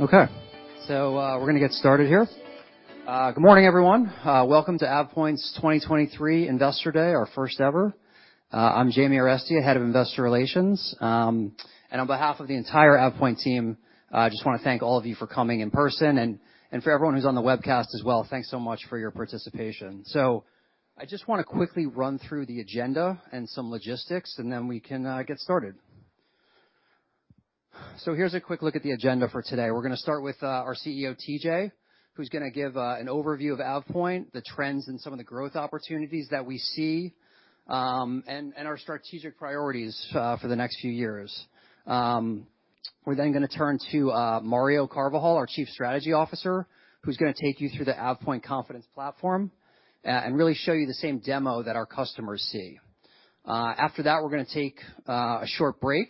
Okay. We're gonna get started here. Good morning, everyone. Welcome to AvePoint's 2023 Investor Day, our first ever. I'm Jamie Arestia, Head of Investor Relations. On behalf of the entire AvePoint team, just wanna thank all of you for coming in person, and for everyone who's on the webcast as well, thanks so much for your participation. I just wanna quickly run through the agenda and some logistics, and then we can get started. Here's a quick look at the agenda for today. We're gonna start with our CEO, TJ, who's gonna give an overview of AvePoint, the trends and some of the growth opportunities that we see, and our strategic priorities for the next few years. We're then gonna turn to Mario Carvajal, our chief strategy officer, who's gonna take you through the AvePoint Confidence Platform and really show you the same demo that our customers see. After that, we're gonna take a short break,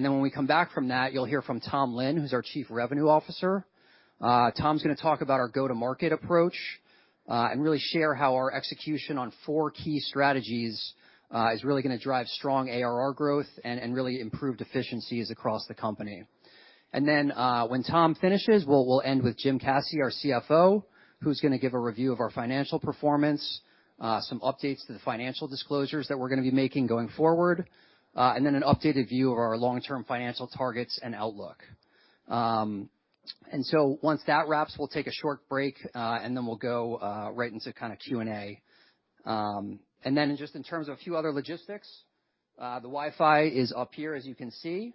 when we come back from that, you'll hear from Tom Lin, who's our chief revenue officer. Tom's gonna talk about our go-to-market approach and really share how our execution on four key strategies is really gonna drive strong ARR growth and really improved efficiencies across the company. When Tom finishes, we'll end with Jim Caci, our CFO, who's gonna give a review of our financial performance, some updates to the financial disclosures that we're gonna be making going forward, and then an updated view of our long-term financial targets and outlook. Once that wraps, we'll take a short break, and then we'll go right into kinda Q&A. Then just in terms of a few other logistics, the Wi-Fi is up here as you can see.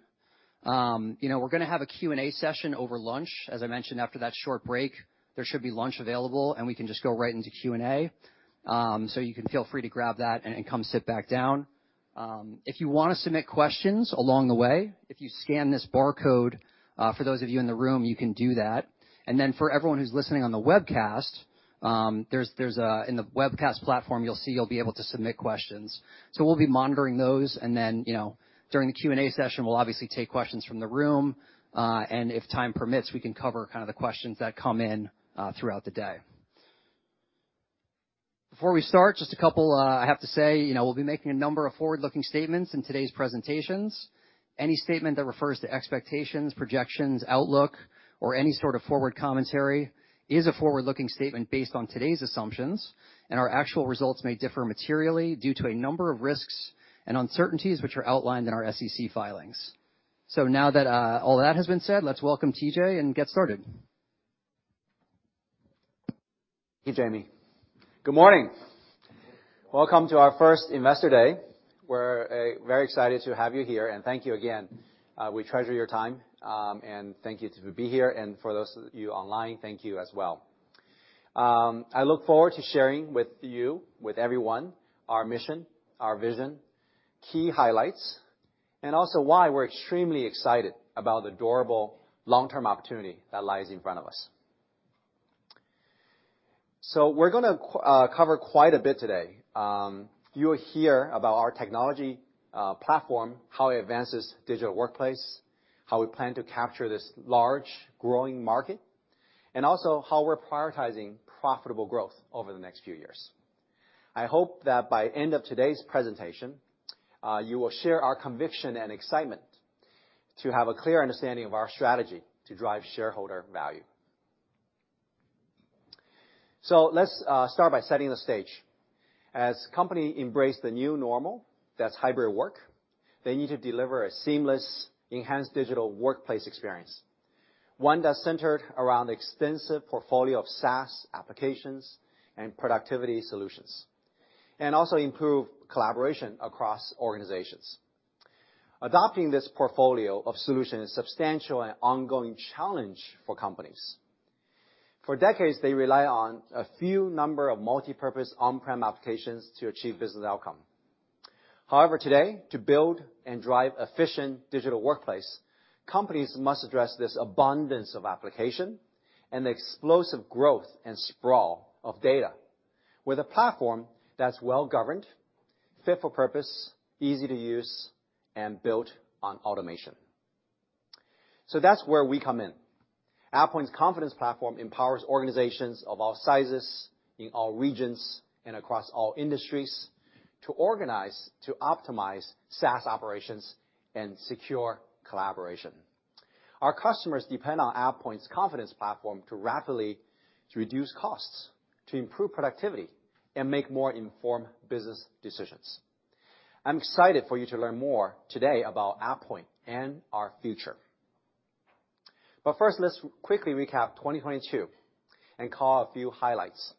You know, we're gonna have a Q&A session over lunch. As I mentioned, after that short break, there should be lunch available, and we can just go right into Q&A. You can feel free to grab that and come sit back down. If you wanna submit questions along the way, if you scan this barcode, for those of you in the room, you can do that. Then for everyone who's listening on the webcast, In the webcast platform, you'll see you'll be able to submit questions. We'll be monitoring those, and then, you know, during the Q&A session, we'll obviously take questions from the room. And if time permits, we can cover kinda the questions that come in throughout the day. Before we start, I have to say, you know, we'll be making a number of forward-looking statements in today's presentations. Any statement that refers to expectations, projections, outlook, or any sort of forward commentary is a forward-looking statement based on today's assumptions, and our actual results may differ materially due to a number of risks and uncertainties which are outlined in our SEC filings. Now that all that has been said, let's welcome TJ and get started. Thank you, Jamie. Good morning. Welcome to our first Investor Day. We're very excited to have you here, and thank you again. We treasure your time. Thank you to be here, and for those of you online, thank you as well. I look forward to sharing with you, with everyone, our mission, our vision, key highlights, and also why we're extremely excited about the durable long-term opportunity that lies in front of us. We're gonna cover quite a bit today. You will hear about our technology platform, how it advances digital workplace, how we plan to capture this large growing market, and also how we're prioritizing profitable growth over the next few years. I hope that by end of today's presentation, you will share our conviction and excitement to have a clear understanding of our strategy to drive shareholder value. Let's start by setting the stage. As company embrace the new normal, that's hybrid work, they need to deliver a seamless, enhanced digital workplace experience, one that's centered around extensive portfolio of SaaS applications and productivity solutions, and also improve collaboration across organizations. Adopting this portfolio of solution is substantial and ongoing challenge for companies. For decades, they rely on a few number of multipurpose on-prem applications to achieve business outcome. Today, to build and drive efficient digital workplace, companies must address this abundance of application and the explosive growth and sprawl of data with a platform that's well-governed, fit for purpose, easy to use, and built on automation. That's where we come in. AvePoint's Confidence Platform empowers organizations of all sizes in all regions and across all industries to organize, to optimize SaaS operations and secure collaboration. Our customers depend on AvePoint's Confidence Platform to rapidly, to reduce costs, to improve productivity, and make more informed business decisions. I'm excited for you to learn more today about AvePoint and our future. First, let's quickly recap 2022 and call a few highlights.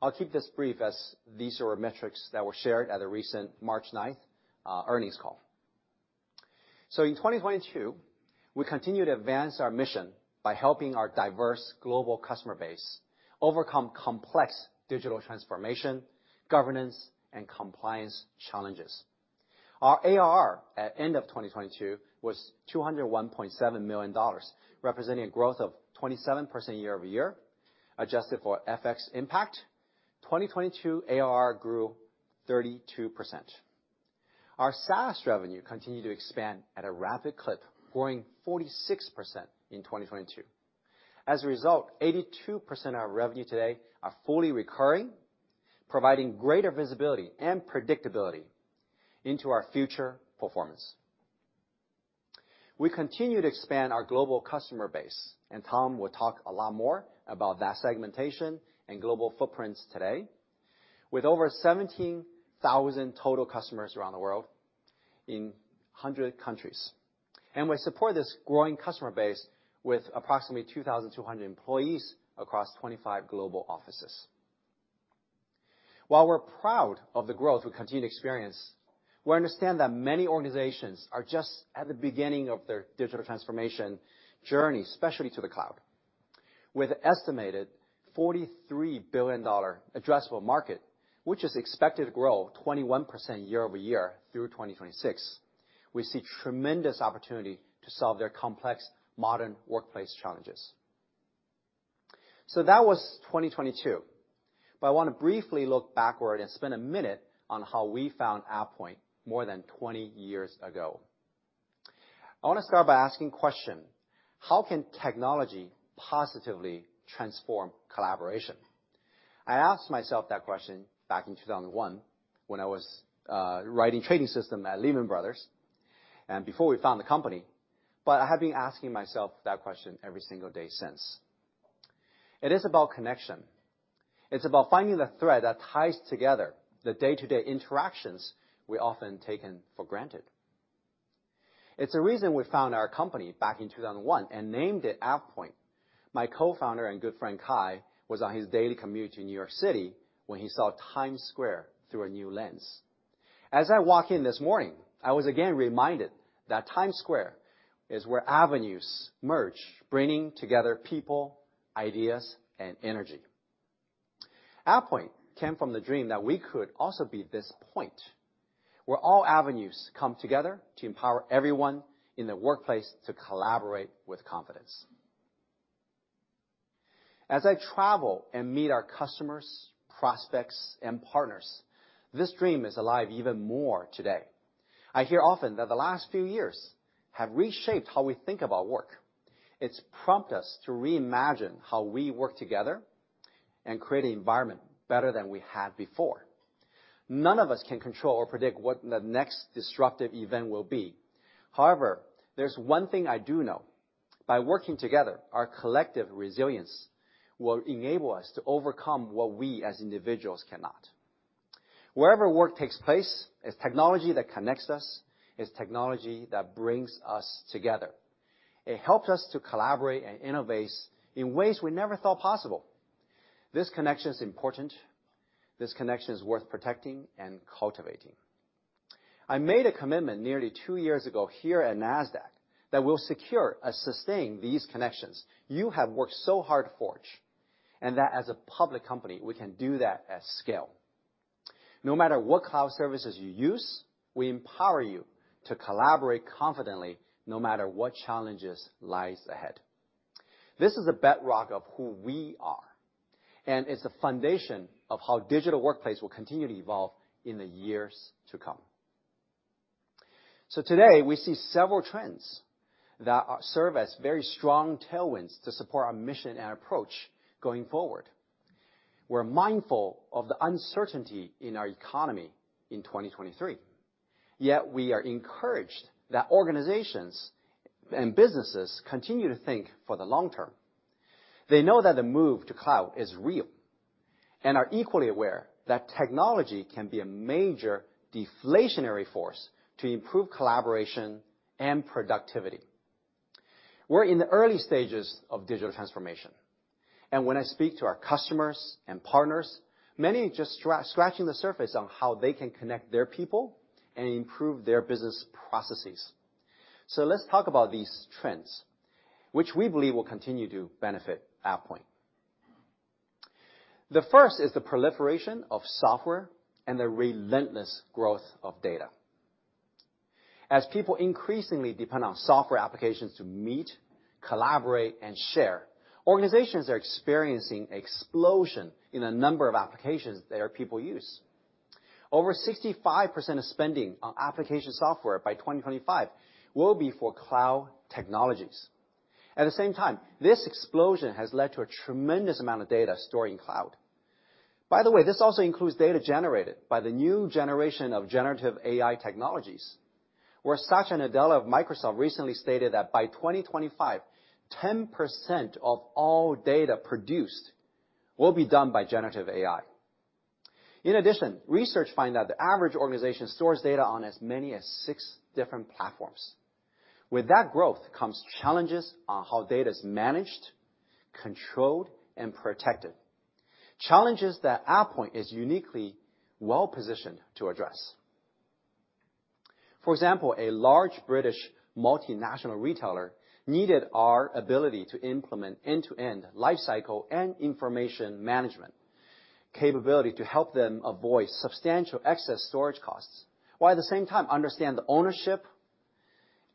I'll keep this brief as these are metrics that were shared at the recent March 9th earnings call. In 2022, we continued to advance our mission by helping our diverse global customer base overcome complex digital transformation, governance, and compliance challenges. Our ARR at end of 2022 was $201.7 million, representing a growth of 27% year-over-year. Adjusted for FX impact, 2022 ARR grew 32%. Our SaaS revenue continued to expand at a rapid clip, growing 46% in 2022. As a result, 82% of our revenue today are fully recurring, providing greater visibility and predictability into our future performance. We continue to expand our global customer base, and Tom will talk a lot more about that segmentation and global footprints today. With over 17,000 total customers around the world in 100 countries. We support this growing customer base with approximately 2,200 employees across 25 global offices. While we're proud of the growth we continue to experience, we understand that many organizations are just at the beginning of their digital transformation journey, especially to the cloud. With estimated $43 billion addressable market, which is expected to grow 21% year-over-year through 2026, we see tremendous opportunity to solve their complex modern workplace challenges. That was 2022, but I wanna briefly look backward and spend a minute on how we found AvePoint more than 20 years ago. I wanna start by asking question: How can technology positively transform collaboration? I asked myself that question back in 2001 when I was writing trading system at Lehman Brothers and before we founded the company. I have been asking myself that question every single day since. It is about connection. It's about finding the thread that ties together the day-to-day interactions we often taken for granted. It's a reason we found our company back in 2001 and named it AvePoint. My co-founder and good friend, Kai, was on his daily commute to New York City when he saw Times Square through a new lens. As I walk in this morning, I was again reminded that Times Square is where avenues merge, bringing together people, ideas, and energy. AvePoint came from the dream that we could also be this point where all avenues come together to empower everyone in the workplace to collaborate with confidence. As I travel and meet our customers, prospects, and partners, this dream is alive even more today. I hear often that the last few years have reshaped how we think about work. It's prompt us to reimagine how we work together and create an environment better than we had before. None of us can control or predict what the next disruptive event will be. However, there's one thing I do know. By working together, our collective resilience will enable us to overcome what we as individuals cannot. Wherever work takes place, it's technology that connects us, it's technology that brings us together. It helps us to collaborate and innovate in ways we never thought possible. This connection is important. This connection is worth protecting and cultivating. I made a commitment nearly 2 years ago here at Nasdaq that we'll secure and sustain these connections you have worked so hard to forge, and that as a public company, we can do that at scale. No matter what cloud services you use, we empower you to collaborate confidently no matter what challenges lies ahead. This is the bedrock of who we are, and it's the foundation of how digital workplace will continue to evolve in the years to come. Today, we see several trends that are serve as very strong tailwinds to support our mission and approach going forward. We're mindful of the uncertainty in our economy in 2023, we are encouraged that organizations and businesses continue to think for the long term. They know that the move to cloud is real, are equally aware that technology can be a major deflationary force to improve collaboration and productivity. We're in the early stages of digital transformation, when I speak to our customers and partners, many are just scratching the surface on how they can connect their people and improve their business processes. Let's talk about these trends, which we believe will continue to benefit AvePoint. The first is the proliferation of software and the relentless growth of data. As people increasingly depend on software applications to meet, collaborate, and share, organizations are experiencing explosion in the number of applications their people use. Over 65% of spending on application software by 2025 will be for cloud technologies. At the same time, this explosion has led to a tremendous amount of data stored in cloud. By the way, this also includes data generated by the new generation of generative AI technologies, where Satya Nadella of Microsoft recently stated that by 2025, 10% of all data produced will be done by generative AI. In addition, research find that the average organization stores data on as many as six different platforms. With that growth comes challenges on how data is managed, controlled, and protected. Challenges that AvePoint is uniquely well-positioned to address. For example, a large British multinational retailer needed our ability to implement end-to-end life cycle and information management capability to help them avoid substantial excess storage costs, while at the same time understand the ownership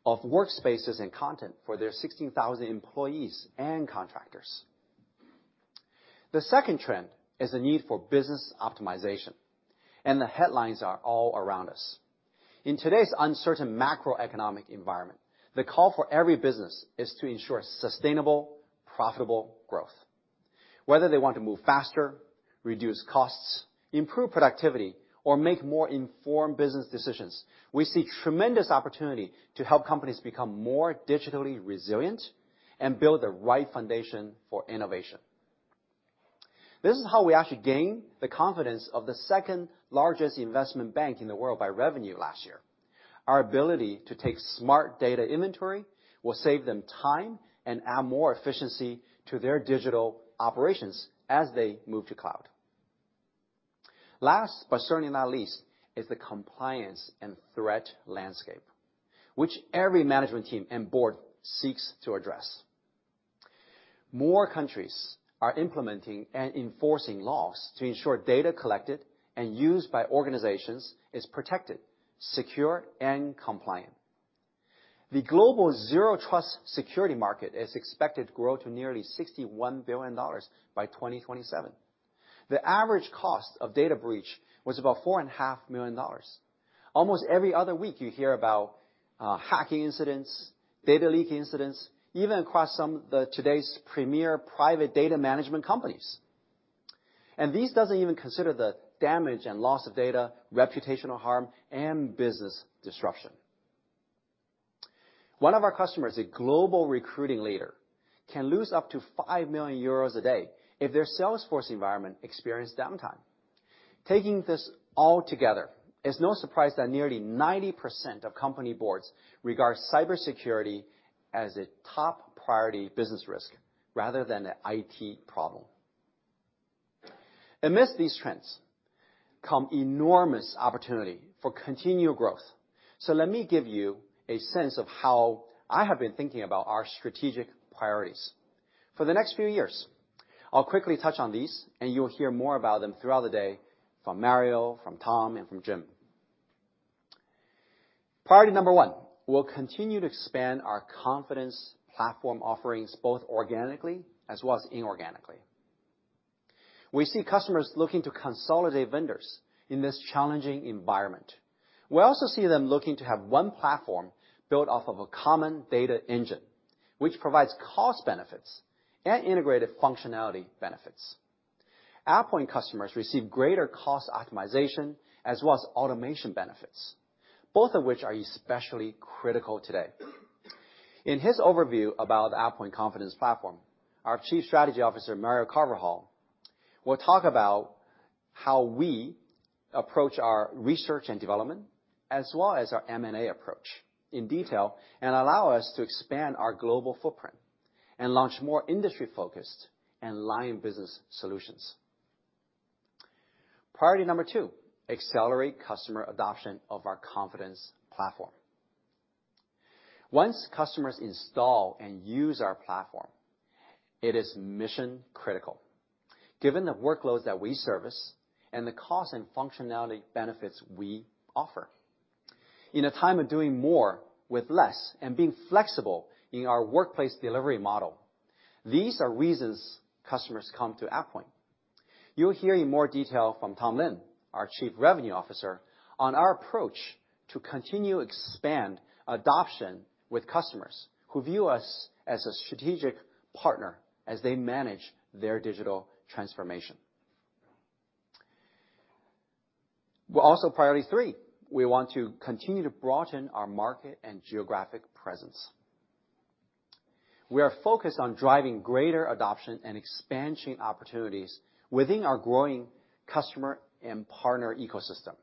of workspaces and content for their 16,000 employees and contractors. The second trend is the need for business optimization. The headlines are all around us. In today's uncertain macroeconomic environment, the call for every business is to ensure sustainable, profitable growth. Whether they want to move faster, reduce costs, improve productivity, or make more informed business decisions, we see tremendous opportunity to help companies become more digitally resilient and build the right foundation for innovation. This is how we actually gain the confidence of the second-largest investment bank in the world by revenue last year. Our ability to take smart data inventory will save them time and add more efficiency to their digital operations as they move to cloud. Last, certainly not least, is the compliance and threat landscape, which every management team and board seeks to address. More countries are implementing and enforcing laws to ensure data collected and used by organizations is protected, secure, and compliant. The global zero-trust security market is expected to grow to nearly $61 billion by 2027. The average cost of data breach was about four and a half million dollars. Almost every other week you hear about hacking incidents, data leak incidents, even across some of the today's premier private data management companies. These doesn't even consider the damage and loss of data, reputational harm, and business disruption. One of our customers, a global recruiting leader, can lose up to 5 million euros a day if their Salesforce environment experience downtime. Taking this all together, it's no surprise that nearly 90% of company boards regard cybersecurity as a top priority business risk rather than an IT problem. Amidst these trends come enormous opportunity for continued growth. Let me give you a sense of how I have been thinking about our strategic priorities for the next few years. I'll quickly touch on these, and you will hear more about them throughout the day from Mario, from Tom, and from Jim. Priority number one, we'll continue to expand our AvePoint Confidence Platform offerings, both organically as well as inorganically. We see customers looking to consolidate vendors in this challenging environment. We also see them looking to have one platform built off of a common data engine, which provides cost benefits and integrated functionality benefits. AvePoint customers receive greater cost optimization as well as automation benefits, both of which are especially critical today. In his overview about AvePoint Confidence Platform, our Chief Strategy Officer, Mario Carvajal, will talk about how we approach our research and development as well as our M&A approach in detail and allow us to expand our global footprint and launch more industry focused and line business solutions. Priority number two, accelerate customer adoption of our Confidence Platform. Once customers install and use our platform, it is mission critical. Given the workloads that we service and the cost and functionality benefits we offer. In a time of doing more with less and being flexible in our workplace delivery model, these are reasons customers come to AvePoint. You'll hear in more detail from Tom Lin, our Chief Revenue Officer, on our approach to continue to expand adoption with customers who view us as a strategic partner as they manage their digital transformation. Well, also priority 3, we want to continue to broaden our market and geographic presence. We are focused on driving greater adoption and expansion opportunities within our growing customer and partner ecosystem.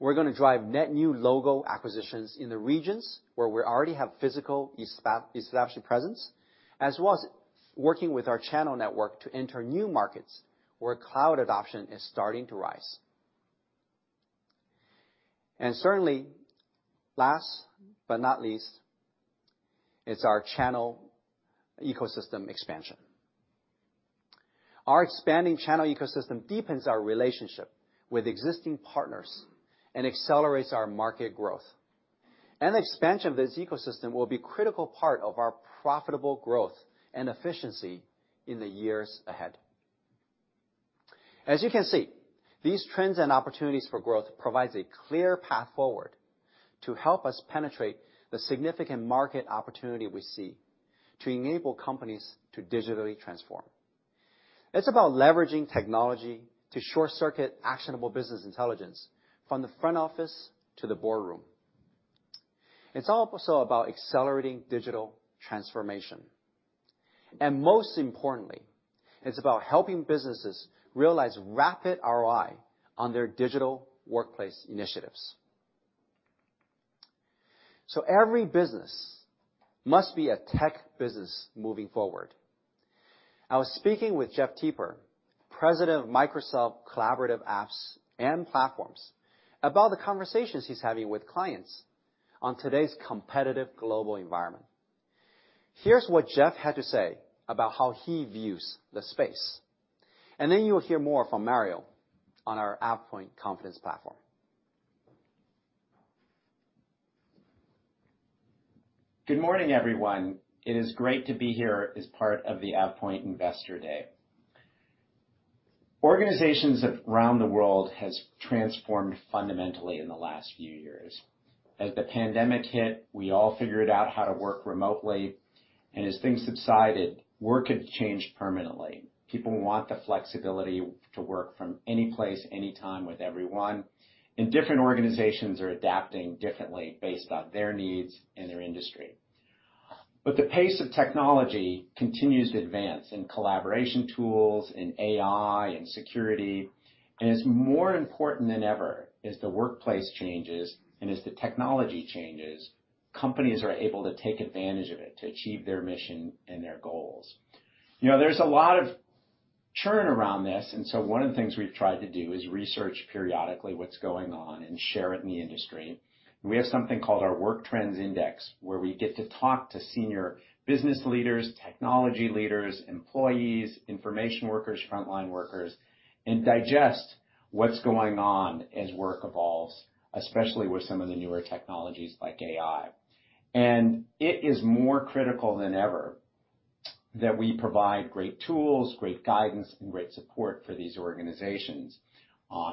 We're gonna drive net new logo acquisitions in the regions where we already have physical established presence, as well as working with our channel network to enter new markets where cloud adoption is starting to rise. Certainly, last but not least, it's our channel ecosystem expansion. Our expanding channel ecosystem deepens our relationship with existing partners and accelerates our market growth. The expansion of this ecosystem will be critical part of our profitable growth and efficiency in the years ahead. As you can see, these trends and opportunities for growth provides a clear path forward to help us penetrate the significant market opportunity we see to enable companies to digitally transform. It's about leveraging technology to short-circuit actionable business intelligence from the front office to the boardroom. It's also about accelerating digital transformation. Most importantly, it's about helping businesses realize rapid ROI on their digital workplace initiatives. Every business must be a tech business moving forward. I was speaking with Jeff Teper, President of Microsoft Collaborative Apps and Platforms, about the conversations he's having with clients on today's competitive global environment. Here's what Jeff had to say about how he views the space, and then you will hear more from Mario on our AvePoint Confidence Platform. Good morning, everyone. It is great to be here as part of the AvePoint Investor Day. Organizations around the world has transformed fundamentally in the last few years. As the pandemic hit, we all figured out how to work remotely, and as things subsided, work had changed permanently. People want the flexibility to work from any place, any time with everyone. Different organizations are adapting differently based on their needs and their industry. The pace of technology continues to advance in collaboration tools, in AI, in security, and it's more important than ever as the workplace changes and as the technology changes, companies are able to take advantage of it to achieve their mission and their goals. You know, there's a lot of churn around this, and so one of the things we've tried to do is research periodically what's going on and share it in the industry. We have something called our Work Trend Index, where we get to talk to senior business leaders, technology leaders, employees, information workers, frontline workers, and digest what's going on as work evolves, especially with some of the newer technologies like AI. It is more critical than ever that we provide great tools, great guidance, and great support for these organizations.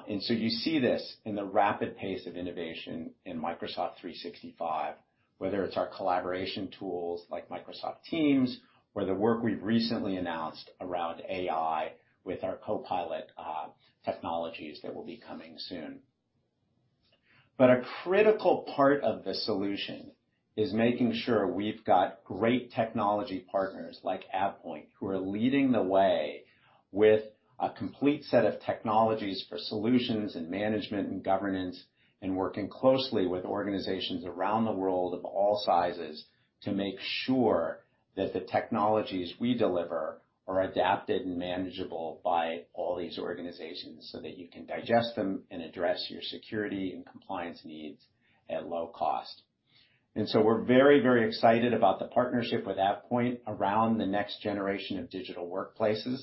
You see this in the rapid pace of innovation in Microsoft 365, whether it's our collaboration tools like Microsoft Teams or the work we've recently announced around AI with our Copilot technologies that will be coming soon. A critical part of the solution is making sure we've got great technology partners like AvePoint, who are leading the way with a complete set of technologies for solutions and management and governance, and working closely with organizations around the world of all sizes to make sure that the technologies we deliver are adapted and manageable by all these organizations, so that you can digest them and address your security and compliance needs at low cost. We're very, very excited about the partnership with AvePoint around the next generation of digital workplaces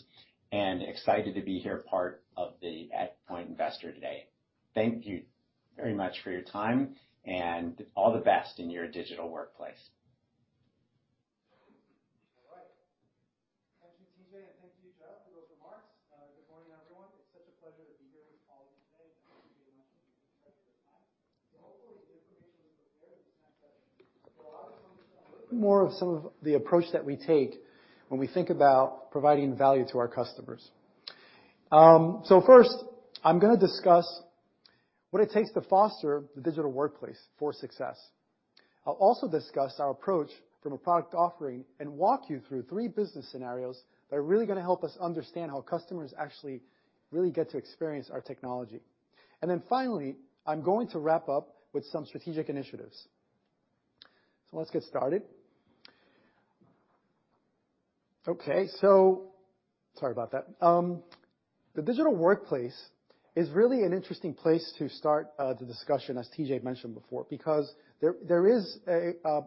and excited to be here part of the AvePoint Investor Day. Thank you very much for your time and all the best in your digital workplace. All right. Thank you, TJ, and thank you, Jeff, for those remarks. Good morning, everyone. It's such a pleasure to be here with you all today. Hopefully, the information we prepare this next session will allow you more of some of the approach that we take when we think about providing value to our customers. First, I'm gonna discuss what it takes to foster the digital workplace for success. I'll also discuss our approach from a product offering and walk you through three business scenarios that are really gonna help us understand how customers actually really get to experience our technology. Finally, I'm going to wrap up with some strategic initiatives. Let's get started. Okay. Sorry about that. The digital workplace is really an interesting place to start the discussion, as TJ mentioned before, because there is a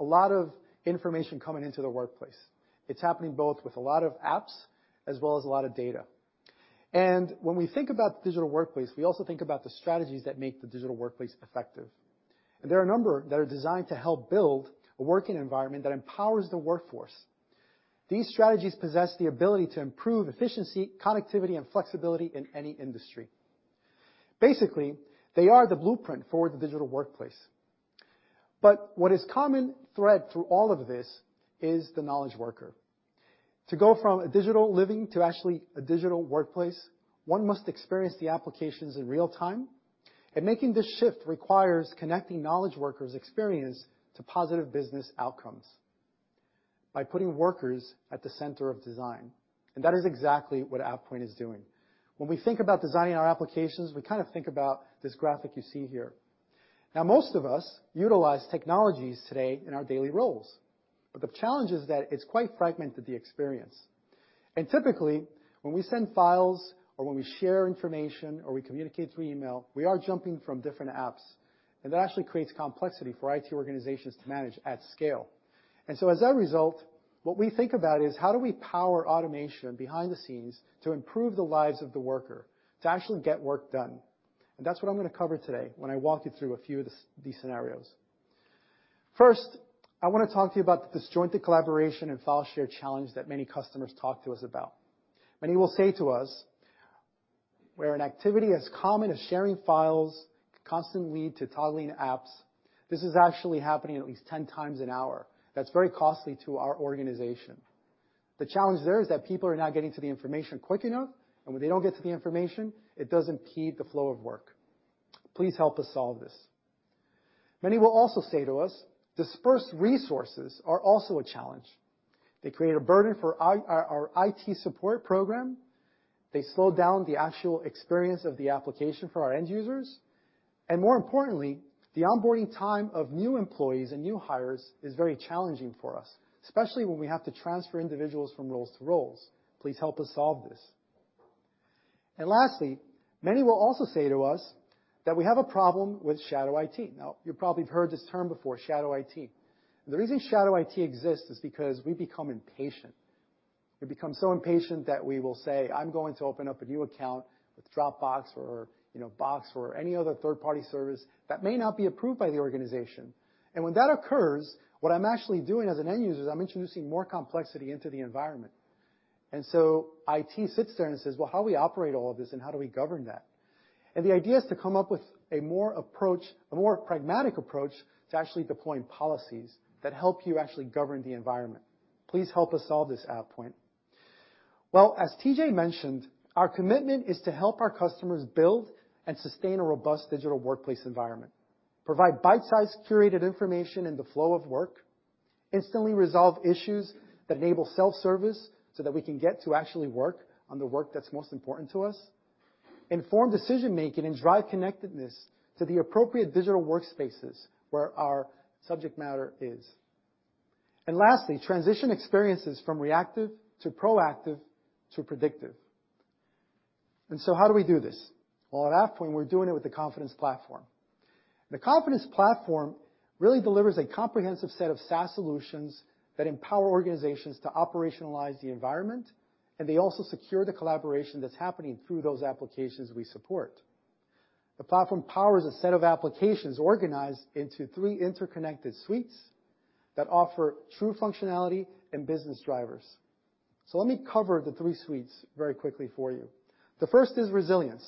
lot of information coming into the workplace. It's happening both with a lot of apps as well as a lot of data. When we think about digital workplace, we also think about the strategies that make the digital workplace effective. There are a number that are designed to help build a working environment that empowers the workforce. These strategies possess the ability to improve efficiency, connectivity, and flexibility in any industry. Basically, they are the blueprint for the digital workplace. What is common thread through all of this is the knowledge worker. To go from a digital living to actually a digital workplace, one must experience the applications in real time. Making this shift requires connecting knowledge workers' experience to positive business outcomes by putting workers at the center of design. That is exactly what AvePoint is doing. When we think about designing our applications, we kinda think about this graphic you see here. Now, most of us utilize technologies today in our daily roles, but the challenge is that it's quite fragmented, the experience. Typically, when we send files or when we share information or we communicate through email, we are jumping from different apps, and that actually creates complexity for IT organizations to manage at scale. As a result, what we think about is: How do we power automation behind the scenes to improve the lives of the worker to actually get work done? That's what I'm gonna cover today when I walk you through a few of the, these scenarios. First, I wanna talk to you about the disjointed collaboration and file share challenge that many customers talk to us about. Many will say to us, "Where an activity as common as sharing files can constantly lead to toggling apps, this is actually happening at least 10 times an hour. That's very costly to our organization. The challenge there is that people are not getting to the information quick enough, and when they don't get to the information, it doesn't keep the flow of work. Please help us solve this." Many will also say to us, "Dispersed resources are also a challenge. They create a burden for our IT support program, they slow down the actual experience of the application for our end users, and more importantly, the onboarding time of new employees and new hires is very challenging for us, especially when we have to transfer individuals from roles to roles. Please help us solve this." Lastly, many will also say to us that we have a problem with shadow IT. You probably heard this term before, shadow IT. The reason shadow IT exists is because we become impatient. You become so impatient that we will say, "I'm going to open up a new account with Dropbox or, you know, Box or any other third-party service that may not be approved by the organization." When that occurs, what I'm actually doing as an end user is I'm introducing more complexity into the environment. IT sits there and says, "Well, how do we operate all of this and how do we govern that?" The idea is to come up with a more pragmatic approach to actually deploying policies that help you actually govern the environment. Please help us solve this, AvePoint. Well, as TJ mentioned, our commitment is to help our customers build and sustain a robust digital workplace environment, provide bite-sized curated information in the flow of work, instantly resolve issues that enable self-service so that we can get to actually work on the work that's most important to us, inform decision-making and drive connectedness to the appropriate digital workspaces where our subject matter is. Lastly, transition experiences from reactive to proactive to predictive. How do we do this? Well, at AvePoint, we're doing it with the Confidence Platform. The Confidence Platform really delivers a comprehensive set of SaaS solutions that empower organizations to operationalize the environment. They also secure the collaboration that's happening through those applications we support. The platform powers a set of applications organized into three interconnected suites that offer true functionality and business drivers. Let me cover the three suites very quickly for you. The first is Resilience.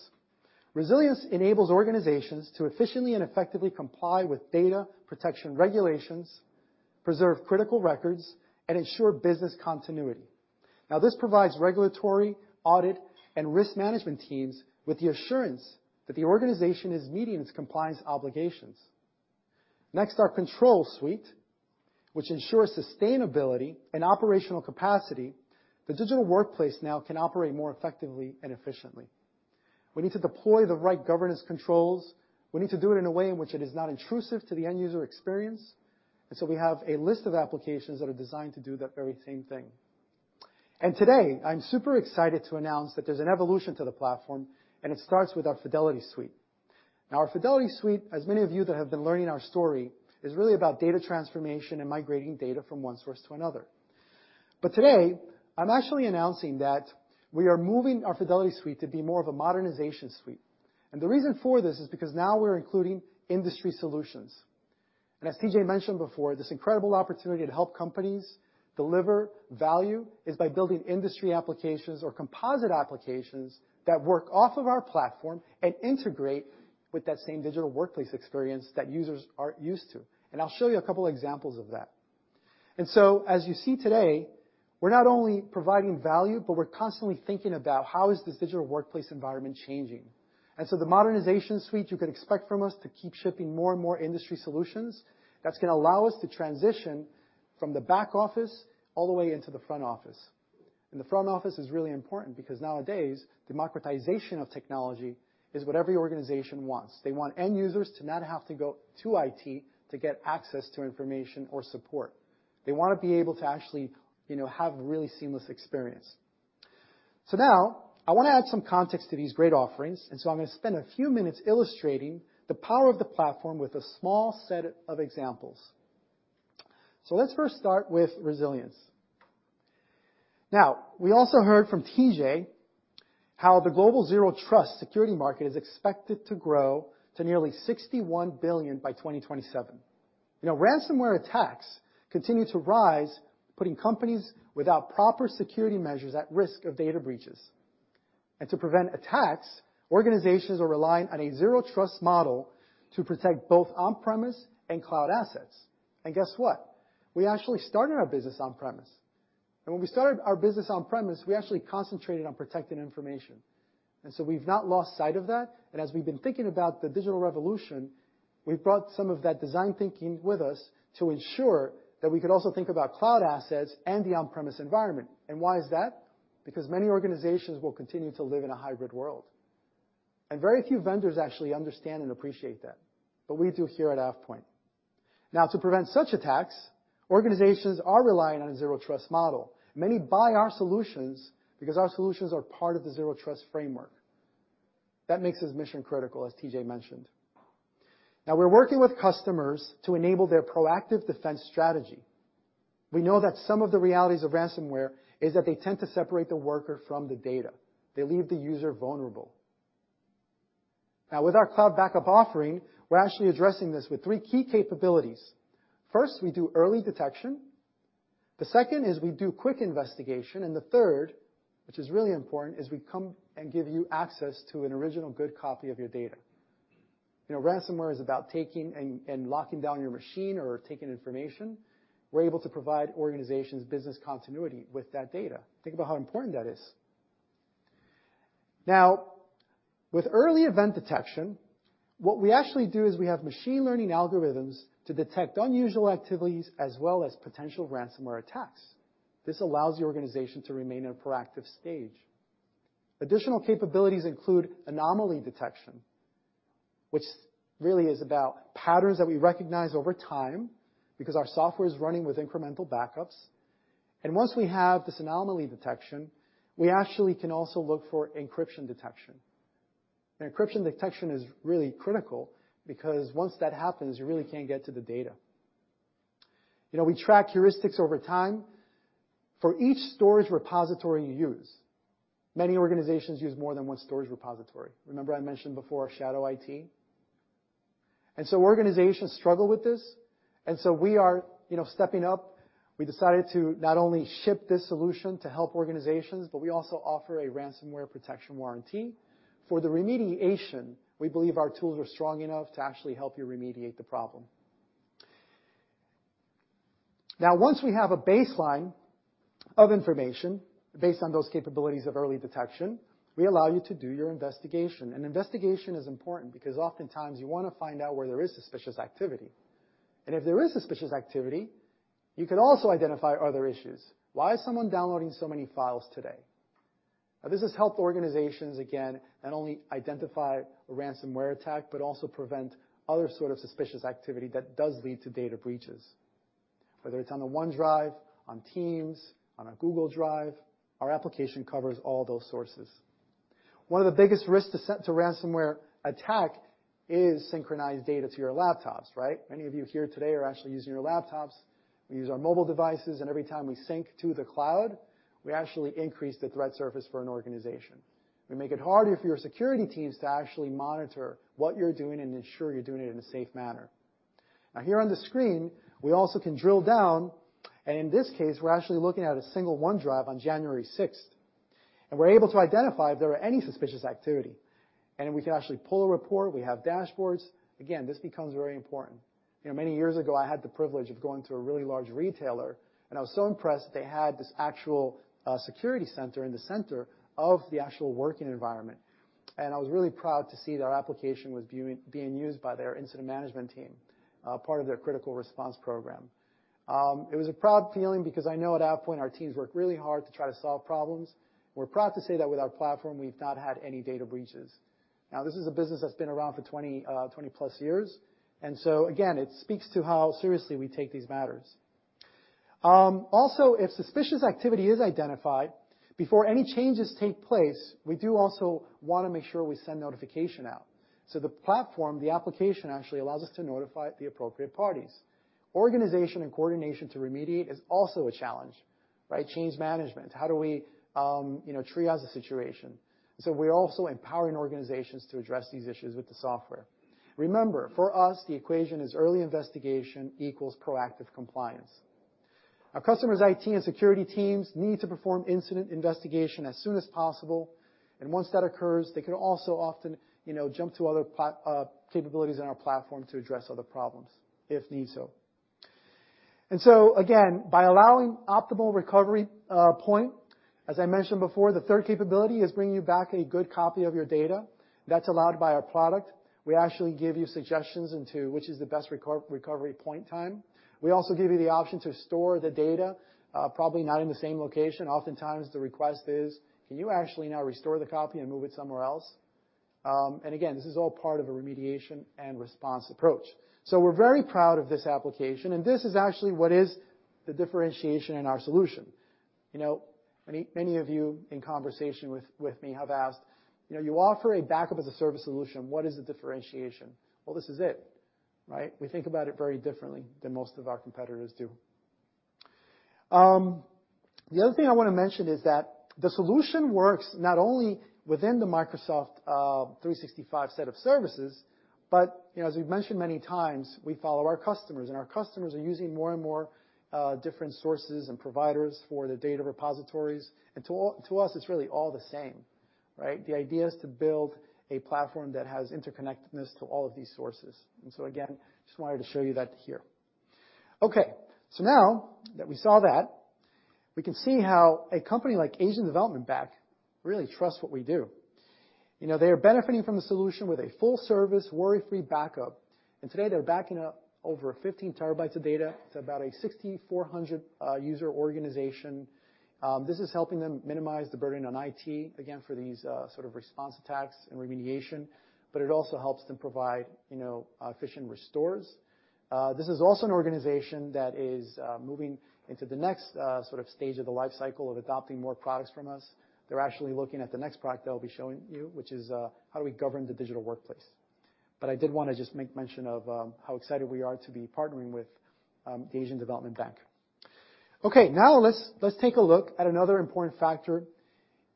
Resilience enables organizations to efficiently and effectively comply with data protection regulations, preserve critical records, and ensure business continuity. Now, this provides regulatory, audit, and risk management teams with the assurance that the organization is meeting its compliance obligations. Next, our Control Suite, which ensures sustainability and operational capacity. The digital workplace now can operate more effectively and efficiently. We need to deploy the right governance controls. We need to do it in a way in which it is not intrusive to the end user experience. We have a list of applications that are designed to do that very same thing. Today, I'm super excited to announce that there's an evolution to the platform, and it starts with our Fidelity Suite. Our Fidelity Suite, as many of you that have been learning our story, is really about data transformation and migrating data from one source to another. Today, I'm actually announcing that we are moving our Fidelity Suite to be more of a Modernization Suite. The reason for this is because now we're including industry solutions. As TJ mentioned before, this incredible opportunity to help companies deliver value is by building industry applications or composite applications that work off of our platform and integrate with that same digital workplace experience that users are used to. I'll show you a couple examples of that. As you see today, we're not only providing value, but we're constantly thinking about how is this digital workplace environment changing. The Modernization Suite, you can expect from us to keep shipping more and more industry solutions that's gonna allow us to transition from the back office all the way into the front office. The front office is really important because nowadays, democratization of technology is what every organization wants. They want end users to not have to go to IT to get access to information or support. They wanna be able to actually, you know, have really seamless experience. Now, I wanna add some context to these great offerings, I'm gonna spend a few minutes illustrating the power of the platform with a small set of examples. Let's first start with Resilience. Now, we also heard from TJ how the global zero-trust security market is expected to grow to nearly $61 billion by 2027. You know, ransomware attacks continue to rise, putting companies without proper security measures at risk of data breaches. To prevent attacks, organizations are relying on a zero-trust model to protect both on-premise and cloud assets. Guess what? We actually started our business on-premise. When we started our business on-premise, we actually concentrated on protecting information. We've not lost sight of that, and as we've been thinking about the digital revolution, we've brought some of that design thinking with us to ensure that we could also think about cloud assets and the on-premise environment. Why is that? Because many organizations will continue to live in a hybrid world. Very few vendors actually understand and appreciate that. We do here at AvePoint. To prevent such attacks, organizations are relying on a zero trust model. Many buy our solutions because our solutions are part of the zero trust framework. That makes us mission-critical, as TJ mentioned. We're working with customers to enable their proactive defense strategy. We know that some of the realities of ransomware is that they tend to separate the worker from the data. They leave the user vulnerable. Now, with our Cloud Backup offering, we're actually addressing this with three key capabilities. First, we do early detection. The second is we do quick investigation, and the third, which is really important, is we come and give you access to an original good copy of your data. You know, ransomware is about taking and locking down your machine or taking information. We're able to provide organizations business continuity with that data. Think about how important that is. Now, with early event detection, what we actually do is we have machine learning algorithms to detect unusual activities as well as potential ransomware attacks. This allows the organization to remain in a proactive stage. Additional capabilities include anomaly detection, which really is about patterns that we recognize over time because our software is running with incremental backups. Once we have this anomaly detection, we actually can also look for encryption detection. Encryption detection is really critical because once that happens, you really can't get to the data. You know, we track heuristics over time for each storage repository you use. Many organizations use more than one storage repository. Remember I mentioned before, shadow IT? Organizations struggle with this, and so we are, you know, stepping up. We decided to not only ship this solution to help organizations, but we also offer a ransomware protection warranty. For the remediation, we believe our tools are strong enough to actually help you remediate the problem. Now, once we have a baseline of information based on those capabilities of early detection, we allow you to do your investigation. Investigation is important because oftentimes you wanna find out where there is suspicious activity. If there is suspicious activity, you can also identify other issues. Why is someone downloading so many files today? This has helped organizations, again, not only identify a ransomware attack, but also prevent other sort of suspicious activity that does lead to data breaches. Whether it's on the OneDrive, on Teams, on a Google Drive, our application covers all those sources. One of the biggest risks to set to ransomware attack is synchronized data to your laptops, right? Many of you here today are actually using your laptops. We use our mobile devices, and every time we sync to the cloud, we actually increase the threat surface for an organization. We make it harder for your security teams to actually monitor what you're doing and ensure you're doing it in a safe manner. Here on the screen, we also can drill down, in this case, we're actually looking at a single OneDrive on January sixth. We're able to identify if there are any suspicious activity. We can actually pull a report. We have dashboards. Again, this becomes very important. You know, many years ago, I had the privilege of going to a really large retailer, I was so impressed that they had this actual security center in the center of the actual working environment. I was really proud to see that our application was being used by their incident management team, part of their critical response program. It was a proud feeling because I know at that point our teams worked really hard to try to solve problems. We're proud to say that with our platform, we've not had any data breaches. This is a business that's been around for 20-plus years, again, it speaks to how seriously we take these matters. Also, if suspicious activity is identified, before any changes take place, we do also wanna make sure we send notification out. The platform, the application actually allows us to notify the appropriate parties. Organization and coordination to remediate is also a challenge, right? Change management. How do we, you know, triage the situation? We're also empowering organizations to address these issues with the software. Remember, for us, the equation is early investigation equals proactive compliance. Our customers' IT and security teams need to perform incident investigation as soon as possible, once that occurs, they can also often, you know, jump to other capabilities in our platform to address other problems if need so. Again, by allowing optimal recovery point, as I mentioned before, the third capability is bringing you back a good copy of your data that's allowed by our product. We actually give you suggestions into which is the best recovery point time. We also give you the option to store the data, probably not in the same location. Oftentimes the request is, "Can you actually now restore the copy and move it somewhere else?" Again, this is all part of a remediation and response approach. We're very proud of this application, and this is actually what is the differentiation in our solution. You know, many of you in conversation with me have asked, you know, "You offer a backup as a service solution, what is the differentiation?" Well, this is it, right? We think about it very differently than most of our competitors do. The other thing I want to mention is that the solution works not only within the Microsoft 365 set of services, but you know, as we've mentioned many times, we follow our customers, and our customers are using more and more different sources and providers for their data repositories. To us, it's really all the same, right? The idea is to build a platform that has interconnectedness to all of these sources. Again, just wanted to show you that here. Now that we saw that, we can see how a company like Asian Development Bank really trusts what we do. You know, they are benefiting from the solution with a full-service, worry-free backup. Today they're backing up over 15 terabytes of data to about a 6,400 user organization. This is helping them minimize the burden on IT, again, for these sort of response attacks and remediation, but it also helps them provide, you know, efficient restores. This is also an organization that is moving into the next sort of stage of the life cycle of adopting more products from us. They're actually looking at the next product that I'll be showing you, which is how do we govern the digital workplace. I did wanna just make mention of how excited we are to be partnering with the Asian Development Bank. Now let's take a look at another important factor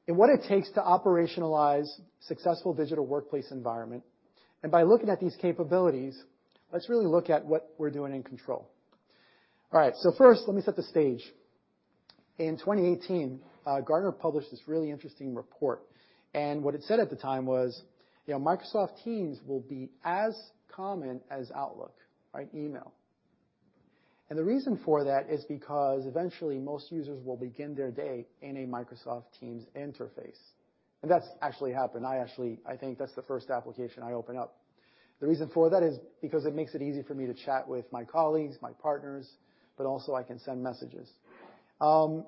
in what it takes to operationalize successful digital workplace environment. By looking at these capabilities, let's really look at what we're doing in Control. First let me set the stage. In 2018, Gartner published this really interesting report. What it said at the time was, you know, Microsoft Teams will be as common as Outlook, right? Email. The reason for that is because eventually most users will begin their day in a Microsoft Teams interface. That's actually happened. I think that's the first application I open up. The reason for that is because it makes it easy for me to chat with my colleagues, my partners, but also I can send messages. You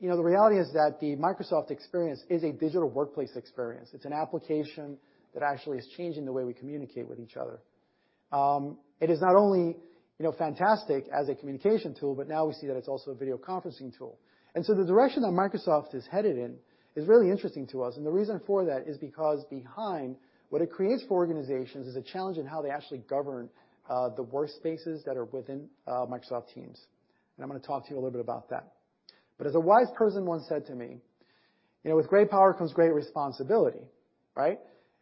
know, the reality is that the Microsoft experience is a digital workplace experience. It's an application that actually is changing the way we communicate with each other. It is not only, you know, fantastic as a communication tool, but now we see that it's also a video conferencing tool. The direction that Microsoft is headed in is really interesting to us, and the reason for that is because behind what it creates for organizations is a challenge in how they actually govern the workspaces that are within Microsoft Teams. I'm gonna talk to you a little bit about that. As a wise person once said to me, you know, with great power comes great responsibility, right?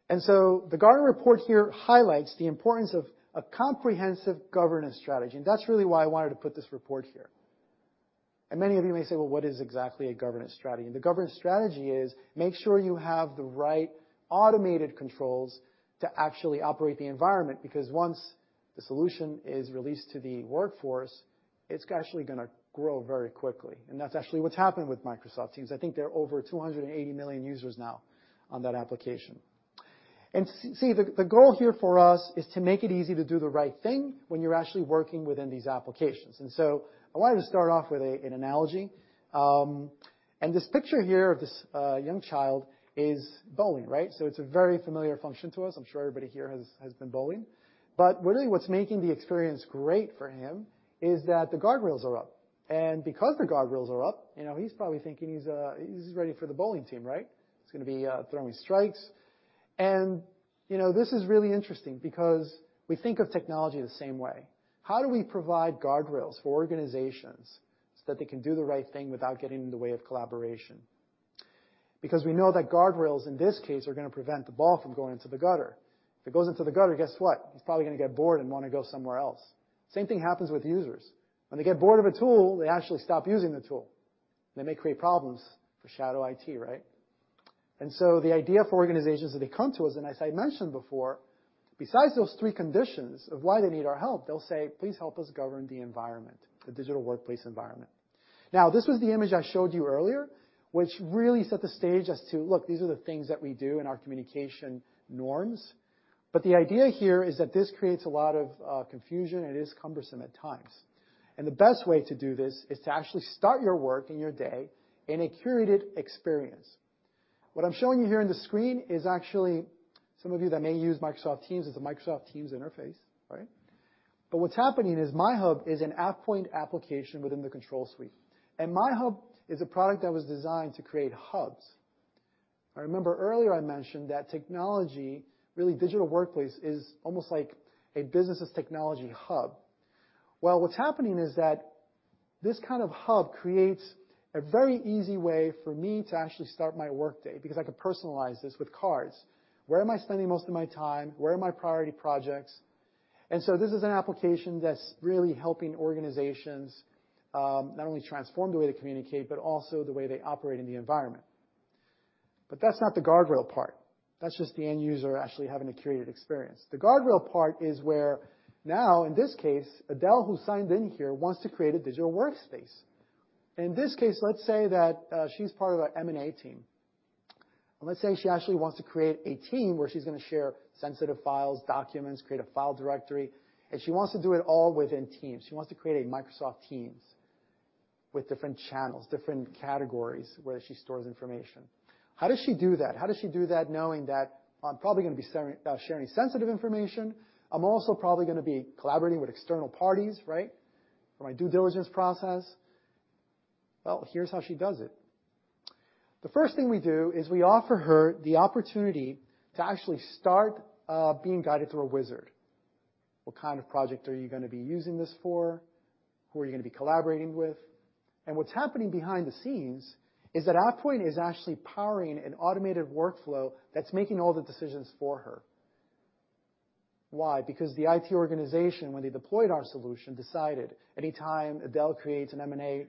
The Gartner report here highlights the importance of a comprehensive governance strategy, and that's really why I wanted to put this report here. Many of you may say, "Well, what is exactly a governance strategy?" The governance strategy is make sure you have the right automated controls to actually operate the environment, because once the solution is released to the workforce, it's actually gonna grow very quickly. That's actually what's happened with Microsoft Teams. I think there are over 280 million users now on that application. The goal here for us is to make it easy to do the right thing when you're actually working within these applications. I wanted to start off with an analogy. This picture here of this young child is bowling, right? It's a very familiar function to us. I'm sure everybody here has been bowling. Really what's making the experience great for him is that the guardrails are up, and because the guardrails are up, you know, he's probably thinking he's ready for the bowling team, right? He's gonna be throwing strikes. You know, this is really interesting because we think of technology the same way. How do we provide guardrails for organizations so that they can do the right thing without getting in the way of collaboration? We know that guardrails, in this case, are going to prevent the ball from going into the gutter. If it goes into the gutter, guess what? He's probably going to get bored and want to go somewhere else. Same thing happens with users. When they get bored of a tool, they actually stop using the tool, and they may create problems for shadow IT, right? The idea for organizations when they come to us, and as I mentioned before, besides those three conditions of why they need our help, they'll say, "Please help us govern the environment, the digital workplace environment." This was the image I showed you earlier, which really set the stage as to, look, these are the things that we do in our communication norms. The idea here is that this creates a lot of confusion and is cumbersome at times. The best way to do this is to actually start your work and your day in a curated experience. What I'm showing you here on the screen is actually, some of you that may use Microsoft Teams, is the Microsoft Teams interface, right? What's happening is MyHub is an AvePoint application within the Control Suite. MyHub is a product that was designed to create hubs. Now remember earlier I mentioned that technology, really digital workplace, is almost like a business' technology hub. Well, what's happening is that this kind of hub creates a very easy way for me to actually start my workday because I can personalize this with cards. Where am I spending most of my time? Where are my priority projects? This is an application that's really helping organizations not only transform the way they communicate, but also the way they operate in the environment. That's not the guardrail part. That's just the end user actually having a curated experience. The guardrail part is where now, in this case, Adele, who signed in here, wants to create a digital workspace. In this case, let's say that she's part of an M&A team, and let's say she actually wants to create a team where she's gonna share sensitive files, documents, create a file directory, and she wants to do it all within Teams. She wants to create a Microsoft Teams with different channels, different categories, where she stores information. How does she do that? How does she do that knowing that I'm probably gonna be sharing sensitive information, I'm also probably gonna be collaborating with external parties, right, for my due diligence process? Here's how she does it. The first thing we do is we offer her the opportunity to actually start being guided through a wizard. What kind of project are you gonna be using this for? Who are you gonna be collaborating with? What's happening behind the scenes is that AvePoint is actually powering an automated workflow that's making all the decisions for her. Why? The IT organization, when they deployed our solution, decided any time Adele creates an M&A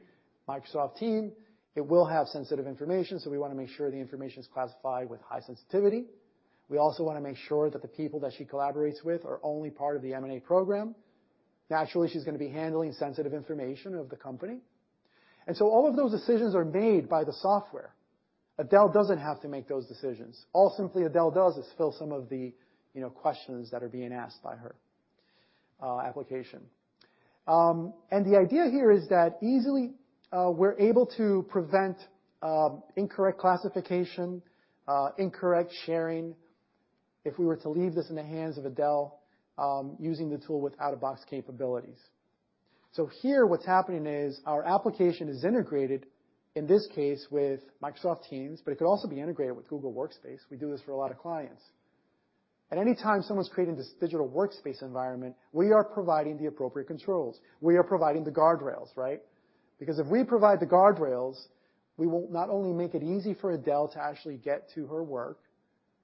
Microsoft team, it will have sensitive information, so we wanna make sure the information is classified with high sensitivity. We also wanna make sure that the people that she collaborates with are only part of the M&A program. Naturally, she's gonna be handling sensitive information of the company. All of those decisions are made by the software. Adele doesn't have to make those decisions. All simply Adele does is fill some of the, you know, questions that are being asked by her application. The idea here is that easily, we're able to prevent incorrect classification, incorrect sharing if we were to leave this in the hands of Adele, using the tool with out-of-box capabilities. Here what's happening is our application is integrated, in this case, with Microsoft Teams, but it could also be integrated with Google Workspace. We do this for a lot of clients. At any time someone's creating this digital workspace environment, we are providing the appropriate controls. We are providing the guardrails, right? If we provide the guardrails, we will not only make it easy for Adele to actually get to her work,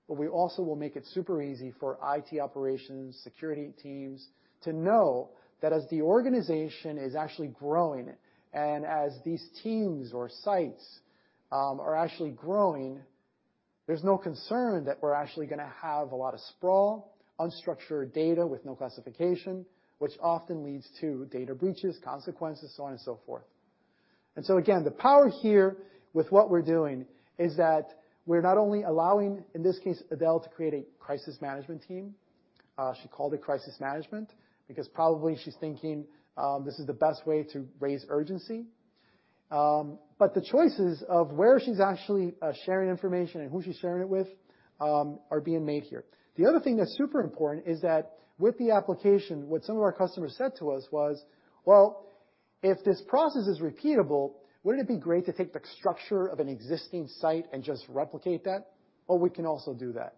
but we also will make it super easy for IT operations, security teams to know that as the organization is actually growing and as these teams or sites are actually growing, there's no concern that we're actually gonna have a lot of sprawl, unstructured data with no classification, which often leads to data breaches, consequences, so on and so forth. Again, the power here with what we're doing is that we're not only allowing, in this case, Adele to create a crisis management team, she called it Crisis Management because probably she's thinking, this is the best way to raise urgency. The choices of where she's actually sharing information and who she's sharing it with are being made here. The other thing that's super important is that with the application, what some of our customers said to us was, "Well, if this process is repeatable, wouldn't it be great to take the structure of an existing site and just replicate that?" We can also do that,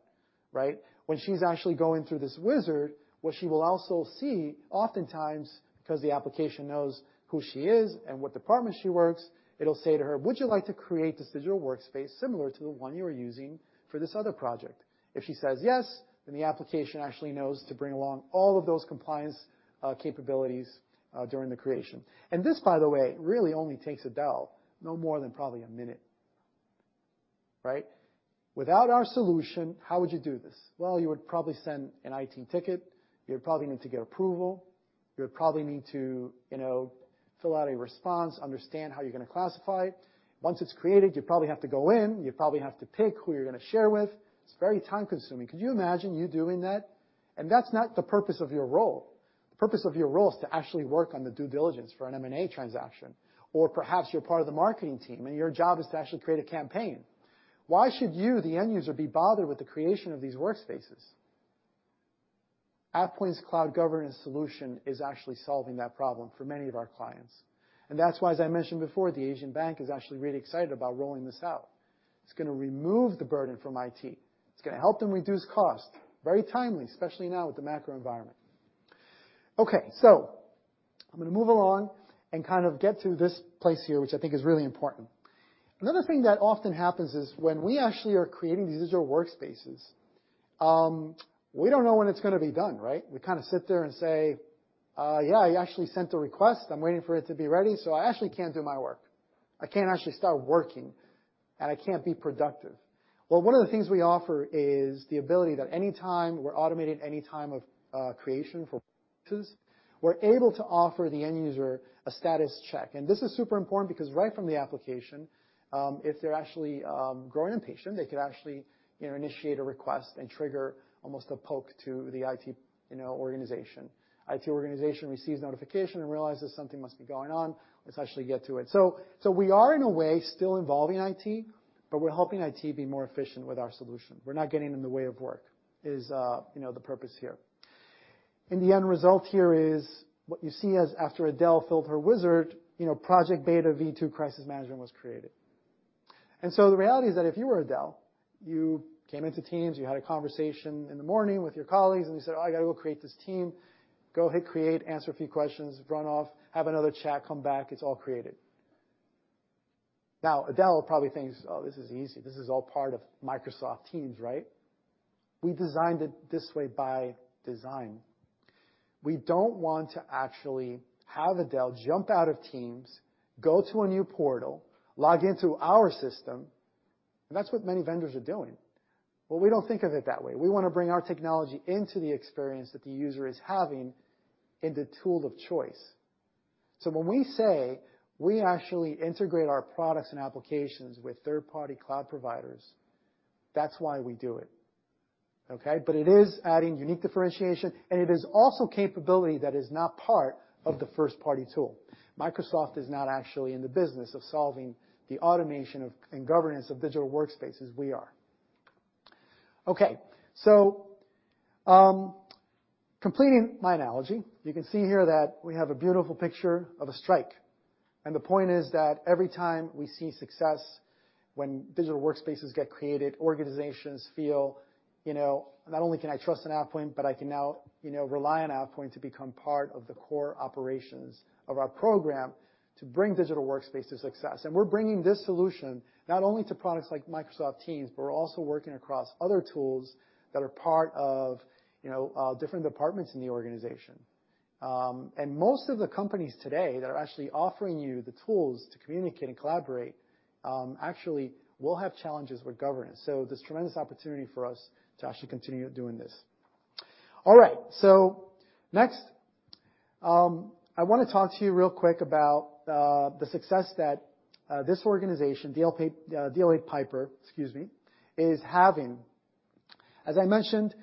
right? When she's actually going through this wizard, what she will also see oftentimes, 'cause the application knows who she is and what department she works, it'll say to her, "Would you like to create this digital workspace similar to the one you're using for this other project?" If she says yes, the application actually knows to bring along all of those compliance capabilities during the creation. This, by the way, really only takes Adele no more than probably a minute, right? Without our solution, how would you do this? You would probably send an IT ticket. You'd probably need to get approval. You would probably need to, you know, fill out a response, understand how you're gonna classify it. Once it's created, you'd probably have to go in, you'd probably have to pick who you're gonna share with. It's very time-consuming. Could you imagine you doing that? That's not the purpose of your role. The purpose of your role is to actually work on the due diligence for an M&A transaction. Perhaps you're part of the marketing team, and your job is to actually create a campaign. Why should you, the end user, be bothered with the creation of these workspaces? AvePoint's Cloud Governance solution is actually solving that problem for many of our clients. That's why, as I mentioned before, the Asian bank is actually really excited about rolling this out. It's gonna remove the burden from IT. It's gonna help them reduce cost. Very timely, especially now with the macro environment. Okay. I'm gonna move along and kind of get to this place here, which I think is really important. Another thing that often happens is when we actually are creating these digital workspaces, we don't know when it's gonna be done, right? We kinda sit there and say, "Yeah, I actually sent the request. I'm waiting for it to be ready," so I actually can't do my work. I can't actually start working, and I can't be productive. One of the things we offer is the ability that any time we're automated, any time of creation for purchases, we're able to offer the end user a status check. This is super important because right from the application, if they're actually growing impatient, they could actually, you know, initiate a request and trigger almost a poke to the IT, you know, organization. IT organization receives notification and realizes something must be going on. Let's actually get to it. We are in a way still involving IT, but we're helping IT be more efficient with our solution. We're not getting in the way of work is, you know, the purpose here. The end result here is what you see as after Adele filled her wizard, you know, Project Beta V2 Crisis Management was created. The reality is that if you were Adele, you came into Teams, you had a conversation in the morning with your colleagues, and you said, "Oh, I gotta go create this team." Go hit Create, answer a few questions, run off, have another chat, come back. It's all created. Now, Adele probably thinks, "Oh, this is easy. This is all part of Microsoft Teams," right? We designed it this way by design. We don't want to actually have Adele jump out of Teams, go to a new portal, log into our system, and that's what many vendors are doing. We don't think of it that way. We wanna bring our technology into the experience that the user is having in the tool of choice. When we say we actually integrate our products and applications with third-party cloud providers, that's why we do it. Okay? It is adding unique differentiation, and it is also capability that is not part of the first-party tool. Microsoft is not actually in the business of solving the automation of, and governance of digital workspaces. We are. Okay. Completing my analogy, you can see here that we have a beautiful picture of a strike. The point is that every time we see success when digital workspaces get created, organizations feel, you know, not only can I trust in AvePoint, but I can now, you know, rely on AvePoint to become part of the core operations of our program to bring digital workspace to success. We're bringing this solution not only to products like Microsoft Teams, but we're also working across other tools that are part of, you know, different departments in the organization. Most of the companies today that are actually offering you the tools to communicate and collaborate, actually will have challenges with governance. There's tremendous opportunity for us to actually continue doing this. All right. Next, I wanna talk to you real quick about the success that this organization, DLA Piper, excuse me, is having. As I mentioned,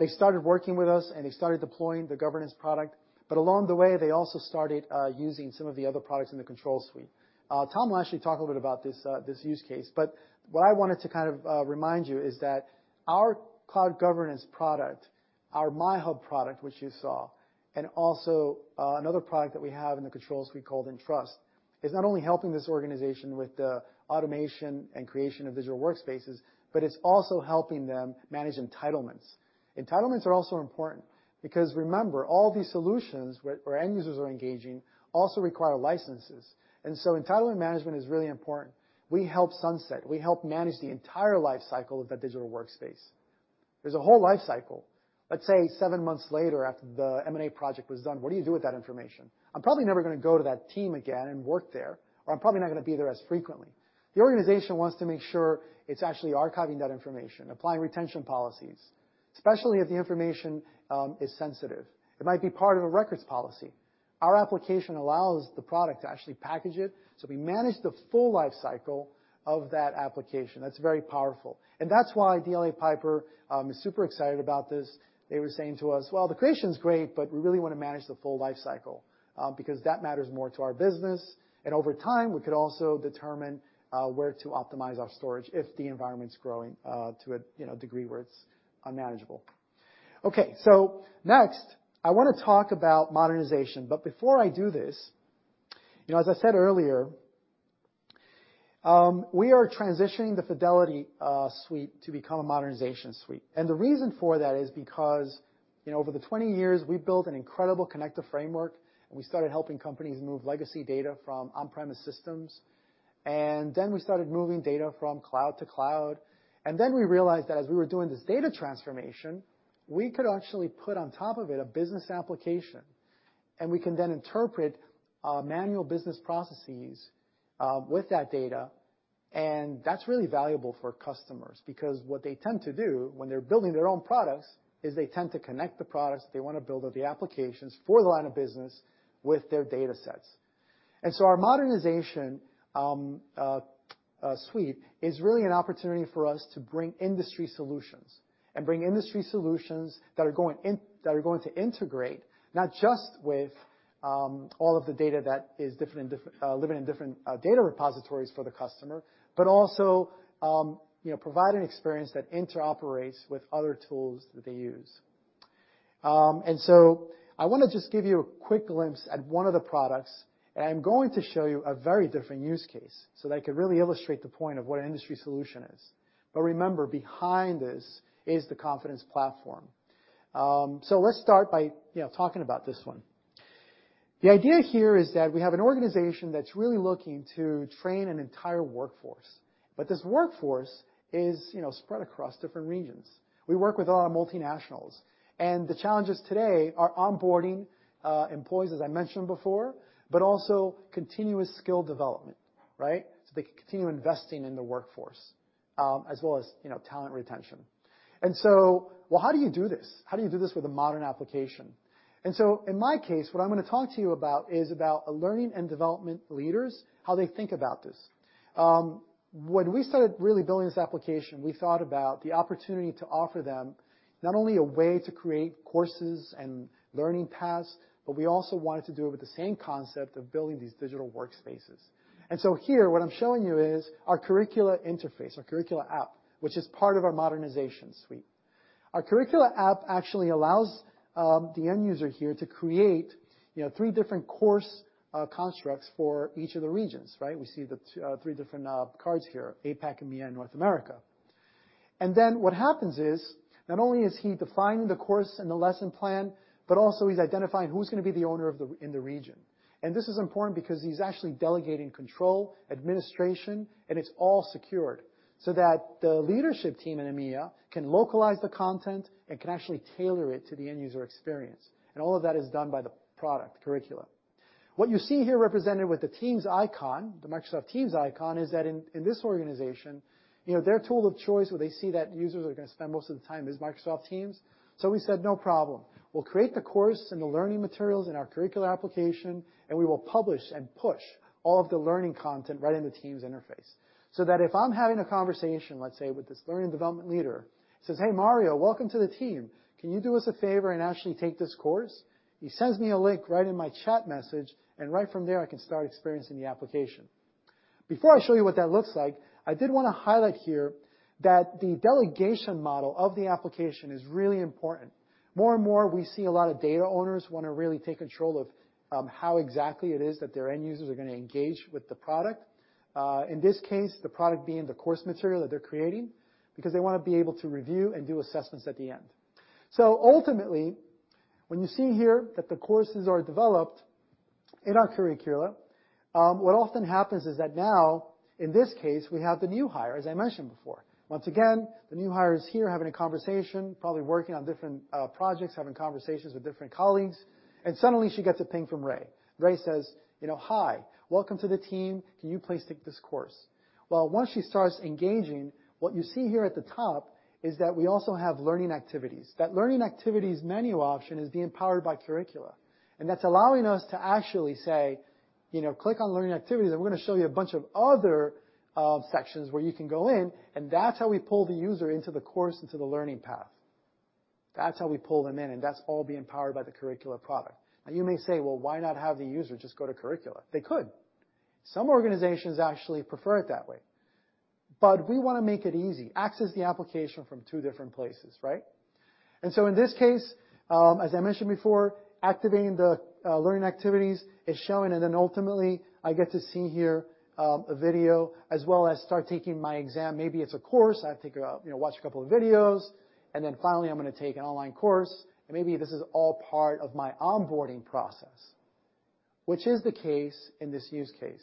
they started working with us, and they started deploying the governance product, along the way, they also started, using some of the other products in the Control Suite. Tom will actually talk a little bit about this use case, but what I wanted to kind of remind you is that our Cloud Governance product, our MyHub product, which you saw, and also, another product that we have in the Control Suite called Entrust, is not only helping this organization with the automation and creation of digital workspaces, but it's also helping them manage entitlements. Entitlements are also important because remember, all these solutions where end users are engaging also require licenses. Entitlement management is really important. We help sunset. We help manage the entire life cycle of that digital workspace. There's a whole life cycle. Let's say seven months later after the M&A project was done, what do you do with that information? I'm probably never gonna go to that team again and work there, or I'm probably not gonna be there as frequently. The organization wants to make sure it's actually archiving that information, applying retention policies. Especially if the information is sensitive. It might be part of a records policy. Our application allows the product to actually package it, so we manage the full life cycle of that application. That's very powerful. That's why DLA Piper is super excited about this. They were saying to us, "Well, the creation's great, but we really wanna manage the full life cycle because that matters more to our business. Over time, we could also determine where to optimize our storage if the environment's growing to a, you know, degree where it's unmanageable." Okay. Next, I wanna talk about modernization. Before I do this, you know, as I said earlier, we are transitioning the Fidelity Suite to become a Modernization Suite. The reason for that is because, you know, over the 20 years, we've built an incredible connector framework, and we started helping companies move legacy data from on-premise systems. Then we started moving data from cloud to cloud. Then we realized that as we were doing this data transformation, we could actually put on top of it a business application, and we can then interpret, manual business processes, with that data. That's really valuable for customers because what they tend to do when they're building their own products is they tend to connect the products they wanna build or the applications for the line of business with their datasets. Our Modernization Suite is really an opportunity for us to bring industry solutions and bring industry solutions that are going to integrate not just with all of the data that is different and living in different data repositories for the customer, but also, you know, provide an experience that interoperates with other tools that they use. I wanna just give you a quick glimpse at one of the products, and I'm going to show you a very different use case so that I could really illustrate the point of what an industry solution is. Remember, behind this is the Confidence Platform. Let's start by, you know, talking about this one. The idea here is that we have an organization that's really looking to train an entire workforce. This workforce is, you know, spread across different regions. We work with a lot of multinationals. The challenges today are onboarding employees, as I mentioned before. Also continuous skill development, right? They can continue investing in the workforce, as well as, you know, talent retention. Well, how do you do this? How do you do this with a modern application? In my case, what I'm gonna talk to you about is about learning and development leaders, how they think about this. When we started really building this application, we thought about the opportunity to offer them not only a way to create courses and learning paths. We also wanted to do it with the same concept of building these digital workspaces. Here, what I'm showing you is our Curricula interface, our Curricula app, which is part of our Modernization Suite. Our Curricula app actually allows the end user here to create, you know, three different course constructs for each of the regions, right? We see the three different cards here, APAC, EMEA, and North America. What happens is, not only is he defining the course and the lesson plan, but also he's identifying who's gonna be the owner in the region. This is important because he's actually delegating control, administration, and it's all secured so that the leadership team in EMEA can localize the content and can actually tailor it to the end user experience. All of that is done by the product, Curricula. What you see here represented with the Teams icon, the Microsoft Teams icon, is that in this organization, you know, their tool of choice where they see that users are gonna spend most of the time is Microsoft Teams. We said, "No problem. We'll create the course and the learning materials in our Curricula application, and we will publish and push all of the learning content right in the Teams interface." That if I'm having a conversation, let's say, with this learning development leader, says, "Hey, Mario, welcome to the team. Can you do us a favor and actually take this course?" He sends me a link right in my chat message, and right from there, I can start experiencing the application. Before I show you what that looks like, I did wanna highlight here that the delegation model of the application is really important. More and more, we see a lot of data owners wanna really take control of how exactly it is that their end users are gonna engage with the product. In this case, the product being the course material that they're creating because they wanna be able to review and do assessments at the end. When you see here that the courses are developed in our Curricula, what often happens is that now, in this case, we have the new hire, as I mentioned before. Once again, the new hire is here having a conversation, probably working on different projects, having conversations with different colleagues. She gets a ping from Ray. Ray says, you know, "Hi. Welcome to the team. Can you please take this course?" Well, once she starts engaging, what you see here at the top is that we also have learning activities. That learning activities menu option is being powered by Curricula, and that's allowing us to actually say, you know, "Click on learning activities, and we're gonna show you a bunch of other sections where you can go in," That's how we pull the user into the course, into the learning path. That's how we pull them in, and that's all being powered by the Curricula product. You may say, "Well, why not have the user just go to Curricula?" They could. Some organizations actually prefer it that way. We wanna make it easy. Access the application from two different places, right? As I mentioned before, activating the learning activities is showing, and then ultimately, I get to see here, a video as well as start taking my exam. Maybe it's a course. I have to go out, you know, watch a couple of videos. Finally, I'm gonna take an online course. Maybe this is all part of my onboarding process, which is the case in this use case.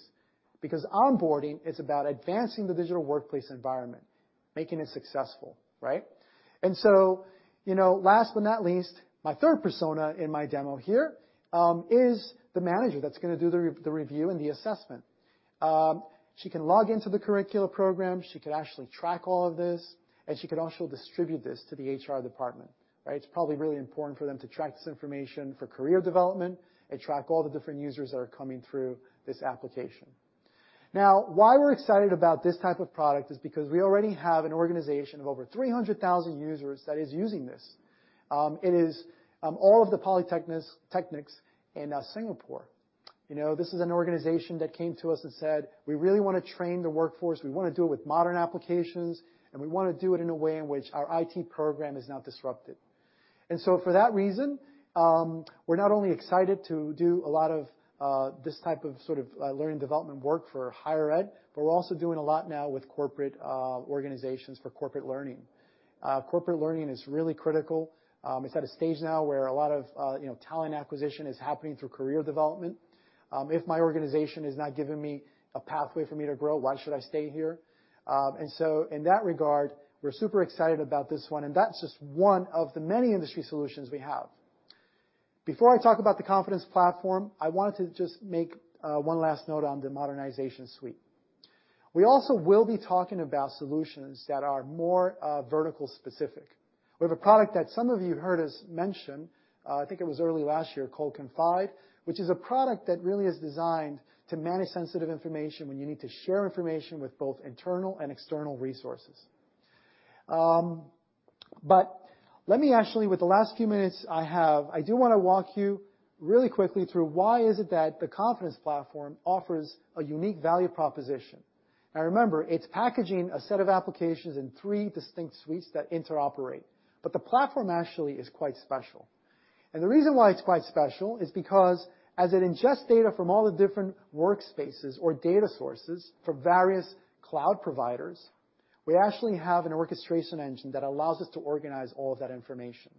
Onboarding is about advancing the digital workplace environment, making it successful, right? Last but not least, my third persona in my demo here, is the manager that's gonna do the review and the assessment. She can log into the Curricula program, she can actually track all of this, and she can also distribute this to the HR department, right? It's probably really important for them to track this information for career development and track all the different users that are coming through this application. Why we're excited about this type of product is because we already have an organization of over 300,000 users that is using this. It is all of the polytechnics in Singapore. You know, this is an organization that came to us and said, "We really wanna train the workforce. We wanna do it with modern applications, and we wanna do it in a way in which our IT program is not disrupted." For that reason, we're not only excited to do a lot of this type of learning development work for higher ed, but we're also doing a lot now with corporate organizations for corporate learning. Corporate learning is really critical. It's at a stage now where a lot of, you know, talent acquisition is happening through career development. If my organization is not giving me a pathway for me to grow, why should I stay here? In that regard, we're super excited about this one, and that's just one of the many industry solutions we have. Before I talk about the Confidence Platform, I wanted to just make one last note on the Modernization Suite. We also will be talking about solutions that are more vertical specific. We have a product that some of you heard us mention, I think it was early last year, called Confide, which is a product that really is designed to manage sensitive information when you need to share information with both internal and external resources. Let me actually, with the last few minutes I have, I do wanna walk you really quickly through why is it that the Confidence Platform offers a unique value proposition. Remember, it's packaging a set of applications in three distinct suites that interoperate, the platform actually is quite special. The reason why it's quite special is because as it ingests data from all the different workspaces or data sources for various cloud providers, we actually have an orchestration engine that allows us to organize all of that information.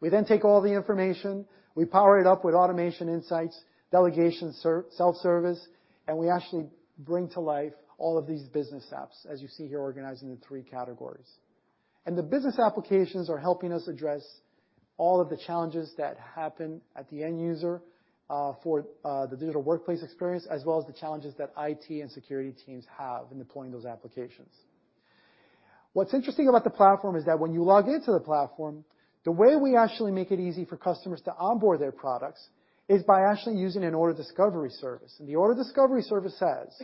We take all the information, we power it up with automation insights, delegation self-service, and we actually bring to life all of these business apps, as you see here organized into three categories. The business applications are helping us address all of the challenges that happen at the end user for the digital workplace experience, as well as the challenges that IT and security teams have in deploying those applications. What's interesting about the platform is that when you log into the platform, the way we actually make it easy for customers to onboard their products is by actually using an auto discovery service. The auto discovery service says,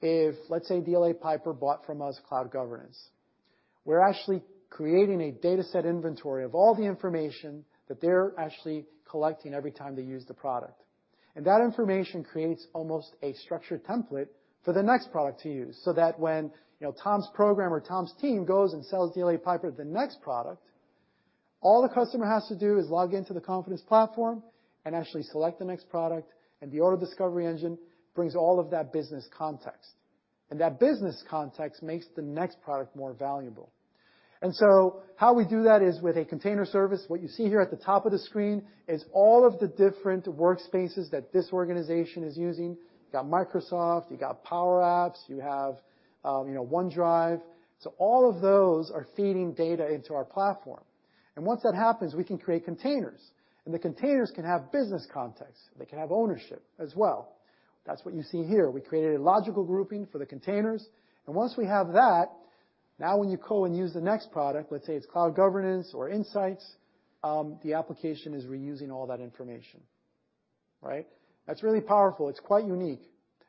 if, let's say, DLA Piper bought from us Cloud Governance, we're actually creating a dataset inventory of all the information that they're actually collecting every time they use the product. That information creates almost a structured template for the next product to use, so that when, you know, Tom's programmer or Tom's team goes and sells DLA Piper the next product, all the customer has to do is log into the Confidence Platform and actually select the next product, and the auto discovery engine brings all of that business context. That business context makes the next product more valuable. How we do that is with a container service. What you see here at the top of the screen is all of the different workspaces that this organization is using. You got Microsoft, you got Power Apps, you have, you know, OneDrive. All of those are feeding data into our platform. Once that happens, we can create containers, and the containers can have business context. They can have ownership as well. That's what you see here. We created a logical grouping for the containers. Once we have that, now when you go and use the next product, let's say it's Cloud Governance or Insights, the application is reusing all that information, right? That's really powerful. It's quite unique.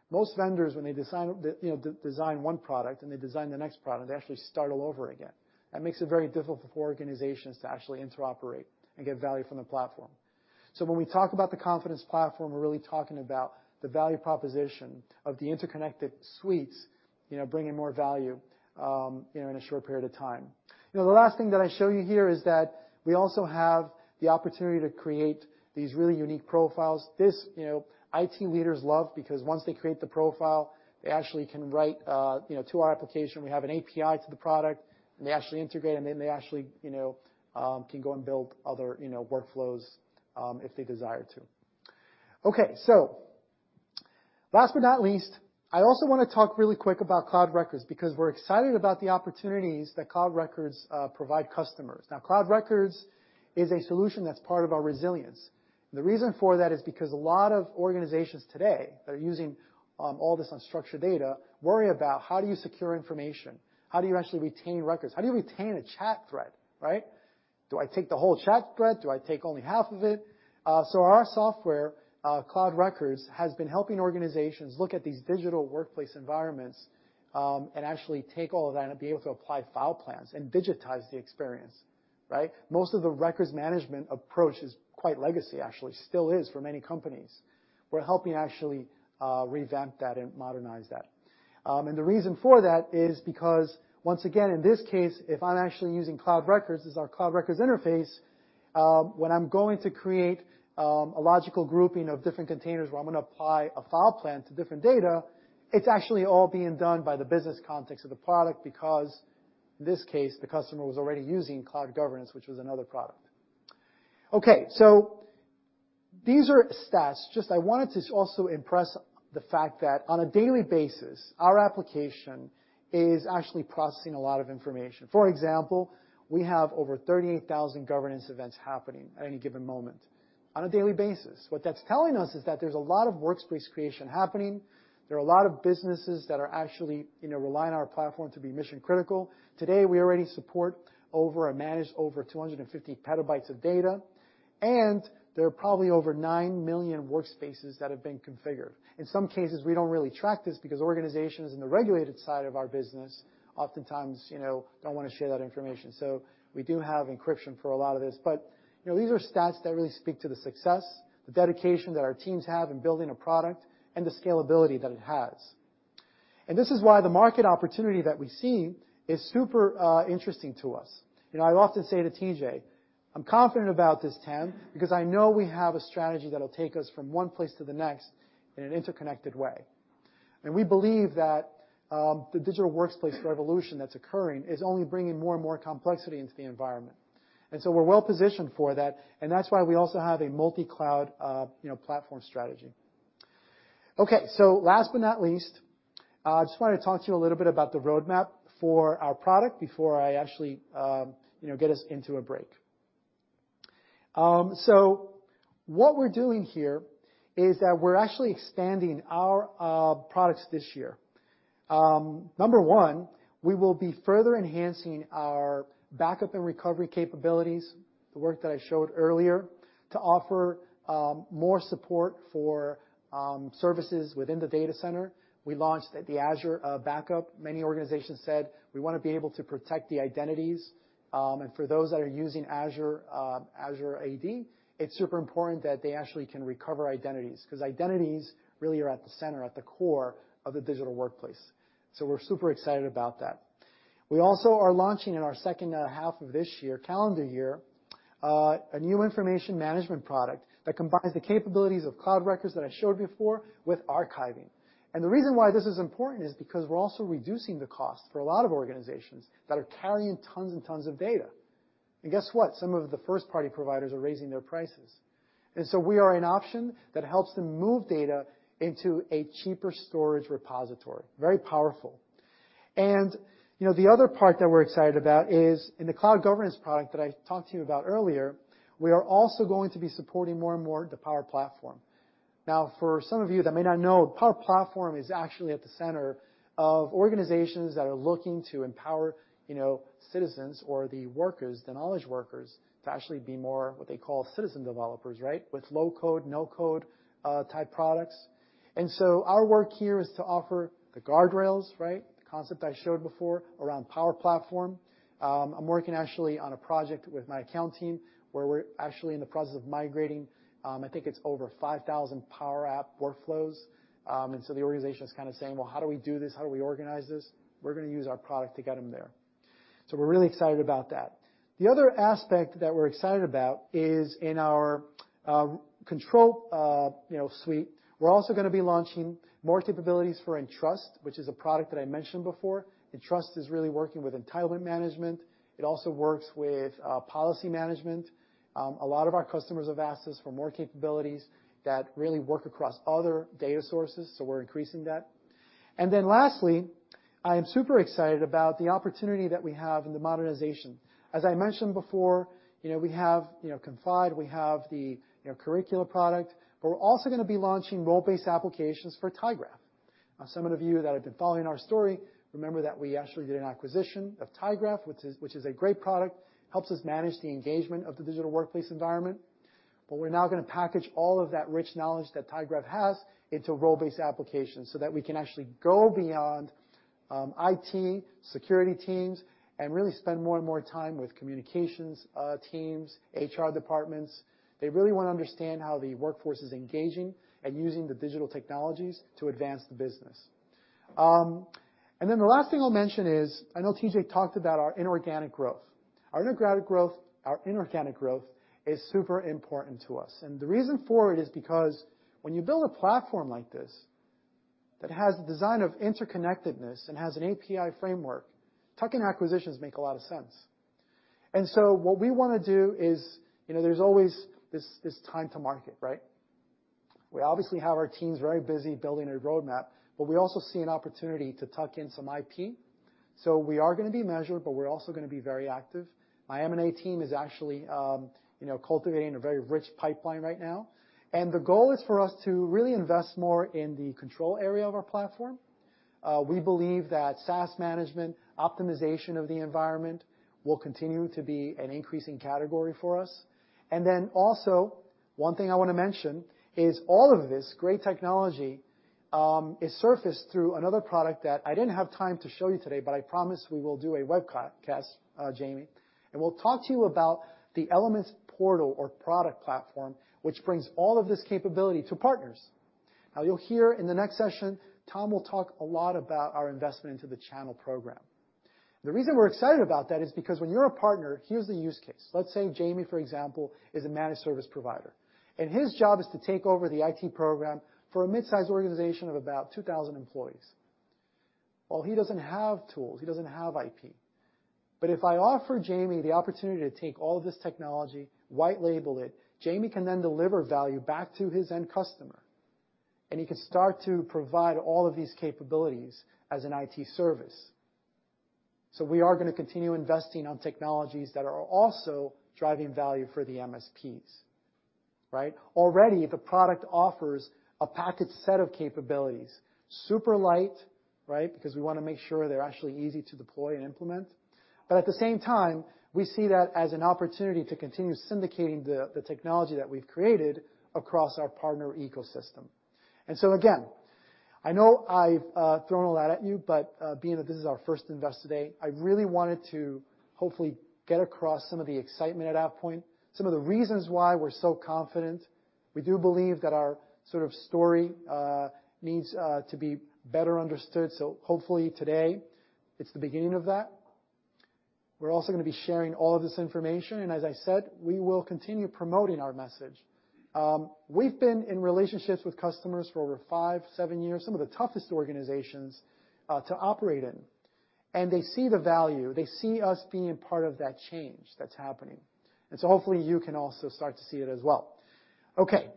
Most vendors, when they design, you know, design one product, and they design the next product, they actually start all over again. That makes it very difficult for organizations to actually interoperate and get value from the platform. When we talk about the Confidence Platform, we're really talking about the value proposition of the interconnected suites, you know, bringing more value, you know, in a short period of time. You know, the last thing that I show you here is that we also have the opportunity to create these really unique profiles. This, you know, IT leaders love because once they create the profile, they actually can write, you know, to our application. We have an API to the product, and they actually integrate, and then they actually, you know, can go and build other, you know, workflows if they desire to. Okay, last but not least, I also wanna talk really quick about Cloud Records because we're excited about the opportunities that Cloud Records provide customers. Now, Cloud Records is a solution that's part of our Resilience, and the reason for that is because a lot of organizations today that are using all this unstructured data worry about how do you secure information? How do you actually retain records? How do you retain a chat thread, right? Do I take the whole chat thread? Do I take only half of it? Our software, Cloud Records, has been helping organizations look at these digital workplace environments, and actually take all of that and be able to apply file plans and digitize the experience, right? Most of the records management approach is quite legacy, actually. Still is for many companies. We're helping actually revamp that and modernize that. The reason for that is because, once again, in this case, if I'm actually using Cloud Records, this is our Cloud Records interface, when I'm going to create a logical grouping of different containers where I'm gonna apply a file plan to different data, it's actually all being done by the business context of the product because, in this case, the customer was already using Cloud Governance, which was another product. These are stats. Just I wanted to also impress the fact that on a daily basis, our application is actually processing a lot of information. For example, we have over 38,000 governance events happening at any given moment on a daily basis. What that's telling us is that there's a lot of workspace creation happening, there are a lot of businesses that are actually, you know, relying on our platform to be mission-critical. Today, we already manage over 250 petabytes of data, and there are probably over 9 million workspaces that have been configured. In some cases, we don't really track this because organizations in the regulated side of our business oftentimes, you know, don't wanna share that information. We do have encryption for a lot of this, but, you know, these are stats that really speak to the success, the dedication that our teams have in building a product, and the scalability that it has. This is why the market opportunity that we see is super interesting to us. You know, I often say to TJ, "I'm confident about this, TAM, because I know we have a strategy that'll take us from one place to the next in an interconnected way." We believe that the digital workplace revolution that's occurring is only bringing more and more complexity into the environment. We're well-positioned for that, and that's why we also have a multi-cloud, you know, platform strategy. Okay. Last but not least, I just wanna talk to you a little bit about the roadmap for our product before I actually, you know, get us into a break. What we're doing here is that we're actually expanding our products this year. Number one, we will be further enhancing our backup and recovery capabilities, the work that I showed earlier, to offer more support for services within the data center. We launched the Azure Backup. Many organizations said, "We wanna be able to protect the identities," and for those that are using Azure AD, it's super important that they actually can recover identities, 'cause identities really are at the center, at the core of the digital workplace. We're super excited about that. We also are launching in our 2nd half of this year, calendar year, a new information management product that combines the capabilities of Cloud Records that I showed before with archiving. The reason why this is important is because we're also reducing the cost for a lot of organizations that are carrying tons and tons of data. Guess what? Some of the 1st-party providers are raising their prices. We are an option that helps them move data into a cheaper storage repository. Very powerful. You know, the other part that we're excited about is in the Cloud Governance product that I talked to you about earlier, we are also going to be supporting more and more the Power Platform. For some of you that may not know, Power Platform is actually at the center of organizations that are looking to empower, you know, citizens or the workers, the knowledge workers, to actually be more what they call citizen developers, right? With low-code, no-code type products. Our work here is to offer the guardrails, right, the concept I showed before around Power Platform. I'm working actually on a project with my account team where we're actually in the process of migrating, I think it's over 5,000 Power App workflows. The organization is kinda saying, "Well, how do we do this? How do we organize this?" We're gonna use our product to get them there. We're really excited about that. The other aspect that we're excited about is in our Control, you know, Suite. We're also gonna be launching more capabilities for Entrust, which is a product that I mentioned before. Entrust is really working with entitlement management. It also works with policy management. A lot of our customers have asked us for more capabilities that really work across other data sources, so we're increasing that. Lastly, I am super excited about the opportunity that we have in the modernization. As I mentioned before, you know, we have, you know, Confide, we have the, you know, Curricula product, but we're also gonna be launching role-based applications for tyGraph. Now, some of you that have been following our story remember that we actually did an acquisition of tyGraph, which is a great product, helps us manage the engagement of the digital workplace environment. We're now gonna package all of that rich knowledge that tyGraph has into role-based applications so that we can actually go beyond IT, security teams, and really spend more and more time with communications teams, HR departments. They really wanna understand how the workforce is engaging and using the digital technologies to advance the business. Then the last thing I'll mention is, I know TJ talked about our inorganic growth. Our inorganic growth is super important to us. The reason for it is because when you build a platform like this that has the design of interconnectedness and has an API framework, tuck-in acquisitions make a lot of sense. So what we wanna do is, you know, there's always this time to market, right? We obviously have our teams very busy building a roadmap, but we also see an opportunity to tuck in some IP. We are gonna be measured, but we're also gonna be very active. My M&A team is actually, you know, cultivating a very rich pipeline right now, and the goal is for us to really invest more in the control area of our platform. We believe that SaaS management, optimization of the environment will continue to be an increasing category for us. One thing I wanna mention is all of this great technology is surfaced through another product that I didn't have time to show you today, but I promise we will do a webcast, Jamie, and we'll talk to you about the Elements portal or product platform, which brings all of this capability to partners. You'll hear in the next session, Tom will talk a lot about our investment into the channel program. The reason we're excited about that is because when you're a partner, here's the use case. Let's say Jamie, for example, is a managed service provider, and his job is to take over the IT program for a mid-size organization of about 2,000 employees. He doesn't have tools, he doesn't have IP. If I offer Jamie the opportunity to take all of this technology, white label it, Jamie can then deliver value back to his end customer, and he can start to provide all of these capabilities as an IT service. We are gonna continue investing on technologies that are also driving value for the MSPs, right? Already, the product offers a package set of capabilities, super light, right? We wanna make sure they're actually easy to deploy and implement. At the same time, we see that as an opportunity to continue syndicating the technology that we've created across our partner ecosystem. Again, I know I've thrown a lot at you, but being that this is our first Investor Day, I really wanted to hopefully get across some of the excitement at AvePoint, some of the reasons why we're so confident. We do believe that our sort of story needs to be better understood, so hopefully today it's the beginning of that. We're also gonna be sharing all of this information, and as I said, we will continue promoting our message. We've been in relationships with customers for over five, seven years, some of the toughest organizations to operate in. They see the value, they see us being part of that change that's happening. Hopefully you can also start to see it as well. Okay.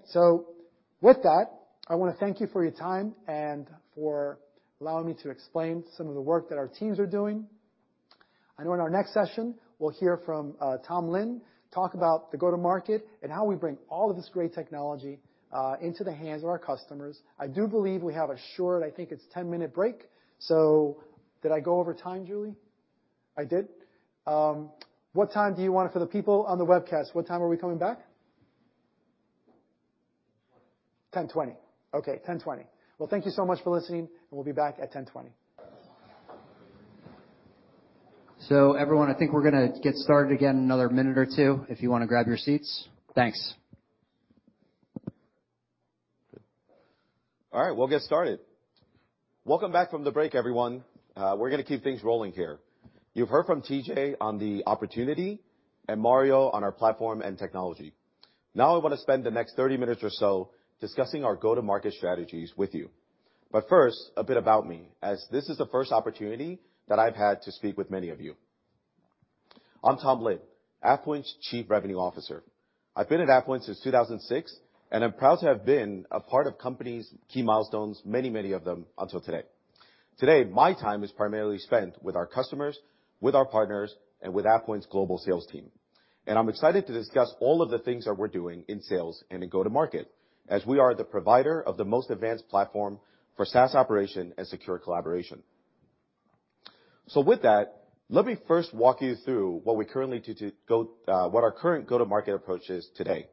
With that, I wanna thank you for your time and for allowing me to explain some of the work that our teams are doing. I know in our next session, we'll hear from Tom Lin talk about the go-to-market and how we bring all of this great technology into the hands of our customers. I do believe we have a short, I think it's 10-minute break. Did I go over time, Julie? I did? What time do you want it for the people on the webcast? What time are we coming back? 10:20 A.M. Okay. 10:20 A.M. Well, thank you so much for listening, and we'll be back at 10:20 A.M. Everyone, I think we're gonna get started again in another minute or two if you wanna grab your seats. Thanks. All right, we'll get started. Welcome back from the break, everyone. We're gonna keep things rolling here. You've heard from TJ on the opportunity and Mario on our platform and technology. I wanna spend the next 30 minutes or so discussing our go-to-market strategies with you. First, a bit about me, as this is the first opportunity that I've had to speak with many of you. I'm Tom Lin, AvePoint's Chief Revenue Officer. I've been at AvePoint since 2006, and I'm proud to have been a part of company's key milestones, many of them until today. Today, my time is primarily spent with our customers, with our partners, and with AvePoint's global sales team, and I'm excited to discuss all of the things that we're doing in sales and in go-to-market, as we are the provider of the most advanced platform for SaaS operation and secure collaboration. With that, let me first walk you through what our current go-to-market approach is today.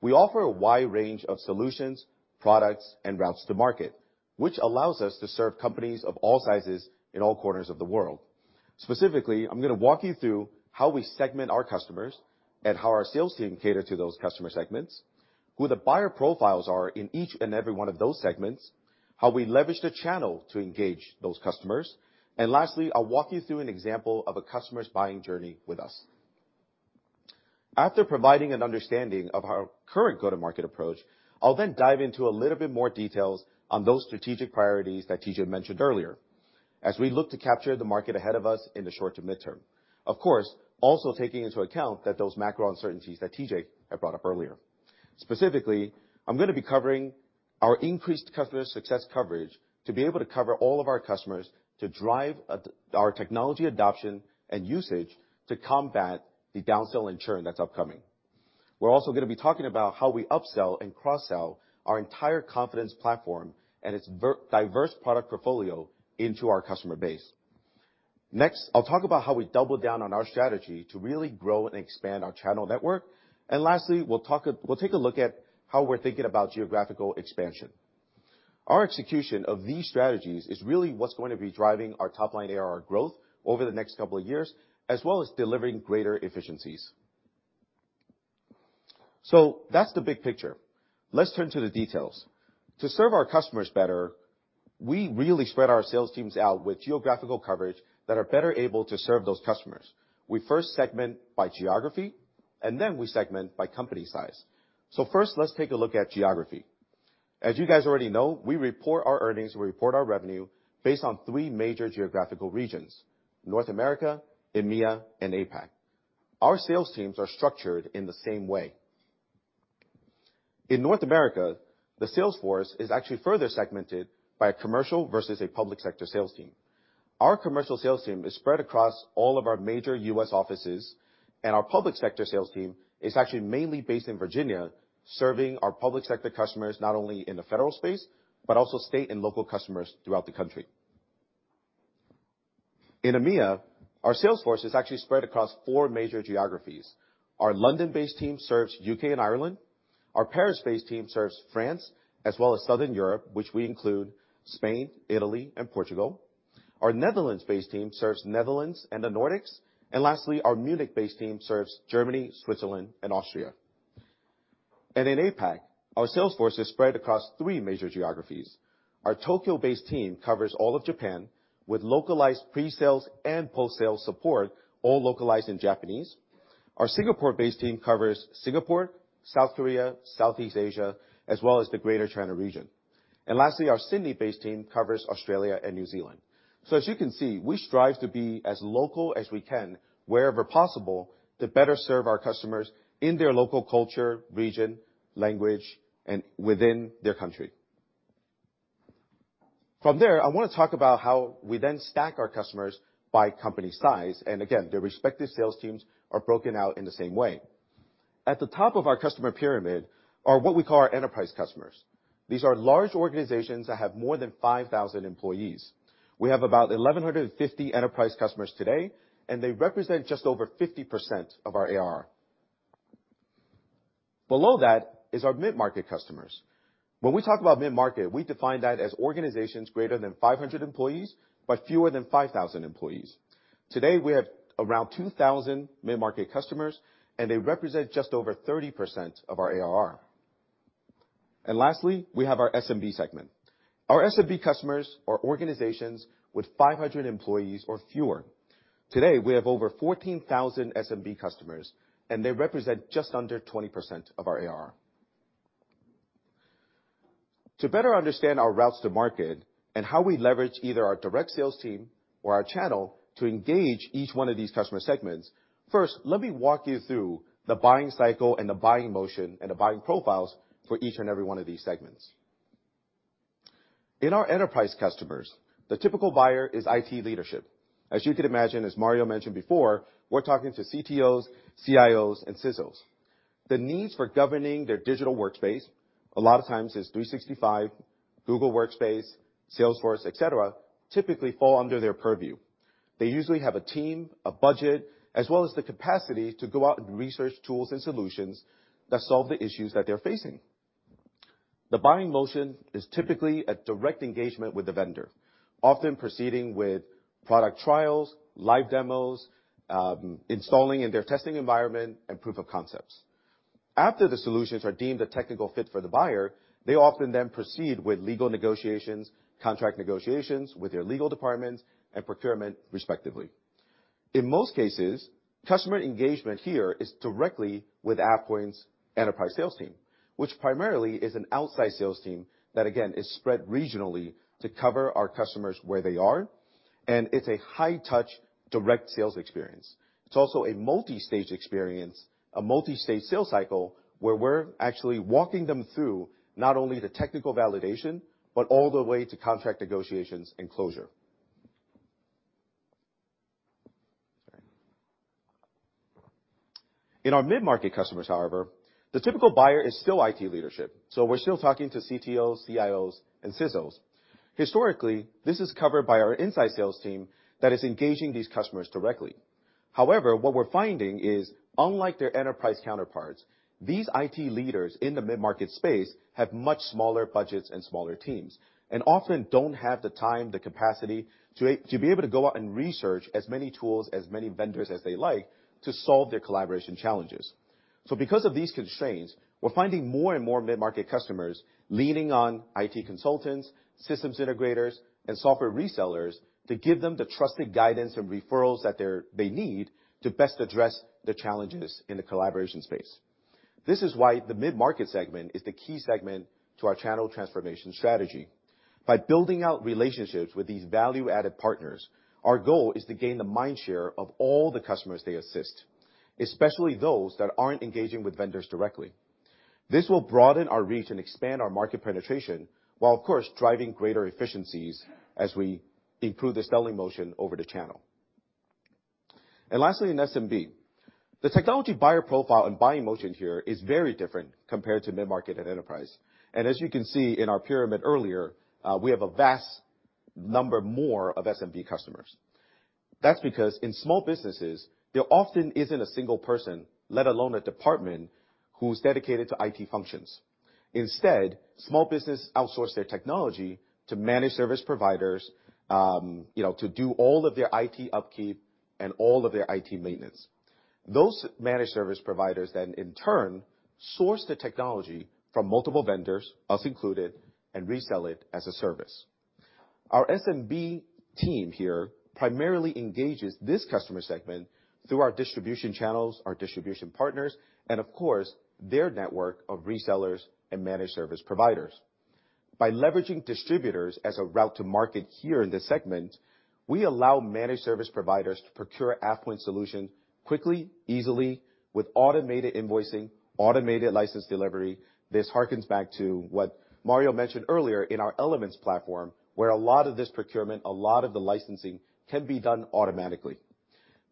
We offer a wide range of solutions, products, and routes to market, which allows us to serve companies of all sizes in all corners of the world. Specifically, I'm gonna walk you through how we segment our customers and how our sales team cater to those customer segments, who the buyer profiles are in each and every one of those segments, how we leverage the channel to engage those customers, and lastly, I'll walk you through an example of a customer's buying journey with us. After providing an understanding of our current go-to-market approach, I'll then dive into a little bit more details on those strategic priorities that TJ mentioned earlier as we look to capture the market ahead of us in the short to midterm. Of course, also taking into account that those macro uncertainties that TJ had brought up earlier. Specifically, I'm gonna be covering our increased customer success coverage to be able to cover all of our customers to drive our technology adoption and usage to combat the downsell and churn that's upcoming. We're also gonna be talking about how we upsell and cross-sell our entire Confidence Platform and its diverse product portfolio into our customer base. Next, I'll talk about how we double down on our strategy to really grow and expand our channel network. Lastly, we'll take a look at how we're thinking about geographical expansion. Our execution of these strategies is really what's going to be driving our top-line ARR growth over the next couple of years, as well as delivering greater efficiencies. That's the big picture. Let's turn to the details. To serve our customers better, we really spread our sales teams out with geographical coverage that are better able to serve those customers. We first segment by geography, te segment by company size. First, let's take a look at geography. As you guys already know, we report our earnings, we report our revenue based on three major geographical regions: North America, EMEA, and APAC. Our sales teams are structured in the same way. In North America, the sales force is actually further segmented by a commercial versus a public sector sales team. Our commercial sales team is spread across all of our major U.S. offices, our public sector sales team is actually mainly based in Virginia, serving our public sector customers not only in the federal space, but also state and local customers throughout the country. In EMEA, our sales force is actually spread across four major geographies. Our London-based team serves UK and Ireland, our Paris-based team serves France as well as Southern Europe, which we include Spain, Italy, and Portugal. Our Netherlands-based team serves Netherlands and the Nordics. Lastly, our Munich-based team serves Germany, Switzerland, and Austria. In APAC, our sales force is spread across three major geographies. Our Tokyo-based team covers all of Japan with localized pre-sales and post-sales support, all localized in Japanese. Our Singapore-based team covers Singapore, South Korea, Southeast Asia, as well as the Greater China region. Lastly, our Sydney-based team covers Australia and New Zealand. As you can see, we strive to be as local as we can wherever possible to better serve our customers in their local culture, region, language, and within their country. I wanna talk about how we then stack our customers by company size, and again, their respective sales teams are broken out in the same way. At the top of our customer pyramid are what we call our enterprise customers. These are large organizations that have more than 5,000 employees. We have about 1,150 enterprise customers today, and they represent just over 50% of our ARR. Below that is our mid-market customers. When we talk about mid-market, we define that as organizations greater than 500 employees, but fewer than 5,000 employees. Today, we have around 2,000 mid-market customers, and they represent just over 30% of our ARR. Lastly, we have our SMB segment. Our SMB customers are organizations with 500 employees or fewer. Today, we have over 14,000 SMB customers, and they represent just under 20% of our ARR. To better understand our routes to market and how we leverage either our direct sales team or our channel to engage each one of these customer segments, first, let me walk you through the buying cycle and the buying motion and the buying profiles for each and every one of these segments. In our enterprise customers, the typical buyer is IT leadership. As you can imagine, as Mario mentioned before, we're talking to CTOs, CIOs, and CISO. The needs for governing their digital workspace, a lot of times it's 365, Google Workspace, Salesforce, et cetera, typically fall under their purview. They usually have a team, a budget, as well as the capacity to go out and research tools and solutions that solve the issues that they're facing. The buying motion is typically a direct engagement with the vendor, often proceeding with product trials, live demos, installing in their testing environment, and proof of concepts. After the solutions are deemed a technical fit for the buyer, they often then proceed with legal negotiations, contract negotiations with their legal departments and procurement, respectively. In most cases, customer engagement here is directly with AvePoint's enterprise sales team, which primarily is an outside sales team that, again, is spread regionally to cover our customers where they are, and it's a high-touch direct sales experience. It's also a multistage experience, a multistage sales cycle, where we're actually walking them through not only the technical validation, but all the way to contract negotiations and closure. Sorry. In our mid-market customers, however, the typical buyer is still IT leadership, so we're still talking to CTOs, CIOs, and CISO. Historically, this is covered by our inside sales team that is engaging these customers directly. However, what we're finding is, unlike their enterprise counterparts, these IT leaders in the mid-market space have much smaller budgets and smaller teams, and often don't have the time, the capacity to be able to go out and research as many tools, as many vendors as they like to solve their collaboration challenges. Because of these constraints, we're finding more and more mid-market customers leaning on IT consultants, systems integrators, and software resellers to give them the trusted guidance and referrals that they need to best address the challenges in the collaboration space. This is why the mid-market segment is the key segment to our channel transformation strategy. By building out relationships with these value-added partners, our goal is to gain the mind share of all the customers they assist, especially those that aren't engaging with vendors directly. This will broaden our reach and expand our market penetration, while of course, driving greater efficiencies as we improve the selling motion over the channel. Lastly, in SMB, the technology buyer profile and buying motion here is very different compared to mid-market and enterprise. As you can see in our pyramid earlier, we have a vast number more of SMB customers. That's because in small businesses, there often isn't a single person, let alone a department, who's dedicated to IT functions. Instead, small business outsource their technology to managed service providers, you know, to do all of their IT upkeep and all of their IT maintenance. Those managed service providers then in turn source the technology from multiple vendors, us included, and resell it as a service. Our SMB team here primarily engages this customer segment through our distribution channels, our distribution partners, and of course, their network of resellers and managed service providers. By leveraging distributors as a route to market here in this segment, we allow managed service providers to procure AvePoint solutions quickly, easily with automated invoicing, automated license delivery. This harkens back to what Mario mentioned earlier in our Elements platform, where a lot of this procurement, a lot of the licensing can be done automatically.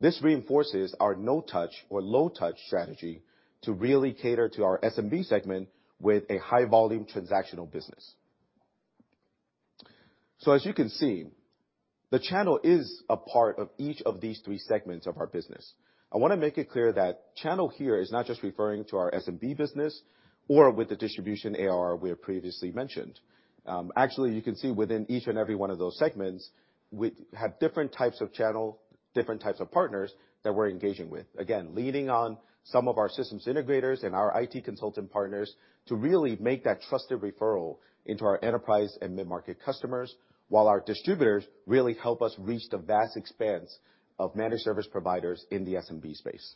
This reinforces our no-touch or low-touch strategy to really cater to our SMB segment with a high-volume transactional business. As you can see, the channel is a part of each of these three segments of our business. I wanna make it clear that channel here is not just referring to our SMB business or with the distribution ARR we have previously mentioned. Actually, you can see within each and every one of those segments, we have different types of channel, different types of partners that we're engaging with. Again, leading on some of our systems integrators and our IT consultant partners to really make that trusted referral into our enterprise and mid-market customers, while our distributors really help us reach the vast expanse of managed service providers in the SMB space.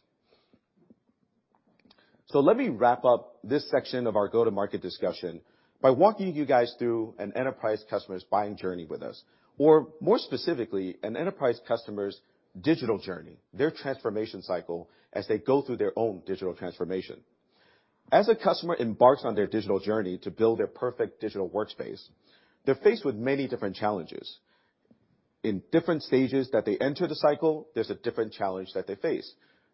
Let me wrap up this section of our go-to-market discussion by walking you guys through an enterprise customer's buying journey with us, or more specifically, an enterprise customer's digital journey, their transformation cycle as they go through their own digital transformation. As a customer embarks on their digital journey to build their perfect digital workspace, they're faced with many different challenges. In different stages that they enter the cycle, there's a different challenge that they face.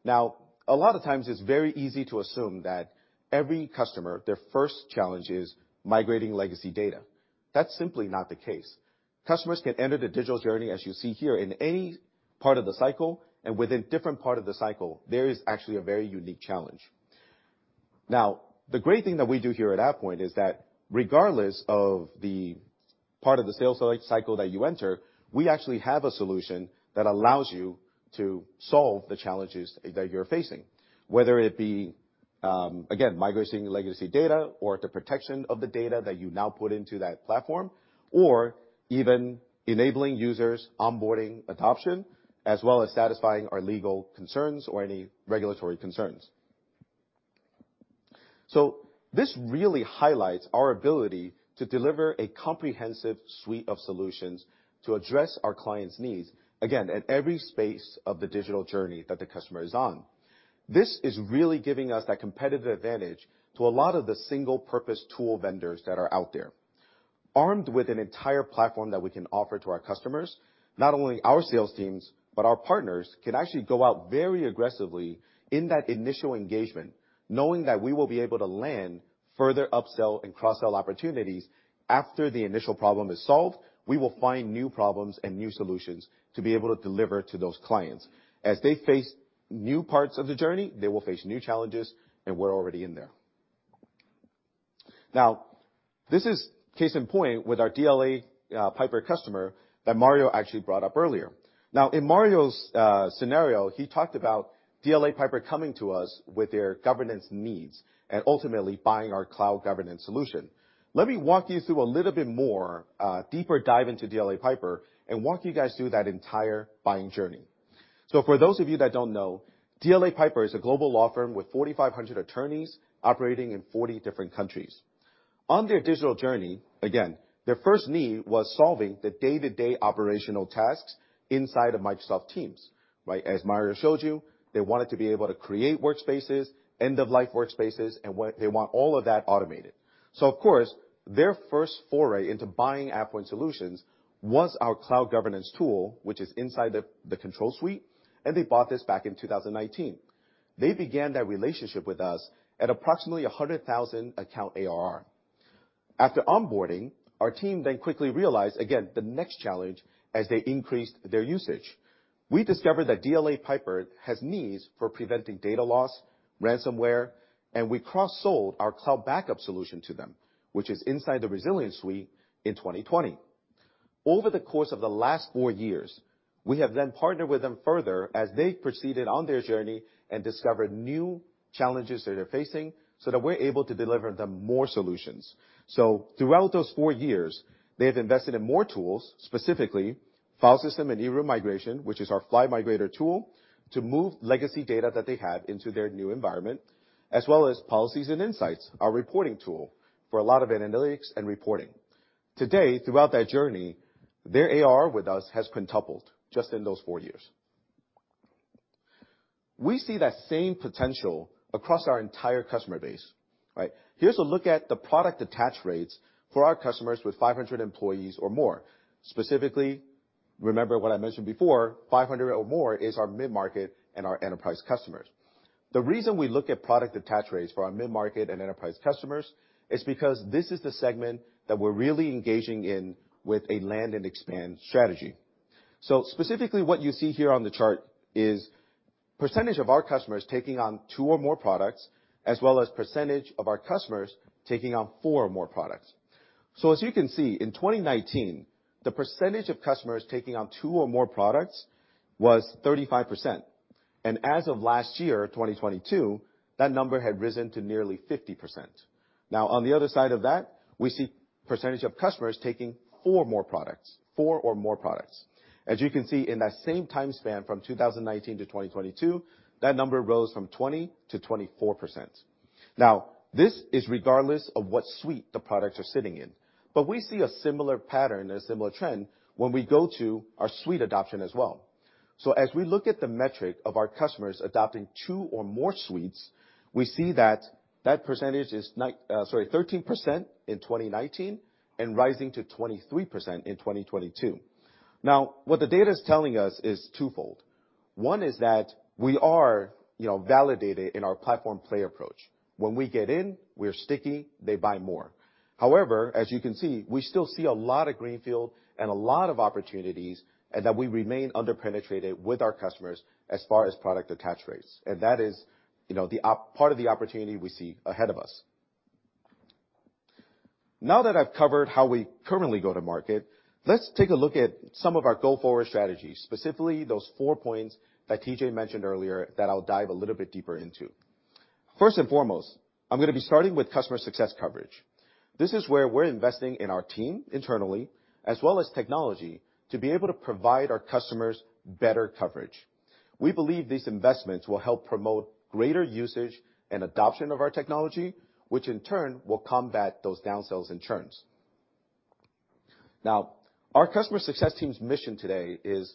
A lot of times it's very easy to assume that every customer, their first challenge is migrating legacy data. That's simply not the case. Customers can enter the digital journey, as you see here, in any part of the cycle, and within different part of the cycle, there is actually a very unique challenge. The great thing that we do here at AvePoint is that regardless of the part of the sales life cycle that you enter, we actually have a solution that allows you to solve the challenges that you're facing, whether it be, again, migrating legacy data or the protection of the data that you now put into that platform, or even enabling users onboarding adoption, as well as satisfying our legal concerns or any regulatory concerns. This really highlights our ability to deliver a comprehensive suite of solutions to address our clients' needs, again, at every space of the digital journey that the customer is on. This is really giving us that competitive advantage to a lot of the single-purpose tool vendors that are out there. Armed with an entire platform that we can offer to our customers, not only our sales teams, but our partners can actually go out very aggressively in that initial engagement, knowing that we will be able to land further upsell and cross-sell opportunities. After the initial problem is solved, we will find new problems and new solutions to be able to deliver to those clients. As they face new parts of the journey, they will face new challenges, and we're already in there. This is case in point with our DLA Piper customer that Mario actually brought up earlier. In Mario's scenario, he talked about DLA Piper coming to us with their governance needs and ultimately buying our Cloud Governance solution. Let me walk you through a little bit more deeper dive into DLA Piper and walk you guys through that entire buying journey. For those of you that don't know, DLA Piper is a global law firm with 4,500 attorneys operating in 40 different countries. On their digital journey, again, their first need was solving the day-to-day operational tasks inside of Microsoft Teams, right? As Mario showed you, they wanted to be able to create workspaces, end-of-life workspaces, and they want all of that automated. Of course, their first foray into buying AvePoint solutions was our Cloud Governance tool, which is inside the Control Suite, and they bought this back in 2019. They began that relationship with us at approximately $100,000 ARR. After onboarding, our team then quickly realized, again, the next challenge as they increased their usage. We discovered that DLA Piper has needs for preventing data loss, ransomware. We cross-sold our Cloud Backup solution to them, which is inside the Resilience Suite in 2020. Over the course of the last 4 years, we have then partnered with them further as they proceeded on their journey and discovered new challenges that they're facing so that we're able to deliver them more solutions. Throughout those 4 years, they have invested in more tools, specifically File System and eRoom Migration, which is our Fly Migrator tool, to move legacy data that they have into their new environment, as well as Policies and Insights, our reporting tool for a lot of analytics and reporting. Today, throughout that journey, their AR with us has quintupled just in those 4 years. We see that same potential across our entire customer base, right? Here's a look at the product attach rates for our customers with 500 employees or more. Specifically, remember what I mentioned before, 500 or more is our mid-market and our enterprise customers. The reason we look at product attach rates for our mid-market and enterprise customers is because this is the segment that we're really engaging in with a land and expand strategy. Specifically what you see here on the chart is percentage of our customers taking on 2 or more products, as well as percentage of our customers taking on 4 or more products. As you can see, in 2019, the percentage of customers taking on 2 or more products was 35%, and as of last year, 2022, that number had risen to nearly 50%. On the other side of that, we see percentage of customers taking 4 more products, 4 or more products. As you can see in that same time span from 2019 to 2022, that number rose from 20% to 24%. This is regardless of what suite the products are sitting in, but we see a similar pattern and a similar trend when we go to our suite adoption as well. As we look at the metric of our customers adopting 2 or more suites, we see that that percentage is sorry, 13% in 2019 and rising to 23% in 2022. What the data is telling us is twofold. One is that we are, you know, validated in our platform play approach. When we get in, we're sticky, they buy more. As you can see, we still see a lot of greenfield and a lot of opportunities and that we remain under-penetrated with our customers as far as product attach rates, and that is, you know, part of the opportunity we see ahead of us. I've covered how we currently go to market, let's take a look at some of our go-forward strategies, specifically those four points that TJ mentioned earlier that I'll dive a little bit deeper into. First and foremost, I'm gonna be starting with customer success coverage. This is where we're investing in our team internally, as well as technology, to be able to provide our customers better coverage. We believe these investments will help promote greater usage and adoption of our technology, which in turn will combat those downsells and churns. Our customer success team's mission today is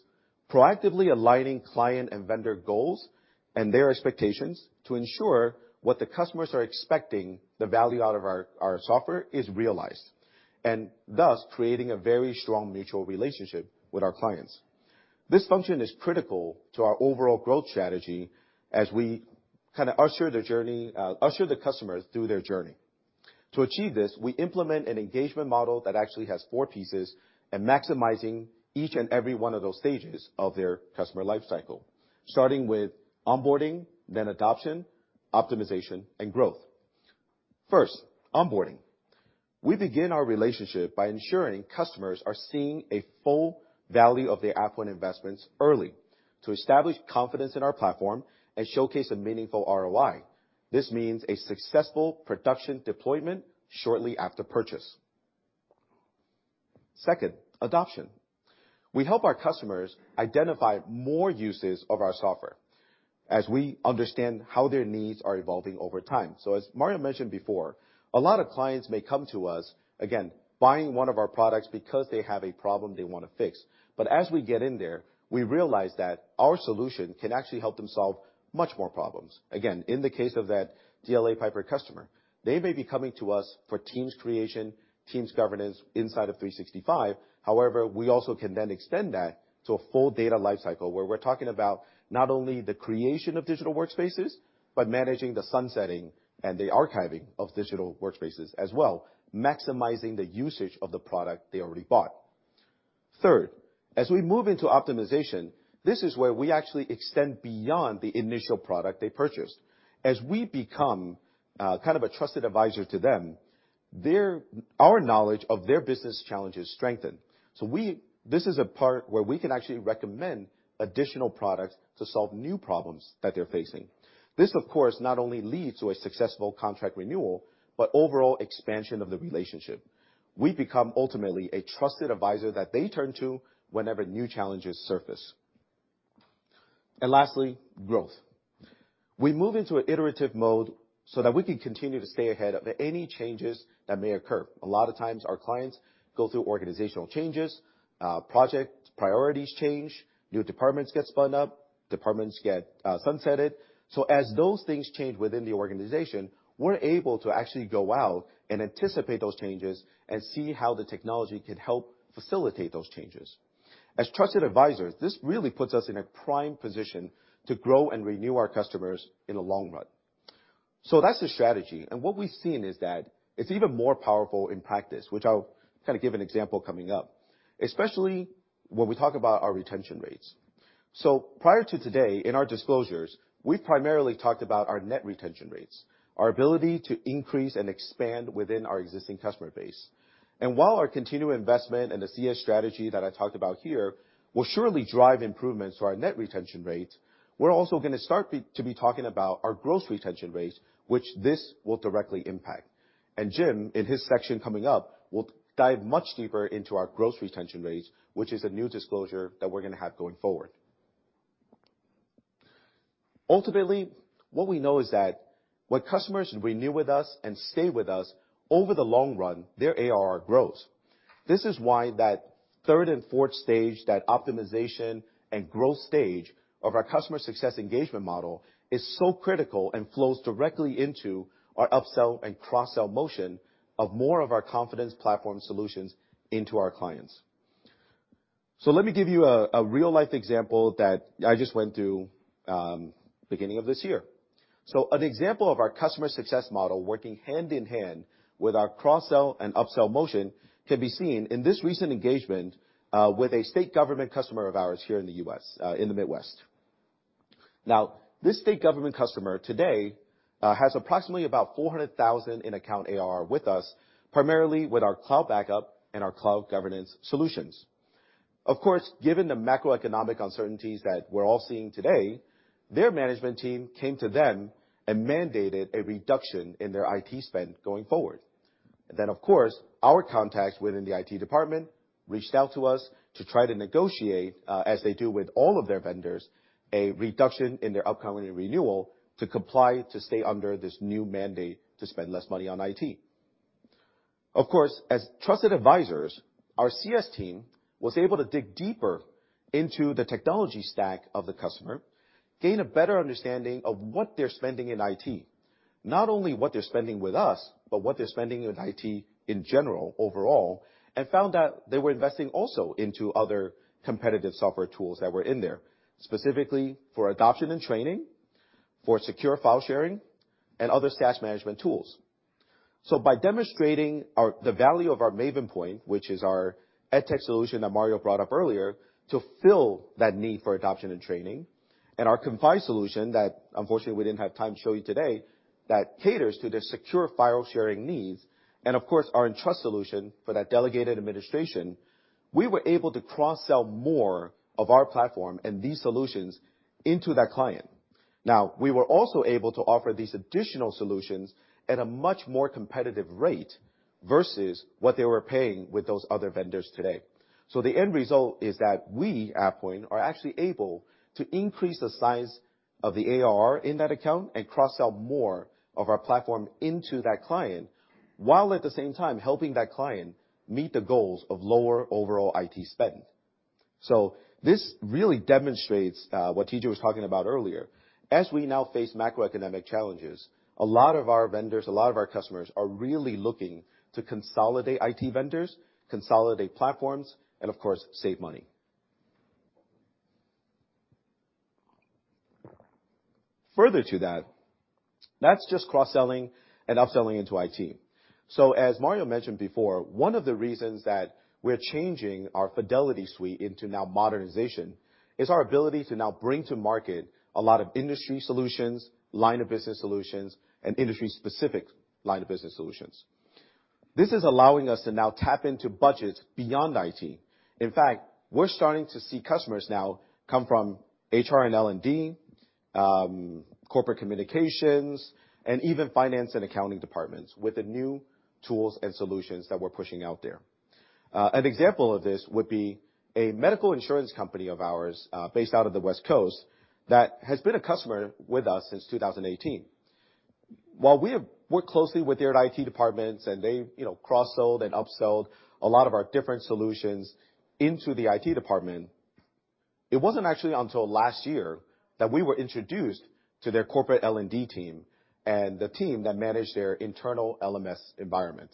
proactively aligning client and vendor goals and their expectations to ensure what the customers are expecting the value out of our software is realized, and thus creating a very strong mutual relationship with our clients. This function is critical to our overall growth strategy as we kinda usher the customers through their journey. To achieve this, we implement an engagement model that actually has 4 pieces and maximizing each and every one of those stages of their customer life cycle, starting with onboarding, then adoption, optimization, and growth. First, onboarding. We begin our relationship by ensuring customers are seeing a full value of their AvePoint investments early to establish confidence in our platform and showcase a meaningful ROI. This means a successful production deployment shortly after purchase. Second, adoption. We help our customers identify more uses of our software as we understand how their needs are evolving over time. As Mario mentioned before, a lot of clients may come to us, again, buying one of our products because they have a problem they wanna fix. As we get in there, we realize that our solution can actually help them solve much more problems. Again, in the case of that DLA Piper customer, they may be coming to us for Teams creation, Teams governance inside of Microsoft 365. However, we also can then extend that to a full data life cycle, where we're talking about not only the creation of digital workspaces, but managing the sunsetting and the archiving of digital workspaces as well, maximizing the usage of the product they already bought. Third, as we move into optimization, this is where we actually extend beyond the initial product they purchased. As we become, kind of a trusted advisor to them, Our knowledge of their business challenges strengthen. This is a part where we can actually recommend additional products to solve new problems that they're facing. This, of course, not only leads to a successful contract renewal, but overall expansion of the relationship. We become ultimately a trusted advisor that they turn to whenever new challenges surface. Lastly, growth. We move into an iterative mode so that we can continue to stay ahead of any changes that may occur. A lot of times, our clients go through organizational changes, project priorities change, new departments get spun up, departments get, sunsetted. As those things change within the organization, we're able to actually go out and anticipate those changes and see how the technology can help facilitate those changes. As trusted advisors, this really puts us in a prime position to grow and renew our customers in the long run. That's the strategy. What we've seen is that it's even more powerful in practice, which I'll kind of give an example coming up, especially when we talk about our retention rates. Prior to today, in our disclosures, we primarily talked about our net retention rates, our ability to increase and expand within our existing customer base. While our continued investment in the CS strategy that I talked about here will surely drive improvements to our net retention rates, we're also going to start to be talking about our gross retention rates, which this will directly impact. Jim, in his section coming up, will dive much deeper into our gross retention rates, which is a new disclosure that we're gonna have going forward. Ultimately, what we know is that when customers renew with us and stay with us, over the long run, their ARR grows. This is why that third and fourth stage, that optimization and growth stage of our customer success engagement model, is so critical and flows directly into our upsell and cross-sell motion of more of our Confidence Platform solutions into our clients. Let me give you a real-life example that I just went through beginning of this year. An example of our customer success model working hand in hand with our cross-sell and upsell motion can be seen in this recent engagement with a state government customer of ours here in the U.S. in the Midwest. This state government customer today has approximately about $400,000 in account ARR with us, primarily with our Cloud Backup and our Cloud Governance solutions. Given the macroeconomic uncertainties that we're all seeing today, their management team came to them and mandated a reduction in their IT spend going forward. Of course, our contacts within the IT department reached out to us to try to negotiate, as they do with all of their vendors, a reduction in their upcoming renewal to comply to stay under this new mandate to spend less money on IT. Of course, as trusted advisors, our CS team was able to dig deeper into the technology stack of the customer, gain a better understanding of what they're spending in IT, not only what they're spending with us, but what they're spending with IT in general overall, found out they were investing also into other competitive software tools that were in there, specifically for adoption and training, for secure file sharing, and other shadow IT management tools. By demonstrating the value of our MaivenPoint, which is our edTech solution that Mario brought up earlier, to fill that need for adoption and training, and our Confide solution that unfortunately we didn't have time to show you today, that caters to their secure file sharing needs, and of course, our Entrust solution for that delegated administration, we were able to cross-sell more of our platform and these solutions into that client. We were also able to offer these additional solutions at a much more competitive rate versus what they were paying with those other vendors today. The end result is that we at AvePoint are actually able to increase the size of the ARR in that account and cross-sell more of our platform into that client, while at the same time helping that client meet the goals of lower overall IT spend. This really demonstrates what TJ was talking about earlier. As we now face macroeconomic challenges, a lot of our vendors, a lot of our customers, are really looking to consolidate IT vendors, consolidate platforms, and of course, save money. Further to that's just cross-selling and upselling into IT. As Mario mentioned before, one of the reasons that we're changing our Fidelity Suite into now Modernization is our ability to now bring to market a lot of industry solutions, line of business solutions, and industry-specific line of business solutions. This is allowing us to now tap into budgets beyond IT. In fact, we're starting to see customers now come from HR and L&D, corporate communications, and even finance and accounting departments with the new tools and solutions that we're pushing out there. An example of this would be a medical insurance company of ours based out of the West Coast that has been a customer with us since 2018. While we have worked closely with their IT departments and they, you know, cross-sold and upsold a lot of our different solutions into the IT department, it wasn't actually until last year that we were introduced to their corporate L&D team and the team that managed their internal LMS environment,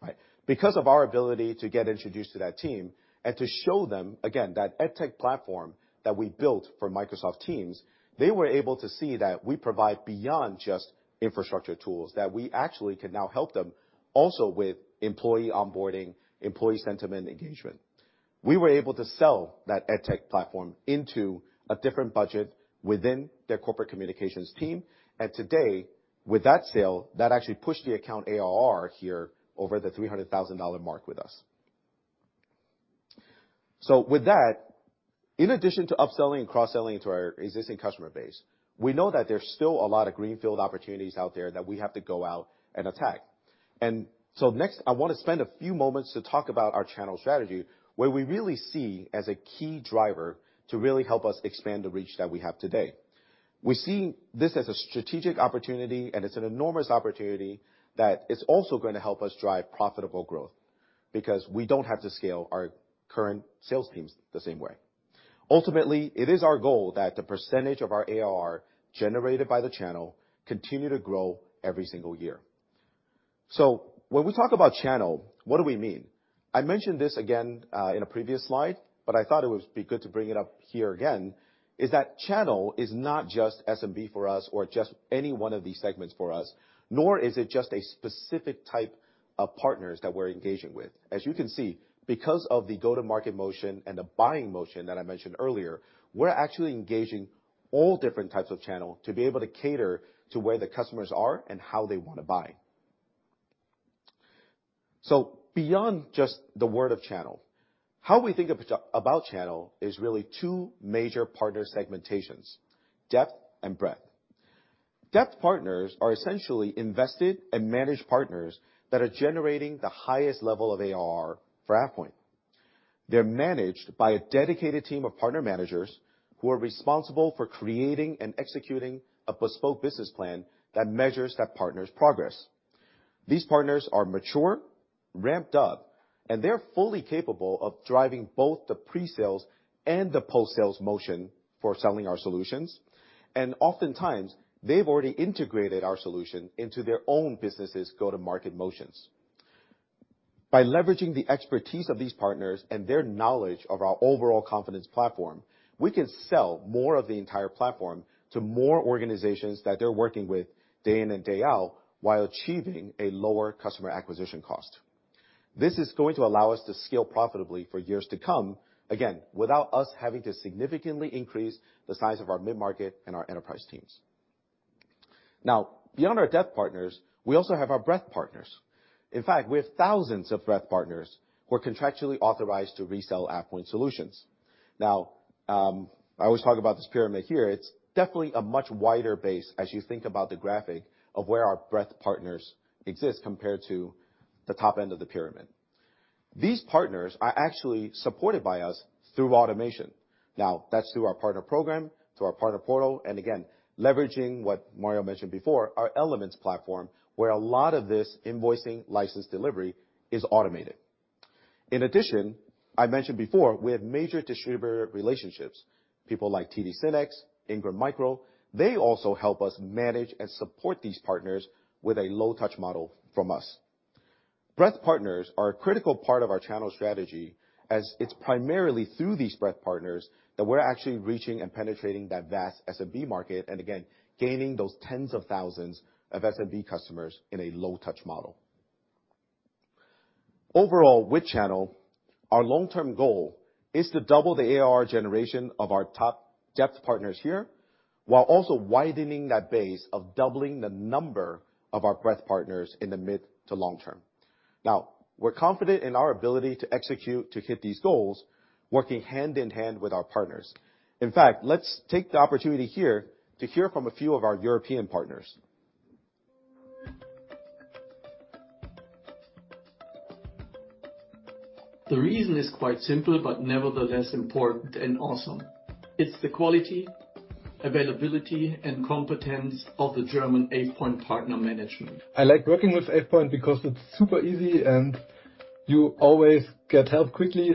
right? Because of our ability to get introduced to that team and to show them again that edTech platform that we built for Microsoft Teams, they were able to see that we provide beyond just infrastructure tools, that we actually can now help them also with employee onboarding, employee sentiment engagement. We were able to sell that edTech platform into a different budget within their corporate communications team. Today, with that sale, that actually pushed the account ARR here over the $300,000 mark with us. With that, in addition to upselling and cross-selling to our existing customer base, we know that there's still a lot of greenfield opportunities out there that we have to go out and attack. Next, I wanna spend a few moments to talk about our channel strategy, where we really see as a key driver to really help us expand the reach that we have today. We see this as a strategic opportunity, and it's an enormous opportunity that is also gonna help us drive profitable growth, because we don't have to scale our current sales teams the same way. Ultimately, it is our goal that the % of our ARR generated by the channel continue to grow every single year. When we talk about channel, what do we mean? I mentioned this again, in a previous slide, but I thought it would be good to bring it up here again, is that channel is not just SMB for us or just any one of these segments for us, nor is it just a specific type of partners that we're engaging with. As you can see, because of the go-to-market motion and the buying motion that I mentioned earlier, we're actually engaging all different types of channel to be able to cater to where the customers are and how they wanna buy. Beyond just the word of channel, how we think about channel is really two major partner segmentations, depth and breadth. Depth partners are essentially invested and managed partners that are generating the highest level of ARR for AvePoint. They're managed by a dedicated team of partner managers who are responsible for creating and executing a bespoke business plan that measures that partner's progress. These partners are mature, ramped up, and they're fully capable of driving both the pre-sales and the post-sales motion for selling our solutions. Oftentimes, they've already integrated our solution into their own business' go-to-market motions. By leveraging the expertise of these partners and their knowledge of our overall Confidence Platform, we can sell more of the entire platform to more organizations that they're working with day in and day out while achieving a lower customer acquisition cost. This is going to allow us to scale profitably for years to come, again, without us having to significantly increase the size of our mid-market and our enterprise teams. Beyond our depth partners, we also have our breadth partners. In fact, we have thousands of breadth partners who are contractually authorized to resell AvePoint solutions. Now, I always talk about this pyramid here. It's definitely a much wider base as you think about the graphic of where our breadth partners exist compared to the top end of the pyramid. These partners are actually supported by us through automation. Now, that's through our partner program, through our partner portal, and again, leveraging what Mario mentioned before, our Elements platform, where a lot of this invoicing license delivery is automated. In addition, I mentioned before, we have major distributor relationships, people like TD SYNNEX, Ingram Micro. They also help us manage and support these partners with a low-touch model from us. Breadth partners are a critical part of our channel strategy as it's primarily through these breadth partners that we're actually reaching and penetrating that vast SMB market and again, gaining those tens of thousands of SMB customers in a low-touch model. Overall, with channel, our long-term goal is to double the ARR generation of our top depth partners here, while also widening that base of doubling the number of our breadth partners in the mid to long term. We're confident in our ability to execute to hit these goals, working hand in hand with our partners. In fact, let's take the opportunity here to hear from a few of our European partners. The reason is quite simple, but nevertheless important and awesome. It's the quality, availability, and competence of the German AvePoint partner management. I like working with AvePoint because it's super easy and you always get help quickly.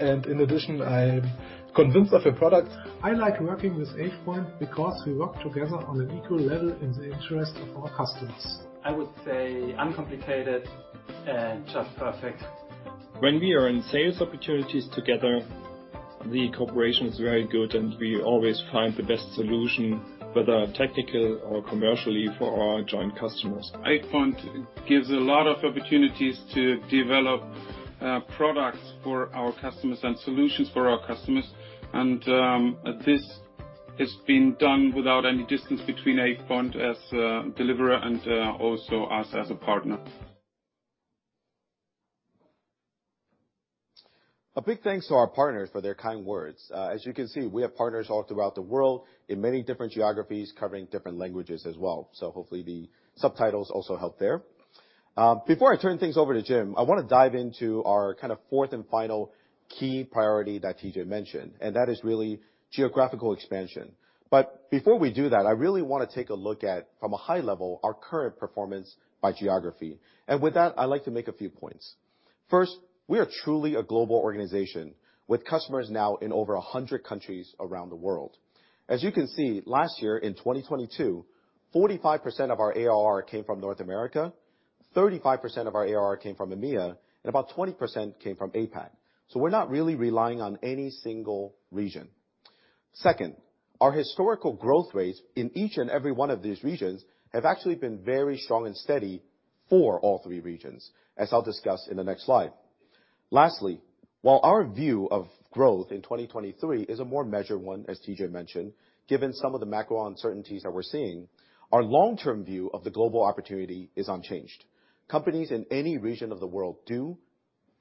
In addition, I'm convinced of the product. I like working with AvePoint because we work together on an equal level in the interest of our customers. I would say uncomplicated and just perfect. We are in sales opportunities together, the cooperation is very good, and we always find the best solution, whether technical or commercially for our joint customers. AvePoint gives a lot of opportunities to develop products for our customers and solutions for our customers. This has been done without any distance between AvePoint as a deliverer and, also us as a partner. A big thanks to our partners for their kind words. As you can see, we have partners all throughout the world in many different geographies, covering different languages as well. Hopefully the subtitles also help there. Before I turn things over to Jim, I wanna dive into our kind of fourth and final key priority that TJ mentioned, and that is really geographical expansion. Before we do that, I really wanna take a look at, from a high level, our current performance by geography. With that, I'd like to make a few points. First, we are truly a global organization with customers now in over 100 countries around the world. As you can see, last year in 2022, 45% of our ARR came from North America, 35% of our ARR came from EMEA, and about 20% came from APAC. We're not really relying on any single region. Second, our historical growth rates in each and every one of these regions have actually been very strong and steady for all three regions, as I'll discuss in the next slide. Lastly, while our view of growth in 2023 is a more measured one, as TJ mentioned, given some of the macro uncertainties that we're seeing, our long-term view of the global opportunity is unchanged. Companies in any region of the world do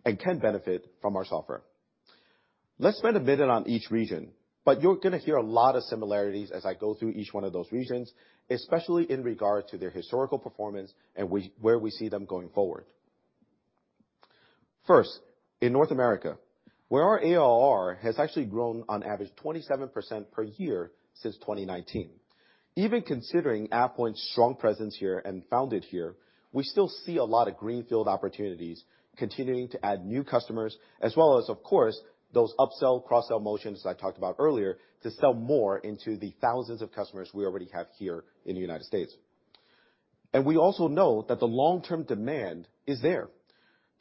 and can benefit from our software. Let's spend a minute on each region, but you're gonna hear a lot of similarities as I go through each one of those regions, especially in regard to their historical performance and where we see them going forward. First, in North America, where our ARR has actually grown on average 27% per year since 2019. Even considering AvePoint's strong presence here and founded here, we still see a lot of greenfield opportunities continuing to add new customers as well as, of course, those upsell, cross-sell motions I talked about earlier to sell more into the thousands of customers we already have here in the United States. We also know that the long-term demand is there.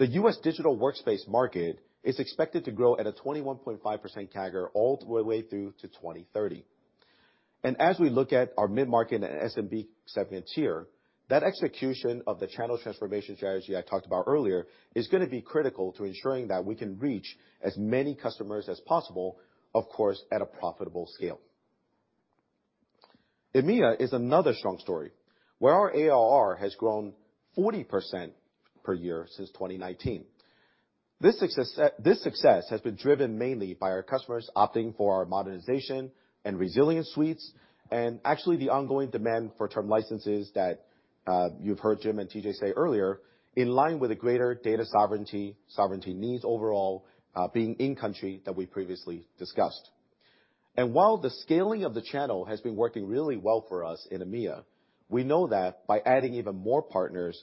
The US digital workspace market is expected to grow at a 21.5% CAGR all the way through to 2030. As we look at our mid-market and SMB segments here, that execution of the channel transformation strategy I talked about earlier is gonna be critical to ensuring that we can reach as many customers as possible, of course, at a profitable scale. EMEA is another strong story where our ARR has grown 40% per year since 2019. This success has been driven mainly by our customers opting for our Modernization and Resilience suites, actually the ongoing demand for term licenses that you've heard Jim and TJ say earlier, in line with the greater data sovereignty needs overall, being in country that we previously discussed. While the scaling of the channel has been working really well for us in EMEA, we know that by adding even more partners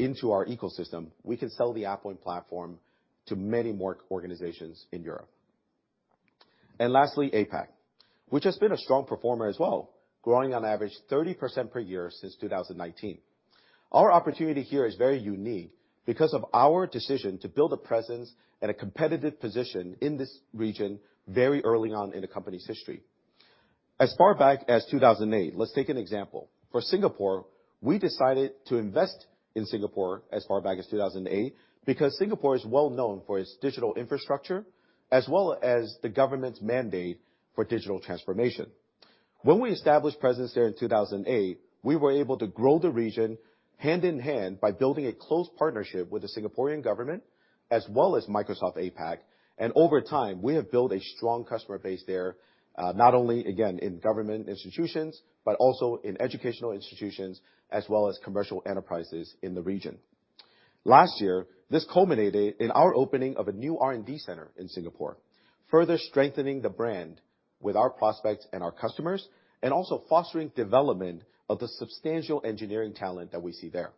into our ecosystem, we can sell the AvePoint platform to many more organizations in Europe. Lastly, APAC, which has been a strong performer as well, growing on average 30% per year since 2019. Our opportunity here is very unique because of our decision to build a presence and a competitive position in this region very early on in the company's history. As far back as 2008, let's take an example. For Singapore, we decided to invest in Singapore as far back as 2008 because Singapore is well known for its digital infrastructure as well as the government's mandate for digital transformation. When we established presence there in 2008, we were able to grow the region hand in hand by building a close partnership with the Singaporean government as well as Microsoft APAC. Over time, we have built a strong customer base there, not only again in government institutions, but also in educational institutions as well as commercial enterprises in the region. Last year, this culminated in our opening of a new R&D center in Singapore, further strengthening the brand with our prospects and our customers, and also fostering development of the substantial engineering talent that we see there.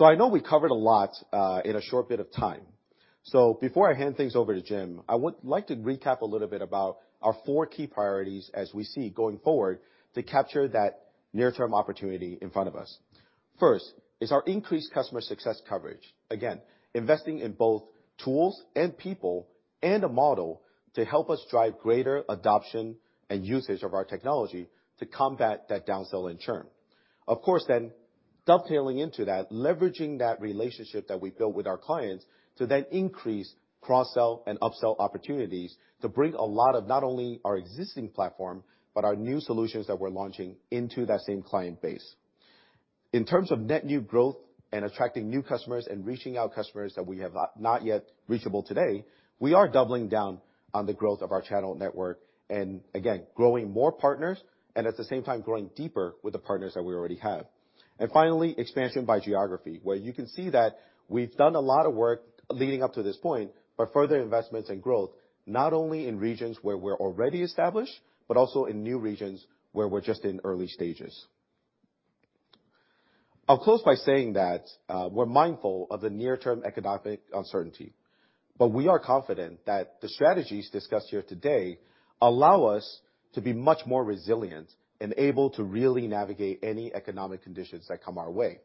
I know we covered a lot, in a short bit of time. Before I hand things over to Jim, I would like to recap a little bit about our four key priorities as we see going forward to capture that near-term opportunity in front of us. First is our increased customer success coverage. Again, investing in both tools and people and a model to help us drive greater adoption and usage of our technology to combat that downsell and churn. Of course, dovetailing into that, leveraging that relationship that we built with our clients to increase cross-sell and upsell opportunities to bring a lot of not only our existing platform, but our new solutions that we're launching into that same client base. In terms of net new growth and attracting new customers and reaching our customers that we have, not yet reachable today, we are doubling down on the growth of our channel network and again, growing more partners, and at the same time growing deeper with the partners that we already have. Finally, expansion by geography, where you can see that we've done a lot of work leading up to this point, but further investments and growth, not only in regions where we're already established, but also in new regions where we're just in early stages. I'll close by saying that we're mindful of the near-term economic uncertainty, but we are confident that the strategies discussed here today allow us to be much more resilient and able to really navigate any economic conditions that come our way.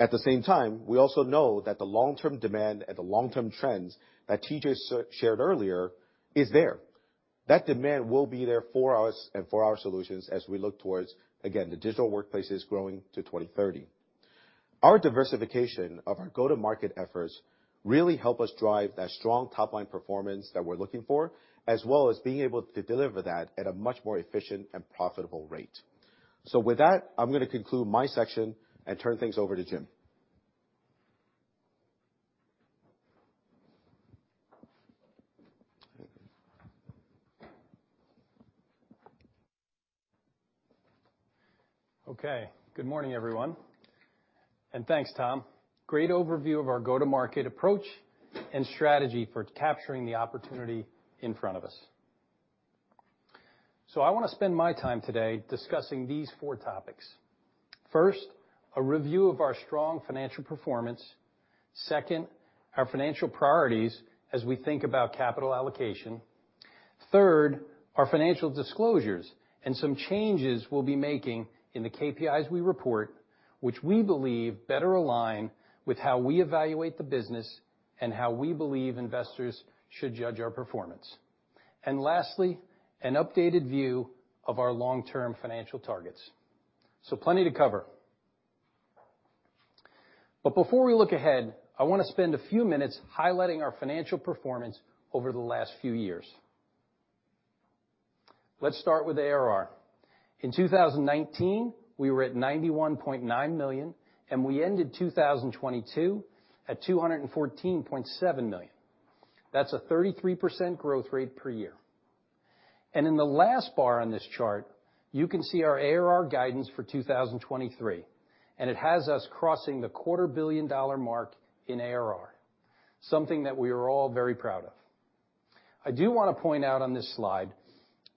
At the same time, we also know that the long-term demand and the long-term trends that TJ shared earlier is there. That demand will be there for us and for our solutions as we look towards, again, the digital workplaces growing to 2030. Our diversification of our go-to-market efforts really help us drive that strong top-line performance that we're looking for, as well as being able to deliver that at a much more efficient and profitable rate. With that, I'm gonna conclude my section and turn things over to Jim. Okay. Good morning, everyone, and thanks, Tom. Great overview of our go-to-market approach and strategy for capturing the opportunity in front of us. I wanna spend my time today discussing these 4 topics. First, a review of our strong financial performance. Second, our financial priorities as we think about capital allocation. Third, our financial disclosures and some changes we'll be making in the KPIs we report, which we believe better align with how we evaluate the business and how we believe investors should judge our performance. Lastly, an updated view of our long-term financial targets. Plenty to cover. Before we look ahead, I wanna spend a few minutes highlighting our financial performance over the last few years. Let's start with ARR. In 2019, we were at $91.9 million, and we ended 2022 at $214.7 million. That's a 33% growth rate per year. In the last bar on this chart, you can see our ARR guidance for 2023, it has us crossing the quarter billion dollar mark in ARR, something that we are all very proud of. I do wanna point out on this slide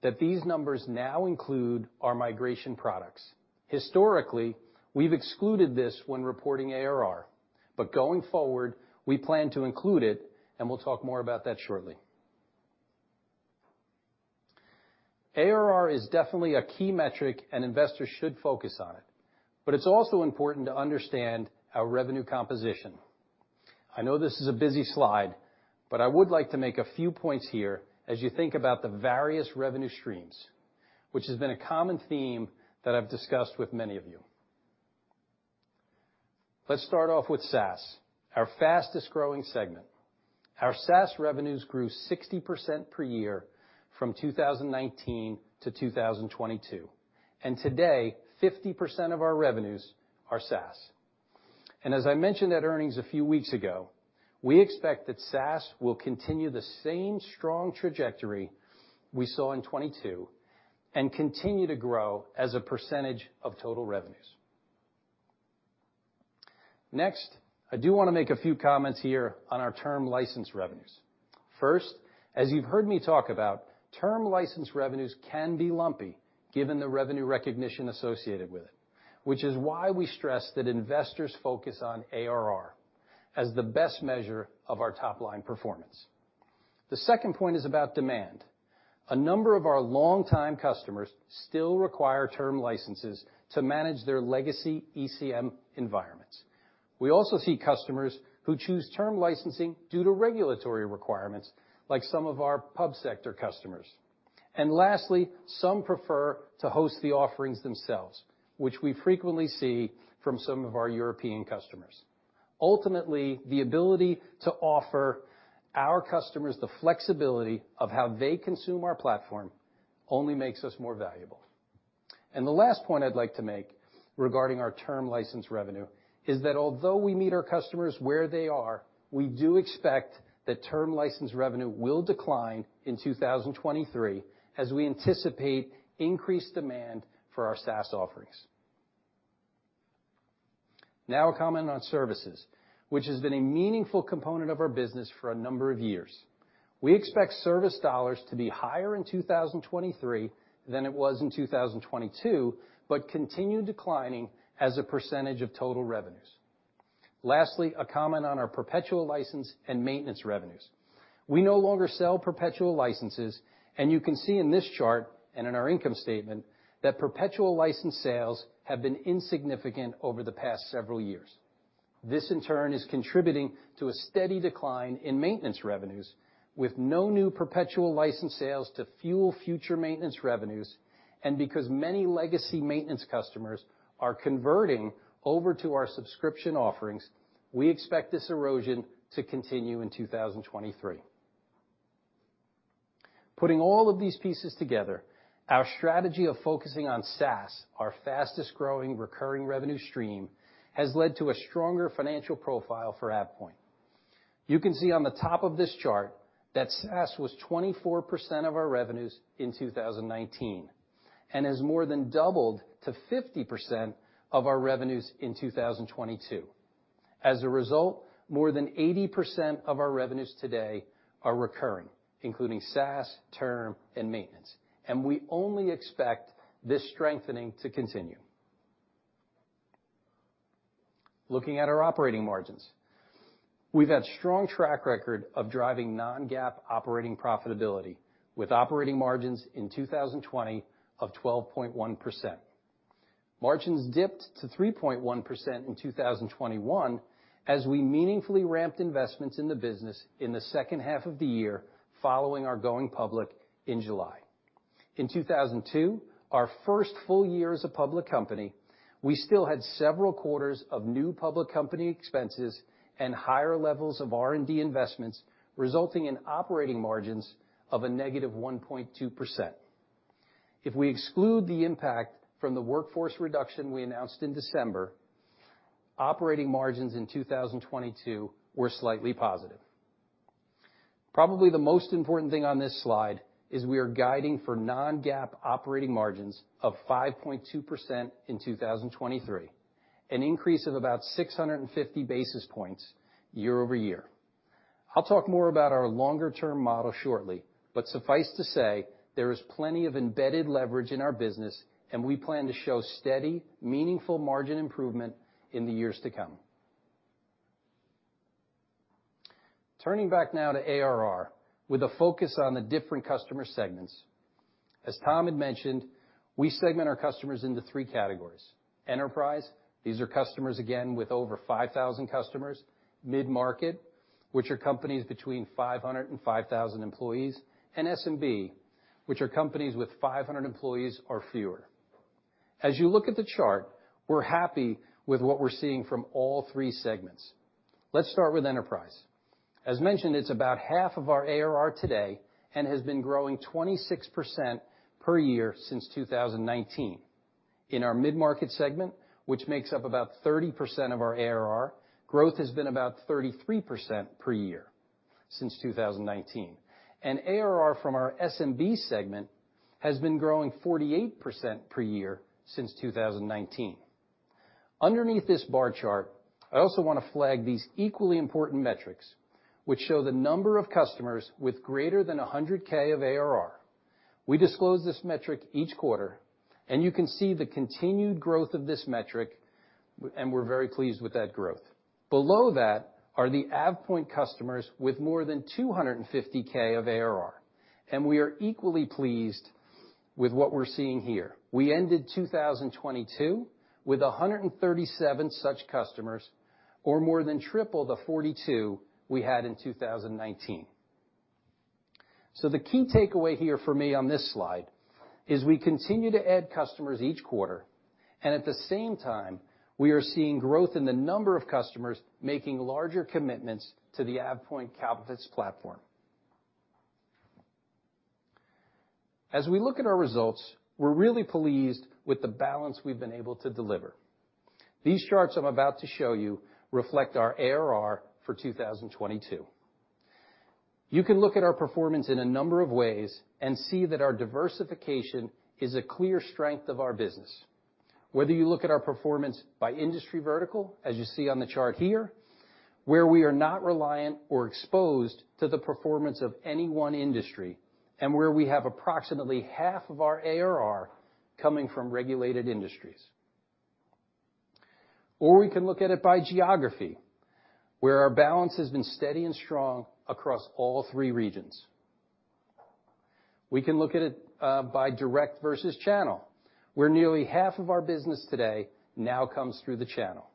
that these numbers now include our migration products. Historically, we've excluded this when reporting ARR, going forward, we plan to include it, we'll talk more about that shortly. ARR is definitely a key metric, investors should focus on it's also important to understand our revenue composition. I know this is a busy slide, I would like to make a few points here as you think about the various revenue streams, which has been a common theme that I've discussed with many of you. Let's start off with SaaS, our fastest-growing segment. Our SaaS revenues grew 60% per year from 2019 to 2022, and today, 50% of our revenues are SaaS. As I mentioned at earnings a few weeks ago, we expect that SaaS will continue the same strong trajectory we saw in 2022 and continue to grow as a percentage of total revenues. I do wanna make a few comments here on our term license revenues. First, as you've heard me talk about, term license revenues can be lumpy given the revenue recognition associated with it, which is why we stress that investors focus on ARR as the best measure of our top-line performance. The second point is about demand. A number of our long-time customers still require term licenses to manage their legacy ECM environments. We also see customers who choose term licensing due to regulatory requirements, like some of our pub sector customers. Lastly, some prefer to host the offerings themselves, which we frequently see from some of our European customers. Ultimately, the ability to offer our customers the flexibility of how they consume our platform only makes us more valuable. The last point I'd like to make regarding our term license revenue is that although we meet our customers where they are, we do expect that term license revenue will decline in 2023 as we anticipate increased demand for our SaaS offerings. Now a comment on services, which has been a meaningful component of our business for a number of years. We expect service dollars to be higher in 2023 than it was in 2022, but continue declining as a % of total revenues. Lastly, a comment on our perpetual license and maintenance revenues. We no longer sell perpetual licenses, and you can see in this chart, and in our income statement, that perpetual license sales have been insignificant over the past several years. This, in turn, is contributing to a steady decline in maintenance revenues with no new perpetual license sales to fuel future maintenance revenues, and because many legacy maintenance customers are converting over to our subscription offerings, we expect this erosion to continue in 2023. Putting all of these pieces together, our strategy of focusing on SaaS, our fastest-growing recurring revenue stream, has led to a stronger financial profile for AvePoint. You can see on the top of this chart that SaaS was 24% of our revenues in 2019, and has more than doubled to 50% of our revenues in 2022. As a result, more than 80% of our revenues today are recurring, including SaaS, term, and maintenance. We only expect this strengthening to continue. Looking at our operating margins. We've had strong track record of driving non-GAAP operating profitability with operating margins in 2020 of 12.1%. Margins dipped to 3.1% in 2021 as we meaningfully ramped investments in the business in the second half of the year following our going public in July. In 2002, our first full year as a public company, we still had several quarters of new public company expenses and higher levels of R&D investments, resulting in operating margins of a negative 1.2%. If we exclude the impact from the workforce reduction we announced in December, operating margins in 2022 were slightly positive. Probably the most important thing on this slide is we are guiding for non-GAAP operating margins of 5.2% in 2023, an increase of about 650 basis points year-over-year. I'll talk more about our longer-term model shortly, but suffice to say, there is plenty of embedded leverage in our business, and we plan to show steady, meaningful margin improvement in the years to come. Turning back now to ARR, with a focus on the different customer segments. As Tom had mentioned, we segment our customers into 3 categories. Enterprise, these are customers, again, with over 5,000 customers. Mid-market, which are companies between 500 and 5,000 employees. SMB, which are companies with 500 employees or fewer. You look at the chart, we're happy with what we're seeing from all three segments. Let's start with enterprise. As mentioned, it's about half of our ARR today and has been growing 26% per year since 2019. In our mid-market segment, which makes up about 30% of our ARR, growth has been about 33% per year since 2019. ARR from our SMB segment has been growing 48% per year since 2019. Underneath this bar chart, I also wanna flag these equally important metrics, which show the number of customers with greater than 100K of ARR. We disclose this metric each quarter, and you can see the continued growth of this metric, and we're very pleased with that growth. Below that are the AvePoint customers with more than 250K of ARR, and we are equally pleased with what we're seeing here. We ended 2022 with 137 such customers or more than triple the 42 we had in 2019. The key takeaway here for me on this slide is we continue to add customers each quarter, and at the same time, we are seeing growth in the number of customers making larger commitments to the AvePoint Confidence Platform. As we look at our results, we're really pleased with the balance we've been able to deliver. These charts I'm about to show you reflect our ARR for 2022. You can look at our performance in a number of ways and see that our diversification is a clear strength of our business. Whether you look at our performance by industry vertical, as you see on the chart here, where we are not reliant or exposed to the performance of any one industry, and where we have approximately half of our ARR coming from regulated industries. We can look at it by geography, where our balance has been steady and strong across all three regions. We can look at it by direct versus channel, where nearly half of our business today now comes through the channel.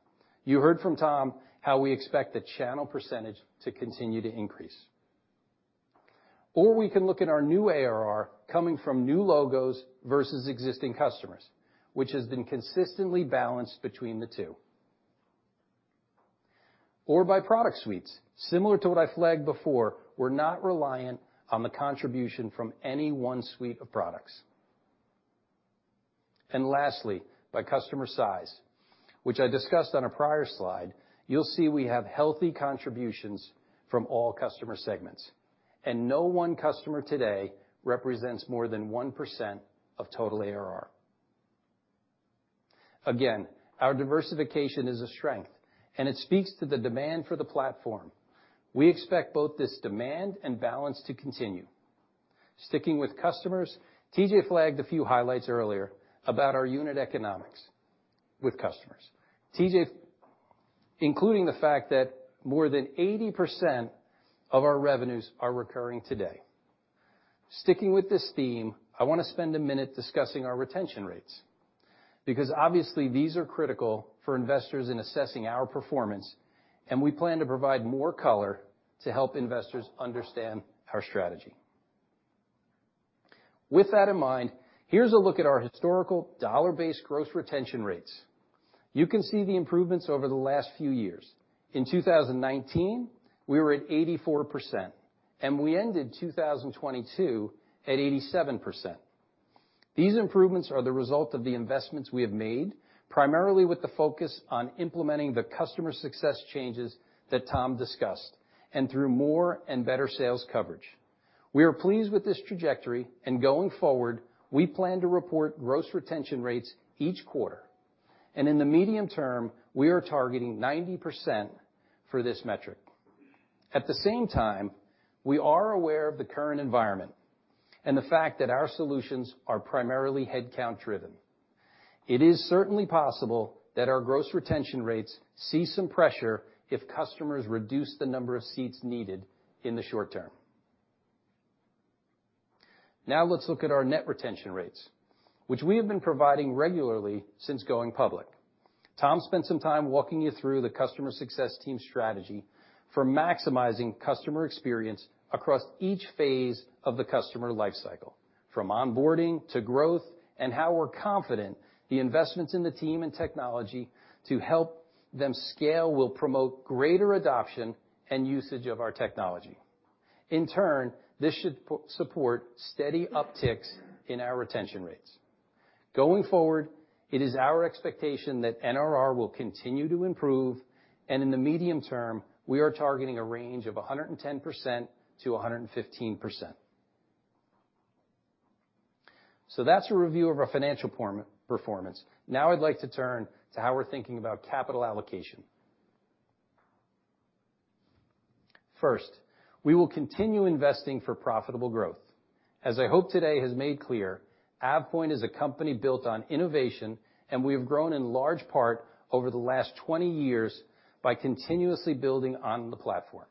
You heard from Tom how we expect the channel % to continue to increase. We can look at our new ARR coming from new logos versus existing customers, which has been consistently balanced between the two. By product suites. Similar to what I flagged before, we're not reliant on the contribution from any one suite of products. Lastly, by customer size, which I discussed on a prior slide, you'll see we have healthy contributions from all customer segments, and no 1 customer today represents more than 1% of total ARR. Again, our diversification is a strength, and it speaks to the demand for the platform. We expect both this demand and balance to continue. Sticking with customers, TJ flagged a few highlights earlier about our unit economics with customers. including the fact that more than 80% of our revenues are recurring today. Sticking with this theme, I wanna spend a minute discussing our retention rates because obviously these are critical for investors in assessing our performance, and we plan to provide more color to help investors understand our strategy. With that in mind, here's a look at our historical dollar-based gross retention rates. You can see the improvements over the last few years. In 2019, we were at 84%, and we ended 2022 at 87%. These improvements are the result of the investments we have made, primarily with the focus on implementing the customer success changes that Tom discussed, and through more and better sales coverage. We are pleased with this trajectory, and going forward, we plan to report gross retention rates each quarter. In the medium term, we are targeting 90% for this metric. At the same time, we are aware of the current environment and the fact that our solutions are primarily headcount-driven. It is certainly possible that our gross retention rates see some pressure if customers reduce the number of seats needed in the short term. Now let's look at our net retention rates, which we have been providing regularly since going public. Tom spent some time walking you through the customer success team strategy for maximizing customer experience across each phase of the customer life cycle, from onboarding to growth, and how we're confident the investments in the team and technology to help them scale will promote greater adoption and usage of our technology. This should support steady upticks in our retention rates. Going forward, it is our expectation that NRR will continue to improve, and in the medium term, we are targeting a range of 110%-115%. That's a review of our financial performance. Now I'd like to turn to how we're thinking about capital allocation. First, we will continue investing for profitable growth. As I hope today has made clear, AvePoint is a company built on innovation, and we have grown in large part over the last 20 years by continuously building on the platform.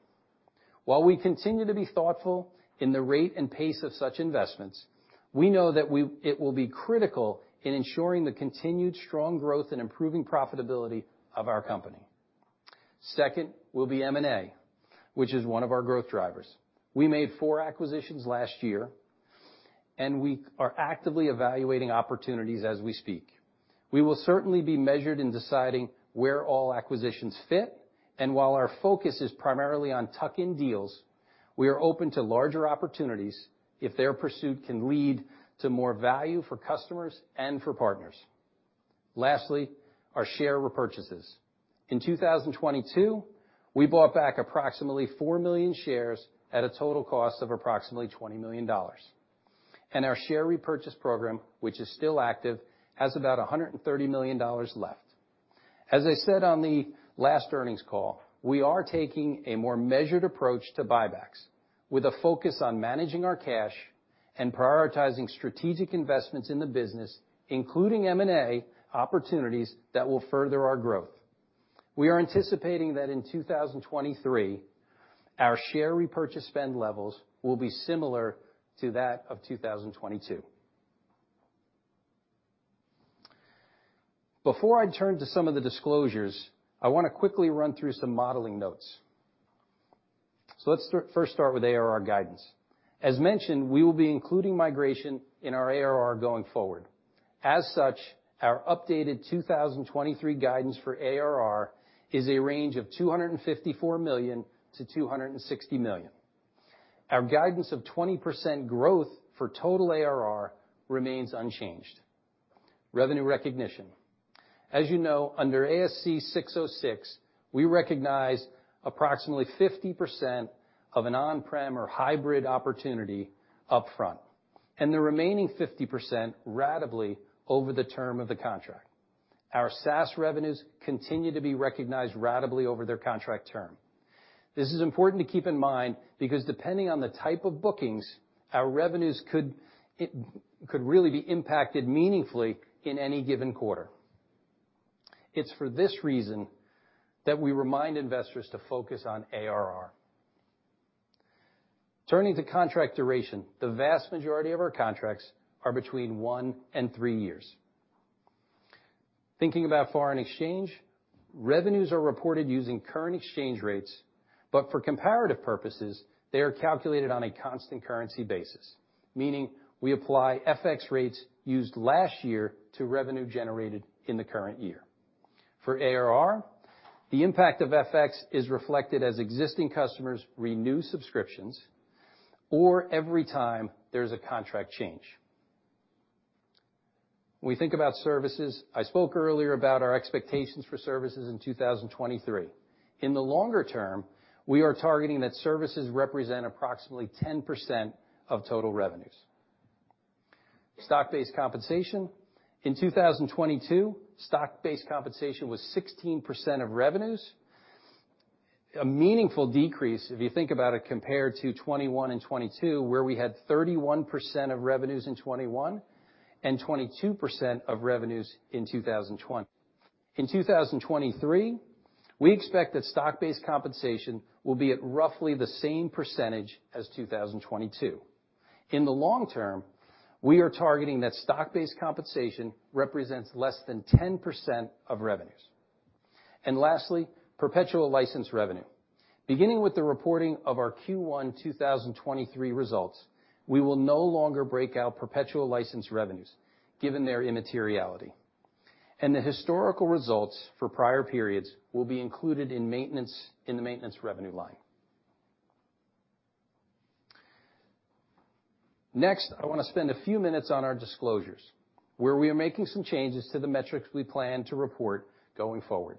While we continue to be thoughtful in the rate and pace of such investments, we know that it will be critical in ensuring the continued strong growth and improving profitability of our company. Second will be M&A, which is one of our growth drivers. We made four acquisitions last year, and we are actively evaluating opportunities as we speak. We will certainly be measured in deciding where all acquisitions fit, and while our focus is primarily on tuck-in deals, we are open to larger opportunities if their pursuit can lead to more value for customers and for partners. Lastly, our share repurchases. In 2022, we bought back approximately 4 million shares at a total cost of approximately $20 million. Our share repurchase program, which is still active, has about $130 million left. As I said on the last earnings call, we are taking a more measured approach to buybacks with a focus on managing our cash and prioritizing strategic investments in the business, including M&A opportunities that will further our growth. We are anticipating that in 2023, our share repurchase spend levels will be similar to that of 2022. Before I turn to some of the disclosures, I wanna quickly run through some modeling notes. First start with ARR guidance. As mentioned, we will be including migration in our ARR going forward. As such, our updated 2023 guidance for ARR is a range of $254 million-$260 million. Our guidance of 20% growth for total ARR remains unchanged. Revenue recognition. As you know, under ASC 606, we recognize approximately 50% of an on-prem or hybrid opportunity upfront, and the remaining 50% ratably over the term of the contract. Our SaaS revenues continue to be recognized ratably over their contract term. This is important to keep in mind because depending on the type of bookings, our revenues could really be impacted meaningfully in any given quarter. It's for this reason that we remind investors to focus on ARR. Turning to contract duration, the vast majority of our contracts are between one and three years. Thinking about foreign exchange, revenues are reported using current exchange rates, for comparative purposes, they are calculated on a constant currency basis, meaning we apply FX rates used last year to revenue generated in the current year. For ARR, the impact of FX is reflected as existing customers renew subscriptions or every time there's a contract change. When we think about services, I spoke earlier about our expectations for services in 2023. In the longer term, we are targeting that services represent approximately 10% of total revenues. Stock-based compensation. In 2022, stock-based compensation was 16% of revenues, a meaningful decrease, if you think about it, compared to 2021 and 2022, where we had 31% of revenues in 2021, and 22% of revenues in 2020. In 2023, we expect that stock-based compensation will be at roughly the same % as 2022. In the long term, we are targeting that stock-based compensation represents less than 10% of revenues. Lastly, perpetual license revenue. Beginning with the reporting of our Q1 2023 results, we will no longer break out perpetual license revenues given their immateriality. The historical results for prior periods will be included in the maintenance revenue line. Next, I wanna spend a few minutes on our disclosures where we are making some changes to the metrics we plan to report going forward.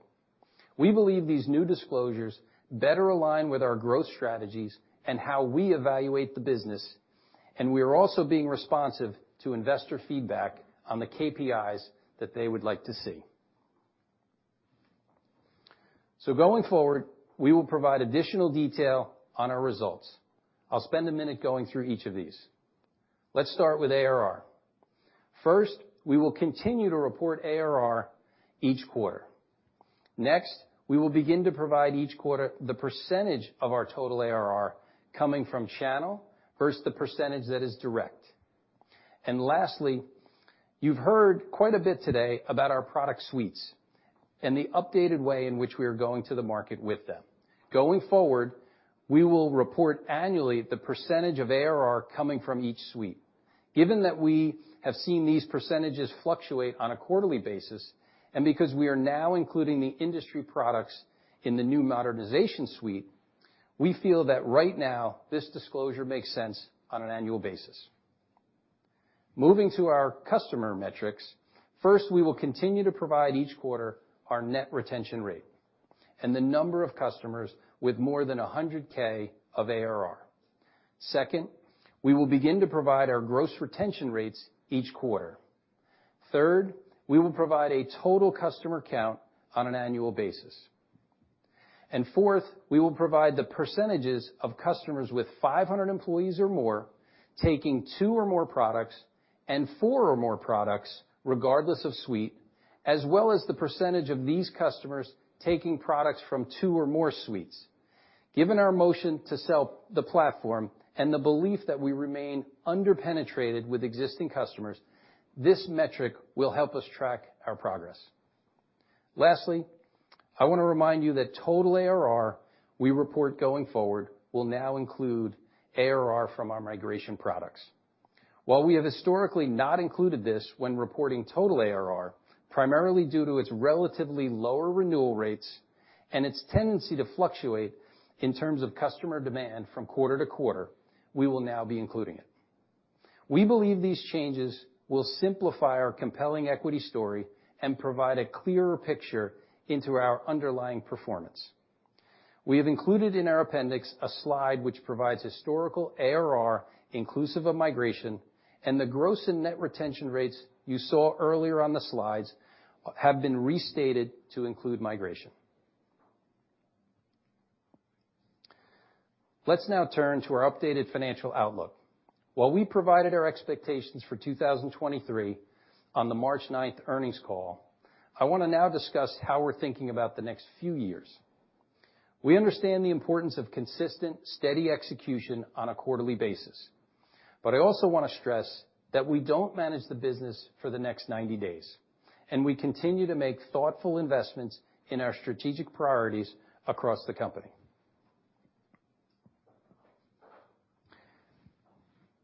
We believe these new disclosures better align with our growth strategies and how we evaluate the business, and we are also being responsive to investor feedback on the KPIs that they would like to see. Going forward, we will provide additional detail on our results. I'll spend a minute going through each of these. Let's start with ARR. First, we will continue to report ARR each quarter. Next, we will begin to provide each quarter the % of our total ARR coming from channel versus the % that is direct. Lastly, you've heard quite a bit today about our product suites and the updated way in which we are going to the market with them. Going forward, we will report annually the % of ARR coming from each suite. Given that we have seen these % fluctuate on a quarterly basis, and because we are now including the industry products in the new Modernization Suite, we feel that right now this disclosure makes sense on an annual basis. Moving to our customer metrics. First, we will continue to provide each quarter our net retention rate and the number of customers with more than $100K of ARR. Second, we will begin to provide our gross retention rates each quarter. Third, we will provide a total customer count on an annual basis. Fourth, we will provide the percentages of customers with 500 employees or more taking 2 or more products and 4 or more products regardless of suite, as well as the percentage of these customers taking products from 2 or more suites. Given our motion to sell the platform and the belief that we remain under-penetrated with existing customers, this metric will help us track our progress. Lastly, I wanna remind you that total ARR we report going forward will now include ARR from our migration products. While we have historically not included this when reporting total ARR, primarily due to its relatively lower renewal rates and its tendency to fluctuate in terms of customer demand from quarter to quarter, we will now be including it. We believe these changes will simplify our compelling equity story and provide a clearer picture into our underlying performance. We have included in our appendix a slide which provides historical ARR inclusive of migration, and the gross and net retention rates you saw earlier on the slides have been restated to include migration. Let's now turn to our updated financial outlook. While we provided our expectations for 2023 on the March 9th earnings call, I wanna now discuss how we're thinking about the next few years. We understand the importance of consistent, steady execution on a quarterly basis. I also wanna stress that we don't manage the business for the next 90 days. We continue to make thoughtful investments in our strategic priorities across the company.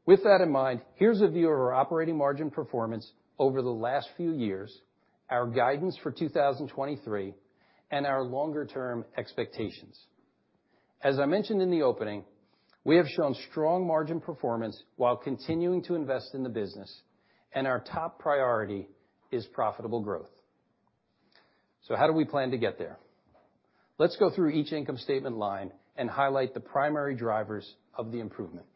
With that in mind, here's a view of our operating margin performance over the last few years, our guidance for 2023, our longer-term expectations. As I mentioned in the opening, we have shown strong margin performance while continuing to invest in the business. Our top priority is profitable growth. How do we plan to get there? Let's go through each income statement line and highlight the primary drivers of the improvement.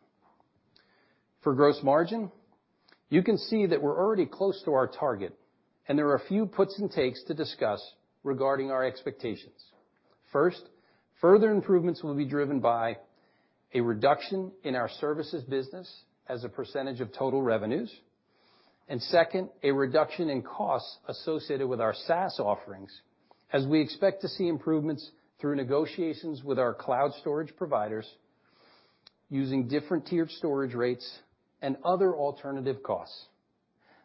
For gross margin, you can see that we're already close to our target. There are a few puts and takes to discuss regarding our expectations. First, further improvements will be driven by a reduction in our services business as a % of total revenues. Second, a reduction in costs associated with our SaaS offerings, as we expect to see improvements through negotiations with our cloud storage providers using different tiered storage rates and other alternative costs.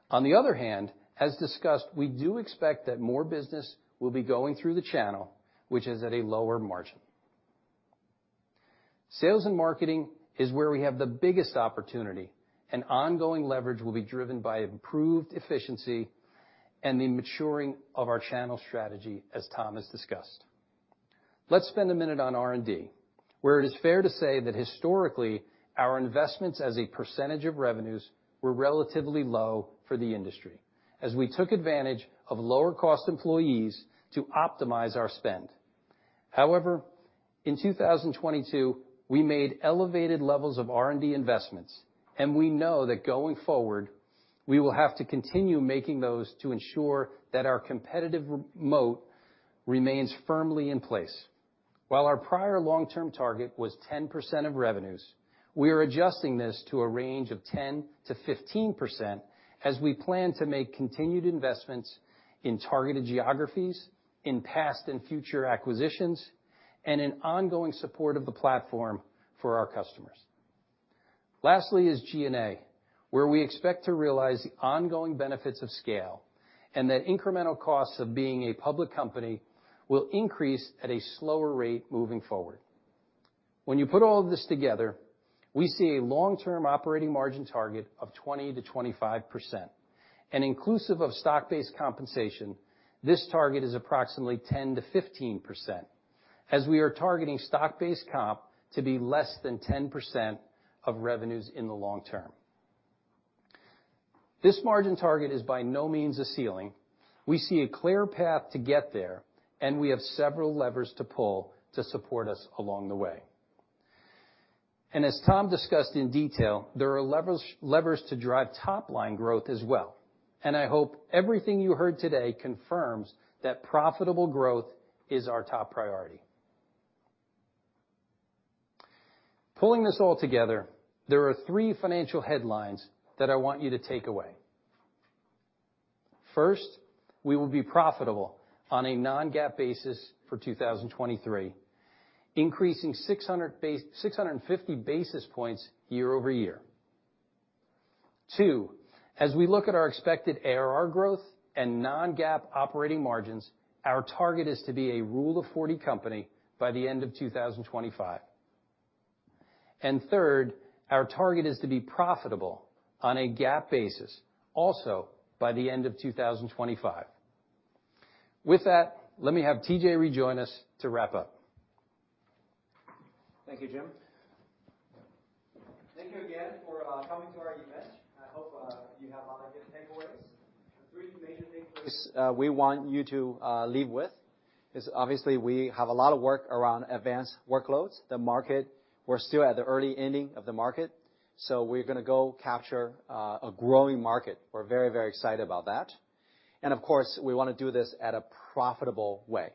On the other hand, as discussed, we do expect that more business will be going through the channel, which is at a lower margin. Sales and marketing is where we have the biggest opportunity, ongoing leverage will be driven by improved efficiency and the maturing of our channel strategy as Tom has discussed. Let's spend a minute on R&D, where it is fair to say that historically, our investments as a % of revenues were relatively low for the industry, as we took advantage of lower-cost employees to optimize our spend. However, in 2022, we made elevated levels of R&D investments, and we know that going forward, we will have to continue making those to ensure that our competitive re-moat remains firmly in place. While our prior long-term target was 10% of revenues, we are adjusting this to a range of 10%-15% as we plan to make continued investments in targeted geographies, in past and future acquisitions, and in ongoing support of the platform for our customers. Lastly is G&A, where we expect to realize the ongoing benefits of scale, and that incremental costs of being a public company will increase at a slower rate moving forward. When you put all of this together, we see a long-term operating margin target of 20%-25%. Inclusive of stock-based compensation, this target is approximately 10%-15%, as we are targeting stock-based comp to be less than 10% of revenues in the long term. This margin target is by no means a ceiling. We see a clear path to get there, and we have several levers to pull to support us along the way. As Tom discussed in detail, there are levers to drive top line growth as well. I hope everything you heard today confirms that profitable growth is our top priority. Pulling this all together, there are 3 financial headlines that I want you to take away. First, we will be profitable on a non-GAAP basis for 2023, increasing 650 basis points year-over-year. Two, as we look at our expected ARR growth and non-GAAP operating margins, our target is to be a Rule of 40 company by the end of 2025. Third, our target is to be profitable on a GAAP basis also by the end of 2025. With that, let me have TJ rejoin us to wrap up. Thank you, Jim. Thank you again for coming to our event. I hope you have a lot of good takeaways. The 3 major things we want you to leave with is obviously we have a lot of work around advanced workloads. The market, we're still at the early inning of the market, we're gonna go capture a growing market. We're very, very excited about that. Of course, we wanna do this at a profitable way.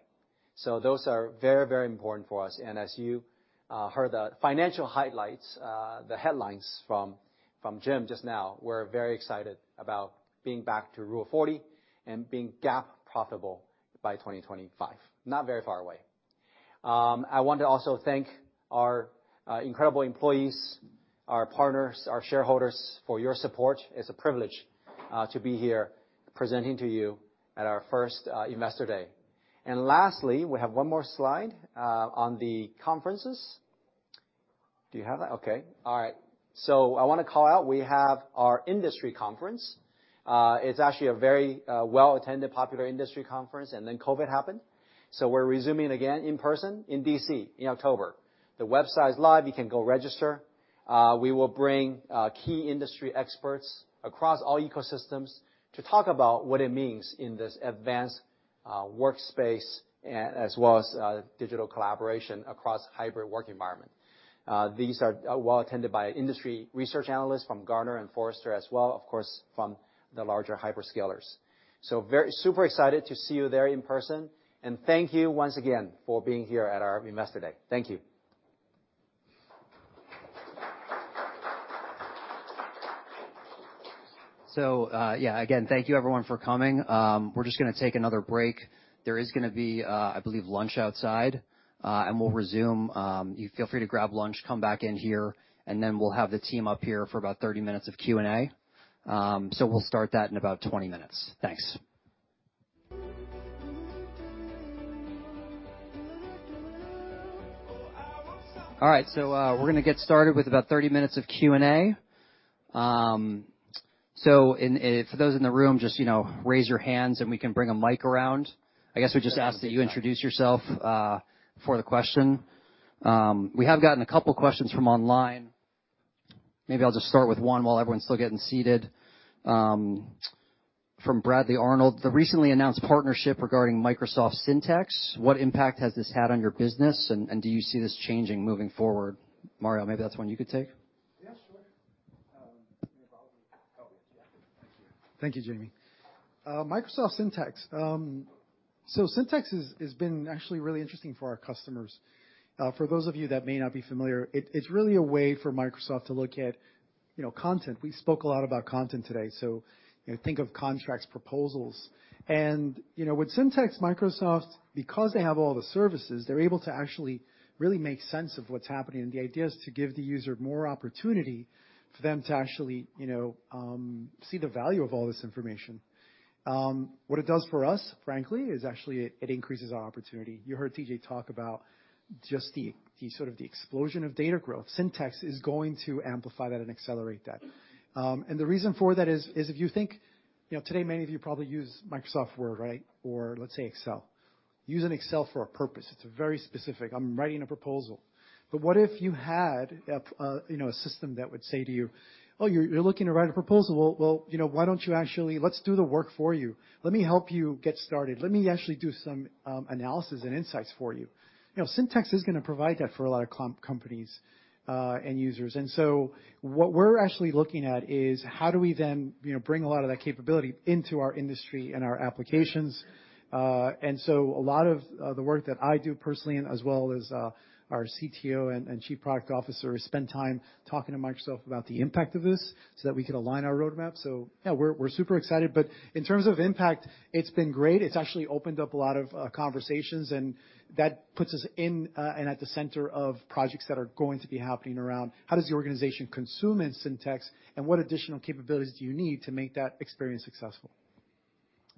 Those are very, very important for us. As you heard the financial highlights, the headlines from Jim just now, we're very excited about being back to Rule of 40 and being GAAP profitable by 2025. Not very far away. I want to also thank our incredible employees, our partners, our shareholders for your support. It's a privilege to be here presenting to you at our first investor day. Lastly, we have one more slide on the conferences. Do you have that? Okay. All right. I wanna call out, we have our industry conference. It's actually a very well-attended popular industry conference, COVID happened. We're resuming again in person in D.C. in October. The website is live. You can go register. We will bring key industry experts across all ecosystems to talk about what it means in this advanced workspace as well as digital collaboration across hybrid work environment. These are well-attended by industry research analysts from Gartner and Forrester as well, of course, from the larger hyperscalers. Very super excited to see you there in person, and thank you once again for being here at our investor day. Thank you. Yeah, again, thank you everyone for coming. We're just gonna take another break. There is gonna be, I believe, lunch outside, and we'll resume. You feel free to grab lunch, come back in here, and then we'll have the team up here for about 30 minutes of Q&A. We'll start that in about 20 minutes. Thanks. All right, we're gonna get started with about 30 minutes of Q&A. And for those in the room, just, you know, raise your hands, and we can bring a mic around. I guess we just ask that you introduce yourself for the question. We have gotten a couple questions from online. Maybe I'll just start with one while everyone's still getting seated. from Bradley Arnold, the recently announced partnership regarding Microsoft Syntex, what impact has this had on your business? Do you see this changing moving forward? Mario, maybe that's one you could take. Yeah, sure. Let me borrow this. Oh, yeah. Thank you. Thank you, Jamie. Microsoft Syntex. Syntex has been actually really interesting for our customers. For those of you that may not be familiar, it's really a way for Microsoft to look at, you know, content. We spoke a lot about content today, you know, think of contracts proposals. You know, with Syntex Microsoft, because they have all the services, they're able to actually really make sense of what's happening. The idea is to give the user more opportunity for them to actually, you know, see the value of all this information. What it does for us, frankly, is actually it increases our opportunity. You heard TJ talk about just the sort of the explosion of data growth. Syntex is going to amplify that and accelerate that. The reason for that is if you think, you know, today many of you probably use Microsoft Word, right? Or let's say Excel. Using Excel for a purpose. It's very specific. I'm writing a proposal. What if you had, you know, a system that would say to you, "Oh, you're looking to write a proposal. Well, you know, why don't you actually let's do the work for you. Let me help you get started. Let me actually do some analysis and insights for you." You know, Syntex is gonna provide that for a lot of companies, end users. What we're actually looking at is how do we then, you know, bring a lot of that capability into our industry and our applications. A lot of the work that I do personally and as well as our CTO and chief product officer spend time talking to Microsoft about the impact of this so that we could align our roadmap. Yeah, we're super excited. In terms of impact, it's been great. It's actually opened up a lot of conversations, and that puts us in and at the center of projects that are going to be happening around how does the organization consume in Microsoft Syntex, and what additional capabilities do you need to make that experience successful?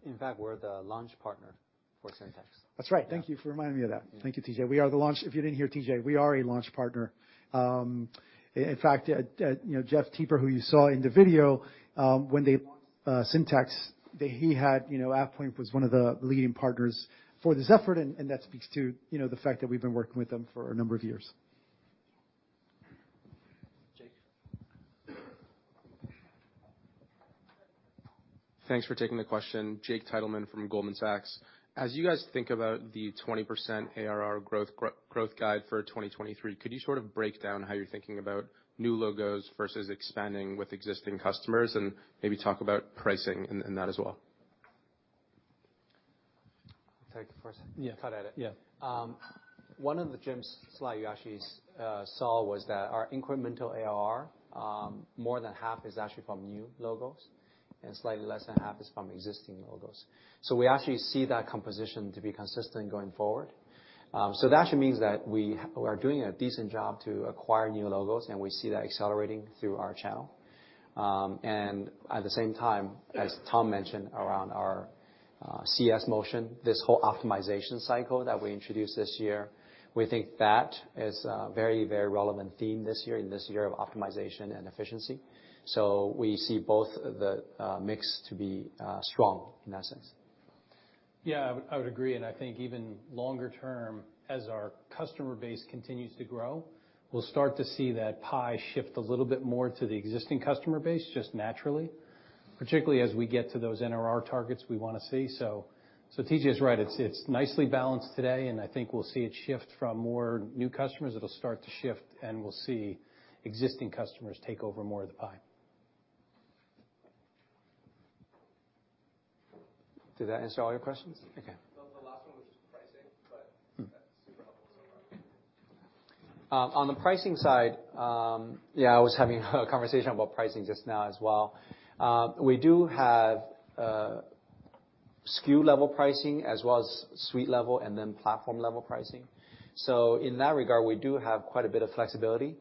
In fact, we're the launch partner for Syntex. That's right. Thank you for reminding me of that. Thank you, TJ. If you didn't hear TJ, we are a launch partner. In fact, you know, Jeff Teper, who you saw in the video, when they launched Syntex, that he had, you know, AvePoint was one of the leading partners for this effort, and that speaks to, you know, the fact that we've been working with them for a number of years. Jake. Thanks for taking the question. Jake Teitelbaum from Goldman Sachs. As you guys think about the 20% ARR growth guide for 2023, could you sort of break down how you're thinking about new logos versus expanding with existing customers and maybe talk about pricing in that as well? I'll take it first. Yeah. Cut at it. Yeah. One of Jim's slide you actually saw was that our incremental ARR, more than half is actually from new logos and slightly less than half is from existing logos. We actually see that composition to be consistent going forward. That actually means that we are doing a decent job to acquire new logos, and we see that accelerating through our channel. At the same time, as Tom mentioned around our CS motion, this whole optimization cycle that we introduced this year, we think that is a very, very relevant theme this year, in this year of optimization and efficiency. We see both the mix to be strong in that sense. Yeah, I would agree. I think even longer term, as our customer base continues to grow, we'll start to see that pie shift a little bit more to the existing customer base just naturally, particularly as we get to those NRR targets we wanna see. TJ is right. It's nicely balanced today, and I think we'll see it shift from more new customers. It'll start to shift, and we'll see existing customers take over more of the pie. Did that answer all your questions? Okay. The last one was just pricing, but that's super helpful so far. On the pricing side, yeah, I was having a conversation about pricing just now as well. We do have a SKU level pricing as well as suite level and then platform level pricing. In that regard, we do have quite a bit of flexibility,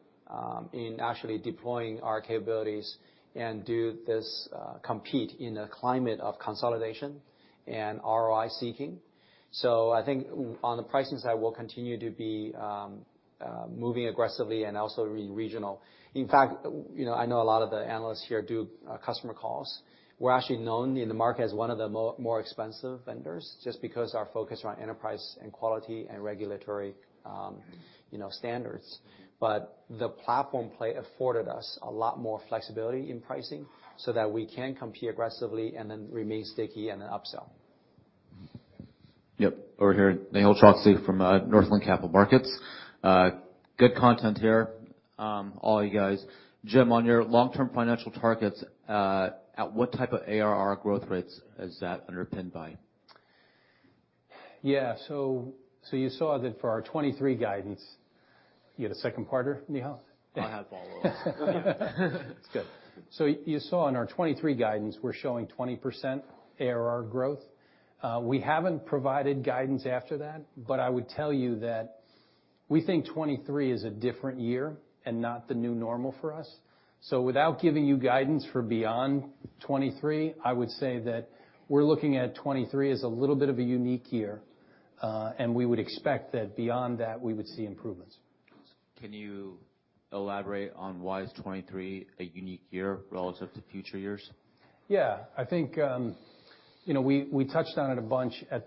in actually deploying our capabilities and do this, compete in a climate of consolidation and ROI seeking. I think on the pricing side, we'll continue to be moving aggressively and also regional. In fact, you know, I know a lot of the analysts here do customer calls. We're actually known in the market as one of the more expensive vendors just because our focus around enterprise and quality and regulatory, you know, standards. The platform play afforded us a lot more flexibility in pricing so that we can compete aggressively and then remain sticky and then upsell. Yep. Over here, Nihal Choksi from Northland Capital Markets. Good content here, all you guys. Jim, on your long-term financial targets, at what type of ARR growth rates is that underpinned by? Yeah. You saw that for our 23 guidance. You had a second partner, Nihal? I'll have follow-ups. That's good. You saw in our 2023 guidance, we're showing 20% ARR growth. We haven't provided guidance after that, but I would tell you that we think 2023 is a different year and not the new normal for us. Without giving you guidance for beyond 2023, I would say that we're looking at 2023 as a little bit of a unique year, and we would expect that beyond that, we would see improvements. Can you elaborate on why is 2023 a unique year relative to future years? I think we touched on it a bunch at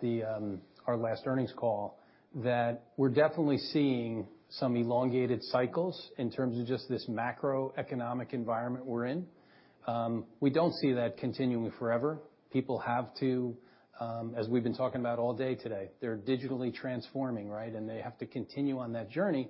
our last earnings call, that we're definitely seeing some elongated cycles in terms of just this macroeconomic environment we're in. We don't see that continuing forever. People have to, as we've been talking about all day today, they're digitally transforming, right? They have to continue on that journey.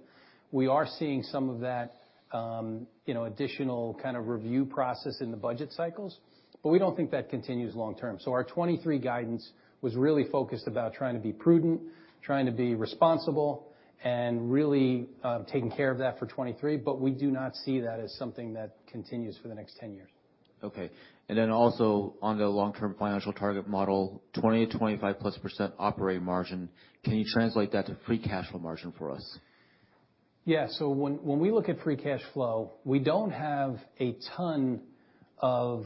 We are seeing some of that additional kind of review process in the budget cycles. We don't think that continues long term. Our 2023 guidance was really focused about trying to be prudent, trying to be responsible, and really taking care of that for 2023. We do not see that as something that continues for the next 10 years. Okay. Then also on the long-term financial target model, 20-25+% operating margin, can you translate that to free cash flow margin for us? Yeah. When we look at free cash flow, we don't have a ton of,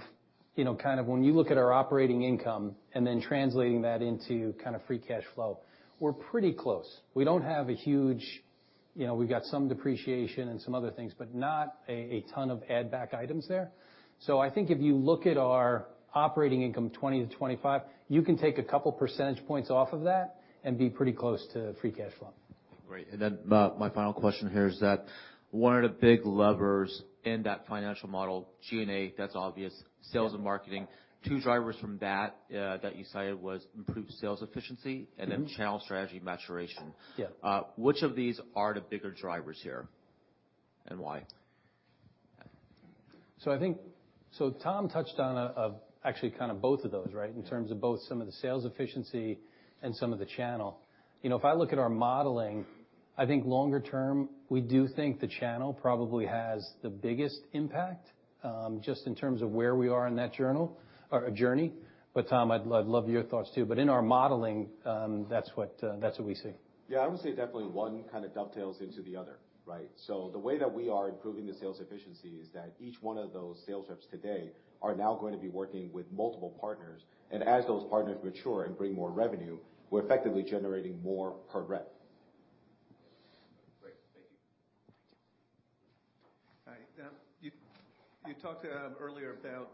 you know, kind of when you look at our operating income and then translating that into kind of free cash flow, we're pretty close. We don't have a huge, you know, we've got some depreciation and some other things, but not a ton of add back items there. I think if you look at our operating income, 20%-25%, you can take a couple percentage points off of that and be pretty close to free cash flow. Great. Then my final question here is that one of the big levers in that financial model, G&A, that's obvious, sales and marketing. Two drivers from that that you cited was improved sales efficiency and then channel strategy maturation. Yeah. Which of these are the bigger drivers here and why? Tom touched on, actually kind of both of those, right? In terms of both some of the sales efficiency and some of the channel. You know, if I look at our modeling, I think longer term, we do think the channel probably has the biggest impact, just in terms of where we are in that journey. Tom, I'd love your thoughts too. In our modeling, that's what we see. Yeah. I would say definitely one kind of dovetails into the other, right? The way that we are improving the sales efficiency is that each one of those sales reps today are now going to be working with multiple partners. As those partners mature and bring more revenue, we're effectively generating more per rep. Great. Thank you. Hi. You talked earlier about...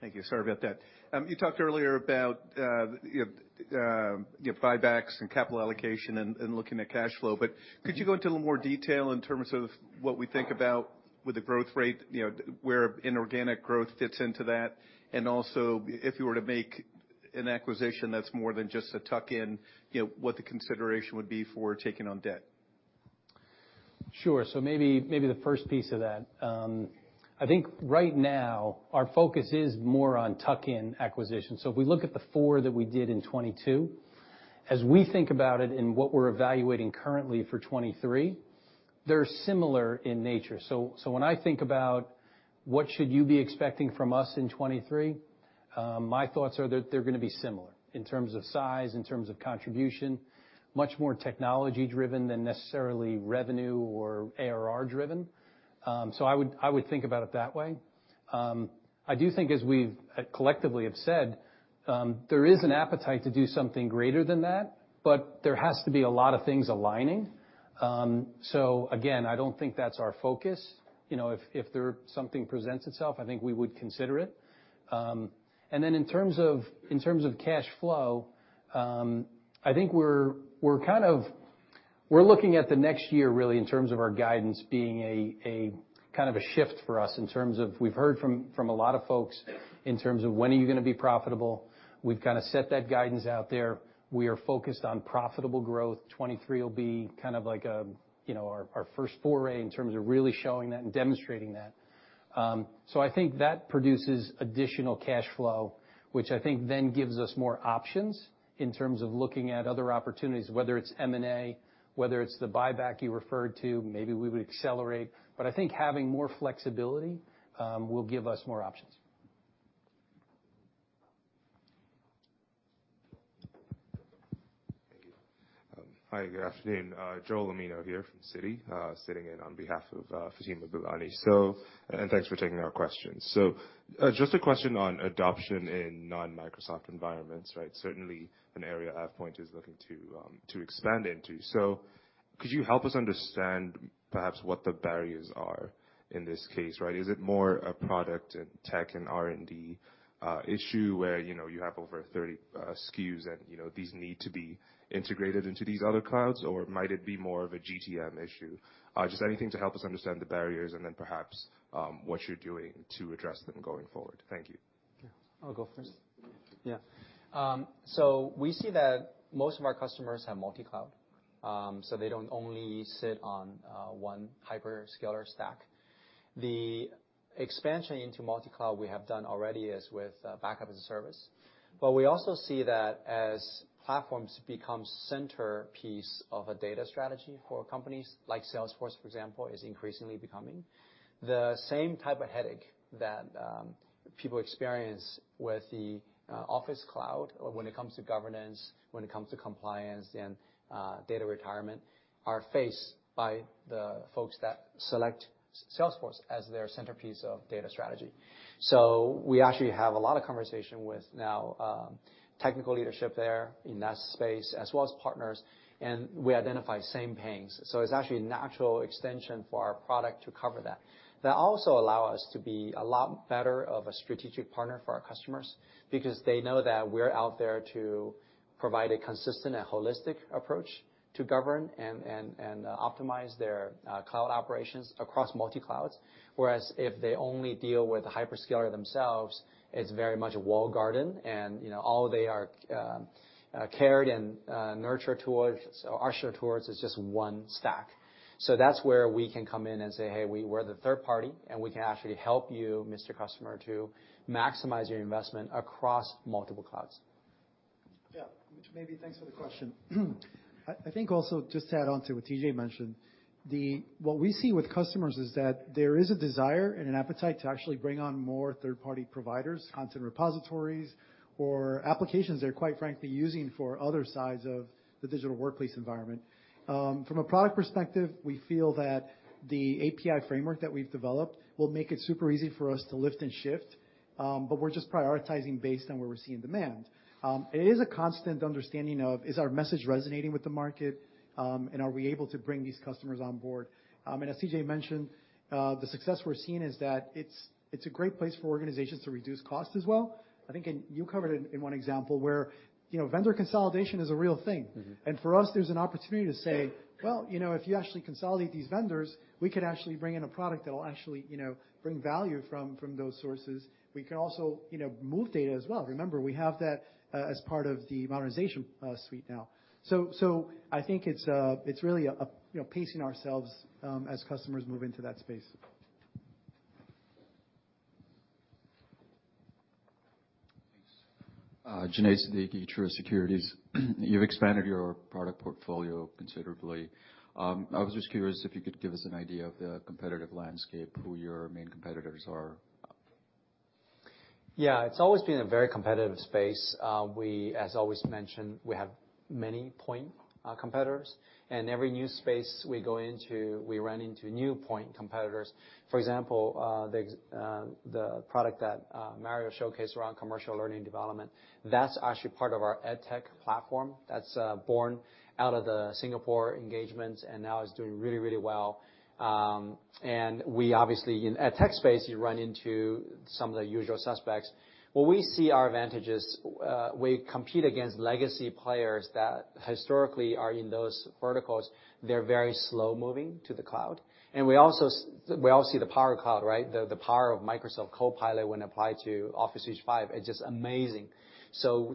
Thank you. Sorry about that. You talked earlier about, you know, you know, buybacks and capital allocation and looking at cash flow. Could you go into a little more detail in terms of what we think about with the growth rate, you know, where inorganic growth fits into that? Also if you were to make an acquisition that's more than just a tuck-in, you know, what the consideration would be for taking on debt? Sure. Maybe the first piece of that. I think right now our focus is more on tuck-in acquisitions. If we look at the four that we did in 2022, as we think about it and what we're evaluating currently for 2023, they're similar in nature. When I think about what should you be expecting from us in 2023, my thoughts are that they're gonna be similar in terms of size, in terms of contribution, much more technology driven than necessarily revenue or ARR driven. I would think about it that way. I do think as we've collectively have said, there is an appetite to do something greater than that, but there has to be a lot of things aligning. Again, I don't think that's our focus. You know, if there something presents itself, I think we would consider it. In terms of cash flow, I think we're looking at the next year really in terms of our guidance being a kind of a shift for us in terms of we've heard from a lot of folks in terms of when are you gonna be profitable. We've kinda set that guidance out there. We are focused on profitable growth. 2023 will be kind of like a, you know, our first foray in terms of really showing that and demonstrating that. I think that produces additional cash flow, which I think then gives us more options in terms of looking at other opportunities, whether it's M&A, whether it's the buyback you referred to, maybe we would accelerate. I think having more flexibility, will give us more options. Thank you. Hi. Good afternoon. Joel Omino here from Citi, sitting in on behalf of Fatima Boolani. Thanks for taking our questions. Just a question on adoption in non-Microsoft environments, right? Certainly an area AvePoint is looking to expand into. Could you help us understand perhaps what the barriers are in this case, right? Is it more a product and tech and R&D issue where, you know, you have over 30 SKUs and, you know, these need to be integrated into these other clouds, or might it be more of a GTM issue? Just anything to help us understand the barriers and then perhaps what you're doing to address them going forward. Thank you. I'll go first. We see that most of our customers have multi-cloud, they don't only sit on one hyperscaler stack. The expansion into multi-cloud we have done already is with backup as a service. We also see that as platforms become centerpiece of a data strategy for companies, like Salesforce, for example, is increasingly becoming, the same type of headache that people experience with the Office cloud or when it comes to governance, when it comes to compliance and data retirement, are faced by the folks that select Salesforce as their centerpiece of data strategy. We actually have a lot of conversation with now, technical leadership there in that space, as well as partners, and we identify same pains. It's actually a natural extension for our product to cover that. That also allow us to be a lot better of a strategic partner for our customers because they know that we're out there to provide a consistent and holistic approach to govern and optimize their cloud operations across multi-clouds. Whereas if they only deal with the hyperscaler themselves, it's very much a walled garden and, you know, all they are carried and nurtured towards or ushered towards is just one stack. That's where we can come in and say, "Hey, we're the third party, and we can actually help you, Mr. Customer, to maximize your investment across multiple clouds." Yeah. Mitch, maybe thanks for the question. I think also just to add on to what TJ mentioned, what we see with customers is that there is a desire and an appetite to actually bring on more third-party providers, content repositories, or applications they're quite frankly using for other sides of the digital workplace environment. From a product perspective, we feel that the API framework that we've developed will make it super easy for us to lift and shift. We're just prioritizing based on where we're seeing demand. It is a constant understanding of is our message resonating with the market, and are we able to bring these customers on board? As TJ mentioned, the success we're seeing is that it's a great place for organizations to reduce cost as well. I think, and you covered it in one example, where, you know, vendor consolidation is a real thing. For us, there's an opportunity to say, "Well, you know, if you actually consolidate these vendors, we could actually bring in a product that will actually, you know, bring value from those sources. We can also, you know, move data as well." Remember, we have that as part of the Modernization Suite now. I think it's really a, you know, pacing ourselves as customers move into that space. Thanks. Junaid Siddiqui, Truist Securities. You've expanded your product portfolio considerably. I was just curious if you could give us an idea of the competitive landscape, who your main competitors are? Yeah, it's always been a very competitive space. We as always mention, we have many point competitors, every new space we go into, we run into new point competitors. For example, the product that Mario showcased around commercial learning development, that's actually part of our EdTech platform that's born out of the Singapore engagements and now is doing really, really well. We obviously in EdTech space, you run into some of the usual suspects. Where we see our advantages, we compete against legacy players that historically are in those verticals. They're very slow-moving to the cloud. We all see the power of cloud, right? The power of Microsoft Copilot when applied to Office 365 is just amazing.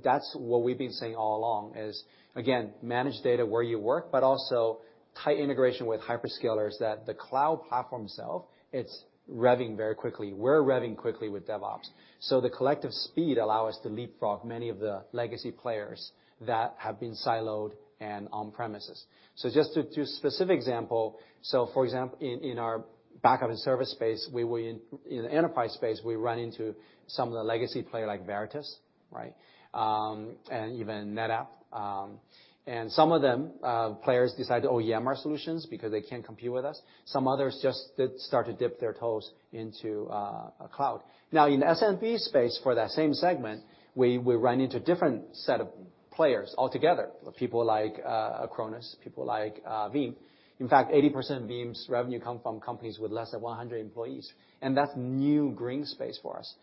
That's what we've been saying all along is, again, manage data where you work, but also tight integration with hyperscalers that the cloud platform itself, it's revving very quickly. We're revving quickly with DevOps. The collective speed allow us to leapfrog many of the legacy players that have been siloed and on premises. Just to specific example, in our backup as a service space, in the enterprise space, we run into some of the legacy player like Veritas, right. And even NetApp. And some of them players decide to OEM our solutions because they can't compete with us. Some others just did start to dip their toes into a cloud. In SMB space for that same segment, we run into different set of players altogether, people like Acronis, people like Veeam. In fact, 80% of Veeam's revenue come from companies with less than 100 employees. That's new green space for us.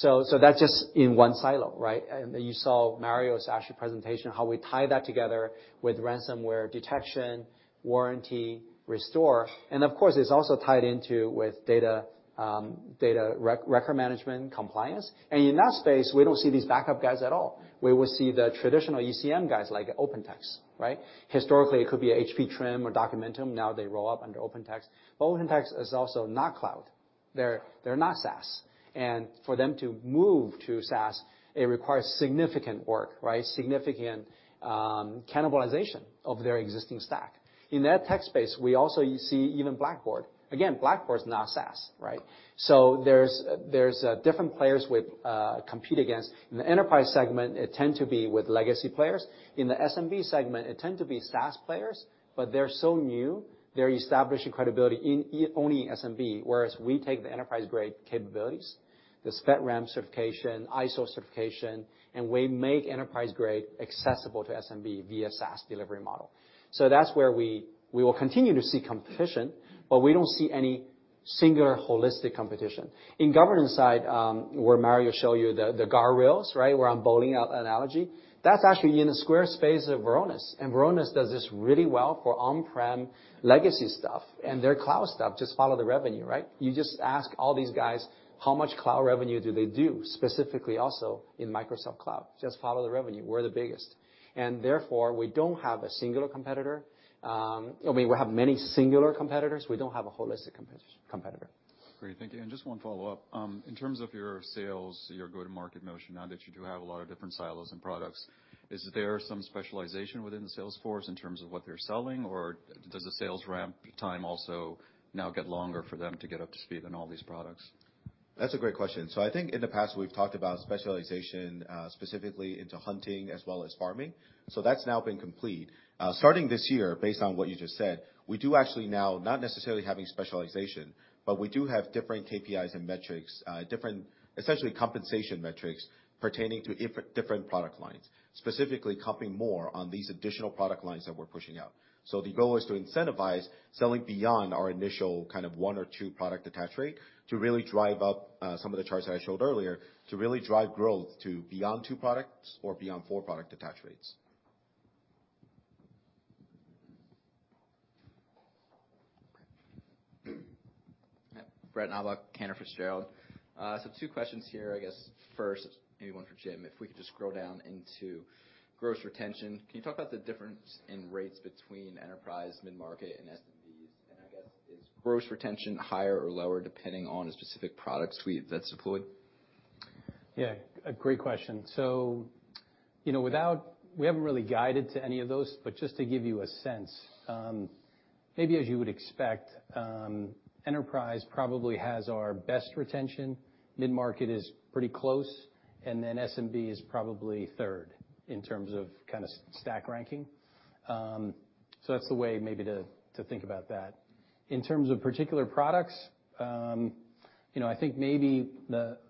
That's just in one silo, right? You saw Mario's presentation, how we tie that together with ransomware detection, warranty, restore. Of course, it's also tied into with data record management compliance. In that space, we don't see these backup guys at all. We will see the traditional ECM guys like OpenText, right? Historically, it could be a HP TRIM or Documentum. Now they roll up under OpenText. OpenText is also not cloud. They're not SaaS. For them to move to SaaS, it requires significant work, right? Significant cannibalization of their existing stack. In that tech space, we also see even Blackboard. Again, Blackboard's not SaaS, right? There's different players with compete against. In the enterprise segment, it tend to be with legacy players. In the SMB segment, it tend to be SaaS players, but they're so new, they're establishing credibility only in SMB, whereas we take the enterprise-grade capabilities, the FedRAMP certification, ISO certification, and we make enterprise-grade accessible to SMB via SaaS delivery model. That's where we will continue to see competition, but we don't see any singular holistic competition. In governance side, where Mario show you the guardrails, right? Where I'm bowling out analogy. That's actually in a square space of Varonis. And Varonis does this really well for on-prem legacy stuff, and their cloud stuff just follow the revenue, right? You just ask all these guys how much cloud revenue do they do, specifically also in Microsoft Cloud. Just follow the revenue. We're the biggest. Therefore, we don't have a singular competitor. I mean, we have many singular competitors. We don't have a holistic competitor. Great. Thank you. Just 1 follow-up. In terms of your sales, your go-to-market motion, now that you do have a lot of different silos and products, is there some specialization within the sales force in terms of what they're selling? Does the sales ramp time also now get longer for them to get up to speed on all these products? That's a great question. I think in the past, we've talked about specialization, specifically into hunting as well as farming. That's now been complete. Starting this year, based on what you just said, we do actually now not necessarily having specialization, but we do have different KPIs and metrics, different, essentially compensation metrics pertaining to different product lines, specifically comping more on these additional product lines that we're pushing out. The goal is to incentivize selling beyond our initial kind of 1 or 2 product attach rate to really drive up, some of the charts that I showed earlier, to really drive growth to beyond 2 products or beyond 4 product attach rates. Two questions here. I guess first, maybe one for Jim. If we could just scroll down into gross retention. Can you talk about the difference in rates between enterprise, mid-market, and SMBs? I guess is gross retention higher or lower depending on a specific product suite that's deployed? Yeah, a great question. You know, without... We haven't really guided to any of those, but just to give you a sense, maybe as you would expect, enterprise probably has our best retention, mid-market is pretty close, and then SMB is probably third in terms of kind of stack ranking. That's the way maybe to think about that. In terms of particular products, you know, I think maybe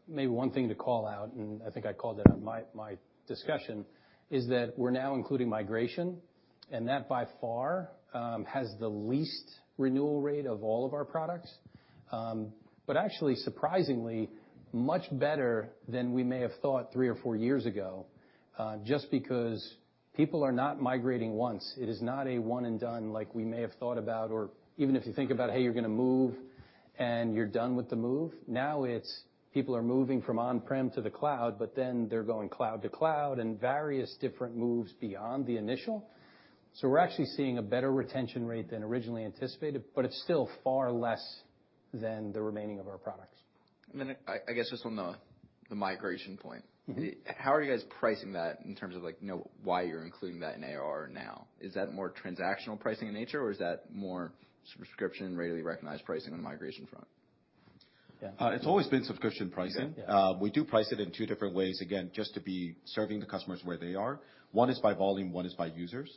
one thing to call out, and I think I called it out in my discussion, is that we're now including migration, and that by far, has the least renewal rate of all of our products. Actually, surprisingly, much better than we may have thought three or four years ago, just because people are not migrating once. It is not a one and done like we may have thought about, or even if you think about, hey, you're gonna move and you're done with the move. Now it's people are moving from on-prem to the cloud, but then they're going cloud to cloud and various different moves beyond the initial. We're actually seeing a better retention rate than originally anticipated, but it's still far less than the remaining of our products. I guess just on the migration point. How are you guys pricing that in terms of like, you know, why you're including that in ARR now? Is that more transactional pricing in nature, or is that more subscription, readily recognized pricing on the migration front? It's always been subscription pricing. Yeah. We do price it in two different ways, again, just to be serving the customers where they are. One is by volume, one is by users.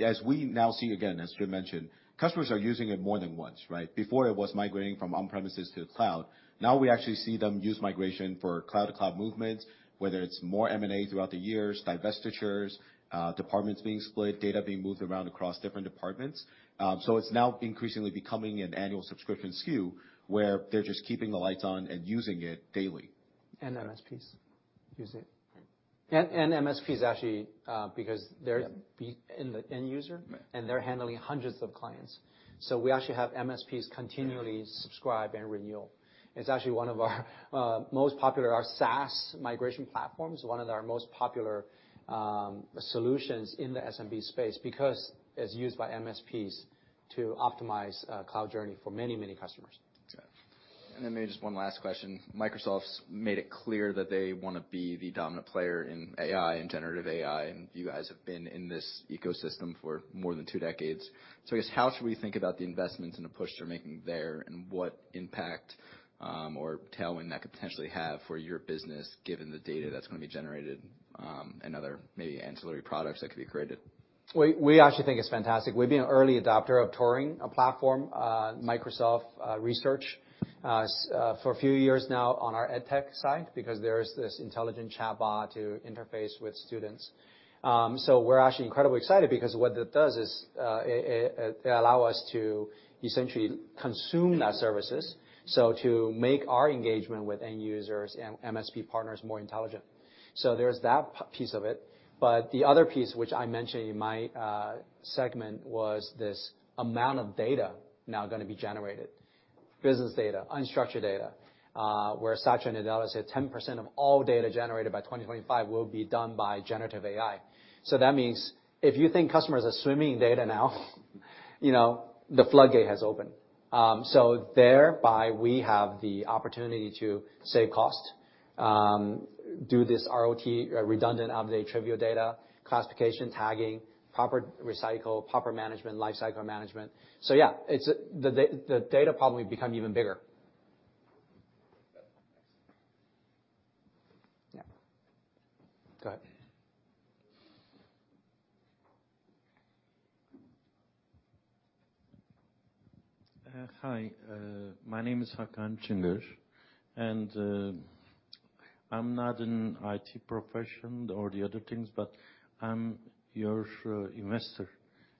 As we now see again, as Jim mentioned, customers are using it more than once, right? Before it was migrating from on-premises to cloud. Now we actually see them use migration for cloud-to-cloud movements, whether it's more M&A throughout the years, divestitures, departments being split, data being moved around across different departments. It's now increasingly becoming an annual subscription SKU, where they're just keeping the lights on and using it daily. MSPs use it. Right. MSPs actually, because. Yeah ...be in the end user. Right. They're handling hundreds of clients. We actually have MSPs continually subscribe and renew. Our SaaS migration platform is one of our most popular solutions in the SMB space because it's used by MSPs to optimize a cloud journey for many, many customers. Yeah. Maybe just one last question. Microsoft's made it clear that they wanna be the dominant player in AI, in generative AI, and you guys have been in this ecosystem for more than two decades. I guess, how should we think about the investments and the push they're making there, and what impact, or tailwind that could potentially have for your business, given the data that's gonna be generated, and other maybe ancillary products that could be created? We actually think it's fantastic. We've been an early adopter of Turing, a platform, Microsoft Research, for a few years now on our ed tech side, because there is this intelligent chatbot to interface with students. We're actually incredibly excited because what that does is, it allow us to essentially consume their services, to make our engagement with end users and MSP partners more intelligent. There's that piece of it. The other piece, which I mentioned in my segment, was this amount of data now gonna be generated. Business data, unstructured data, where Satya Nadella said 10% of all data generated by 2025 will be done by generative AI. That means if you think customers are swimming in data now, you know, the floodgate has opened. Thereby we have the opportunity to save cost, do this ROT, redundant, out of date, trivial data, classification, tagging, proper recycle, proper management, lifecycle management. Yeah, it's, the data problem will become even bigger. Okay, thanks. Yeah. Go ahead. Hi. My name is Hakan Cingir. I'm not an IT profession or the other things, but I'm your investor,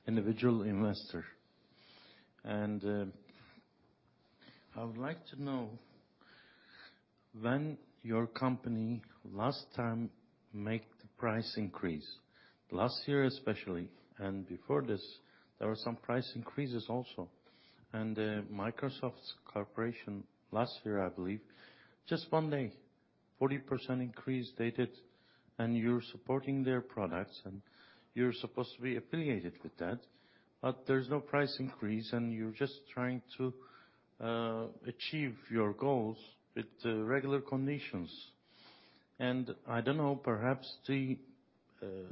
individual investor. I would like to know when your company last time make the price increase. Last year especially, before this, there were some price increases also. Microsoft Corporation, last year, I believe, just 1 day, 40% increase they did, and you're supporting their products, and you're supposed to be affiliated with that. There's no price increase, and you're just trying to achieve your goals with the regular conditions. I don't know, perhaps the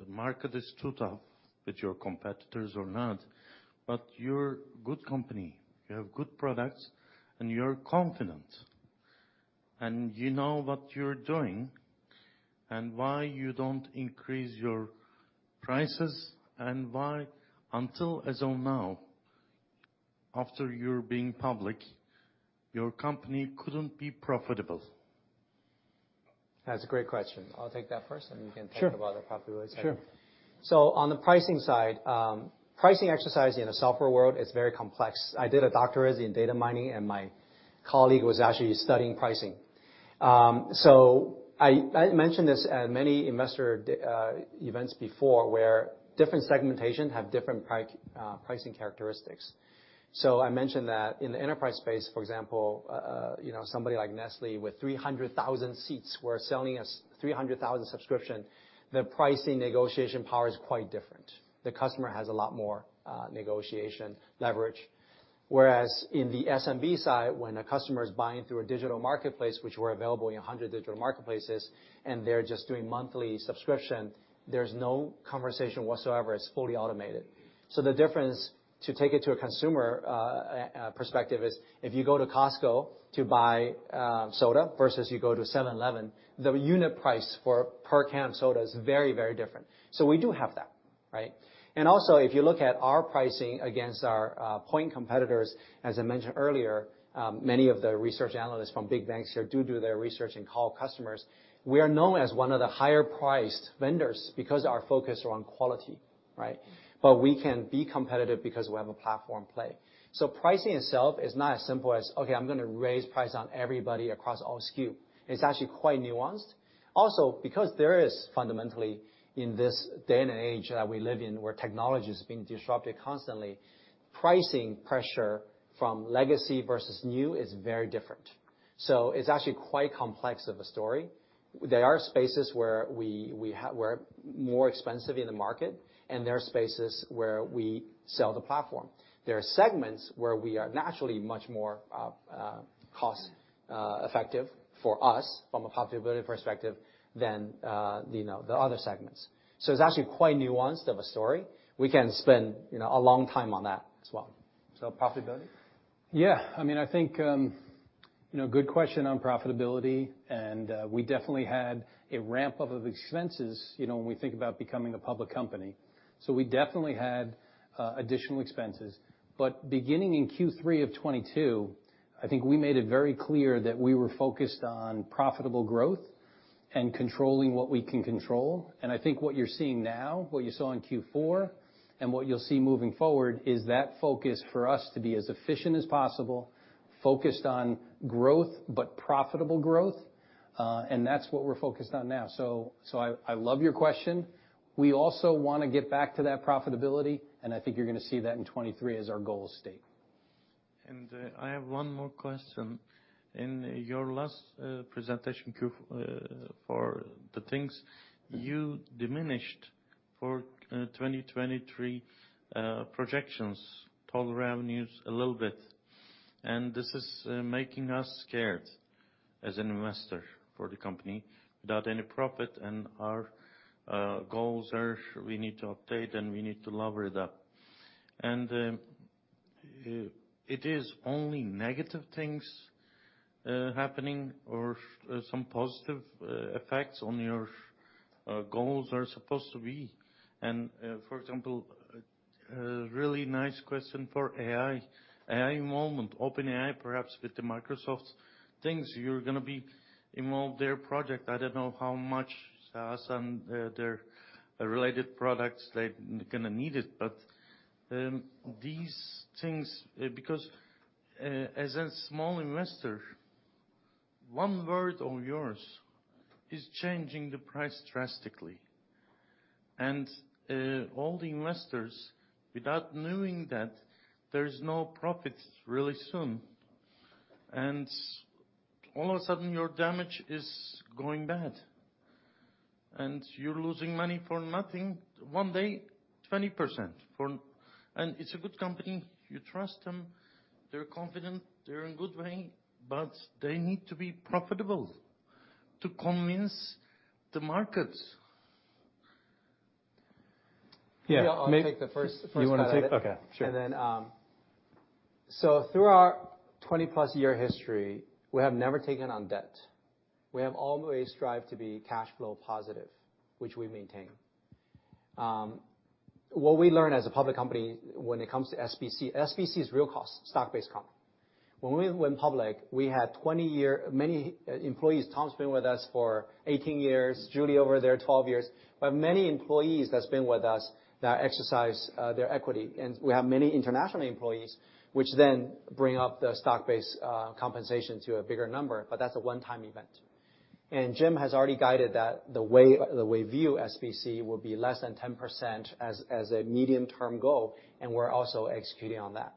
market is too tough with your competitors or not. You're good company, you have good products, and you're confident, and you know what you're doing, and why you don't increase your prices, and why until as of now, after you being public, your company couldn't be profitable? That's a great question. I'll take that first, and you can think- Sure about it. Sure ...later. On the pricing side, pricing exercise in the software world is very complex. I did a doctorate in data mining, and my colleague was actually studying pricing. I mentioned this at many investor events before, where different segmentation have different pricing characteristics. I mentioned that in the enterprise space, for example, you know, somebody like Nestlé with 300,000 seats, we're selling a 300,000 subscription, the pricing negotiation power is quite different. The customer has a lot more negotiation leverage. Whereas in the SMB side, when a customer is buying through a digital marketplace, which we're available in 100 digital marketplaces, and they're just doing monthly subscription, there's no conversation whatsoever. It's fully automated. The difference, to take it to a consumer perspective is, if you go to Costco to buy soda versus you go to 7-Eleven, the unit price for per can soda is very, very different. We do have that, right? Also, if you look at our pricing against our point competitors, as I mentioned earlier, many of the research analysts from big banks here do their research and call customers. We are known as one of the higher priced vendors because our focus are on quality, right? We can be competitive because we have a platform play. Pricing itself is not as simple as, okay, I'm gonna raise price on everybody across all SKU. It's actually quite nuanced. Because there is fundamentally in this day and age that we live in, where technology is being disrupted constantly, pricing pressure from legacy versus new is very different. It's actually quite complex of a story. There are spaces where we're more expensive in the market, and there are spaces where we sell the platform. There are segments where we are naturally much more cost effective for us from a profitability perspective than, you know, the other segments. It's actually quite nuanced of a story. We can spend, you know, a long time on that as well. Profitability? Yeah. I mean, I think. You know, good question on profitability, and we definitely had a ramp up of expenses, you know, when we think about becoming a public company. We definitely had additional expenses. Beginning in Q3 of 2022, I think we made it very clear that we were focused on profitable growth and controlling what we can control. I think what you're seeing now, what you saw in Q4, and what you'll see moving forward is that focus for us to be as efficient as possible, focused on growth but profitable growth, and that's what we're focused on now. I love your question. We also want to get back to that profitability, and I think you're going to see that in 2023 as our goal state. I have one more question. In your last presentation for the things, you diminished for 2023 projections, total revenues a little bit. This is making us scared as an investor for the company without any profit and our goals are we need to update, and we need to lower it up. It is only negative things happening or some positive effects on your goals are supposed to be. For example, a really nice question for AI. AI moment, OpenAI, perhaps with the Microsoft things, you're gonna be involved their project. I don't know how much SaaS and their related products they gonna need it, but these things... As a small investor, one word of yours is changing the price drastically. All the investors, without knowing that, there's no profit really soon. All of a sudden, your damage is going bad, and you're losing money for nothing. One day, 20% for. It's a good company. You trust them. They're confident. They're in good way, but they need to be profitable to convince the markets. Yeah. I'll take the first cut of it. You wanna take it? Okay, sure. Through our 20-plus year history, we have never taken on debt. We have always strived to be cash flow positive, which we maintain. What we learn as a public company when it comes to SBC is real cost, stock-based comp. When we went public, we had many employees, Tom's been with us for 18 years, Julie over there, 12 years. Many employees that's been with us now exercise their equity. We have many international employees, which then bring up the stock-based compensation to a bigger number, but that's a one-time event. Jim has already guided that the way view SBC will be less than 10% as a medium-term goal, and we're also executing on that.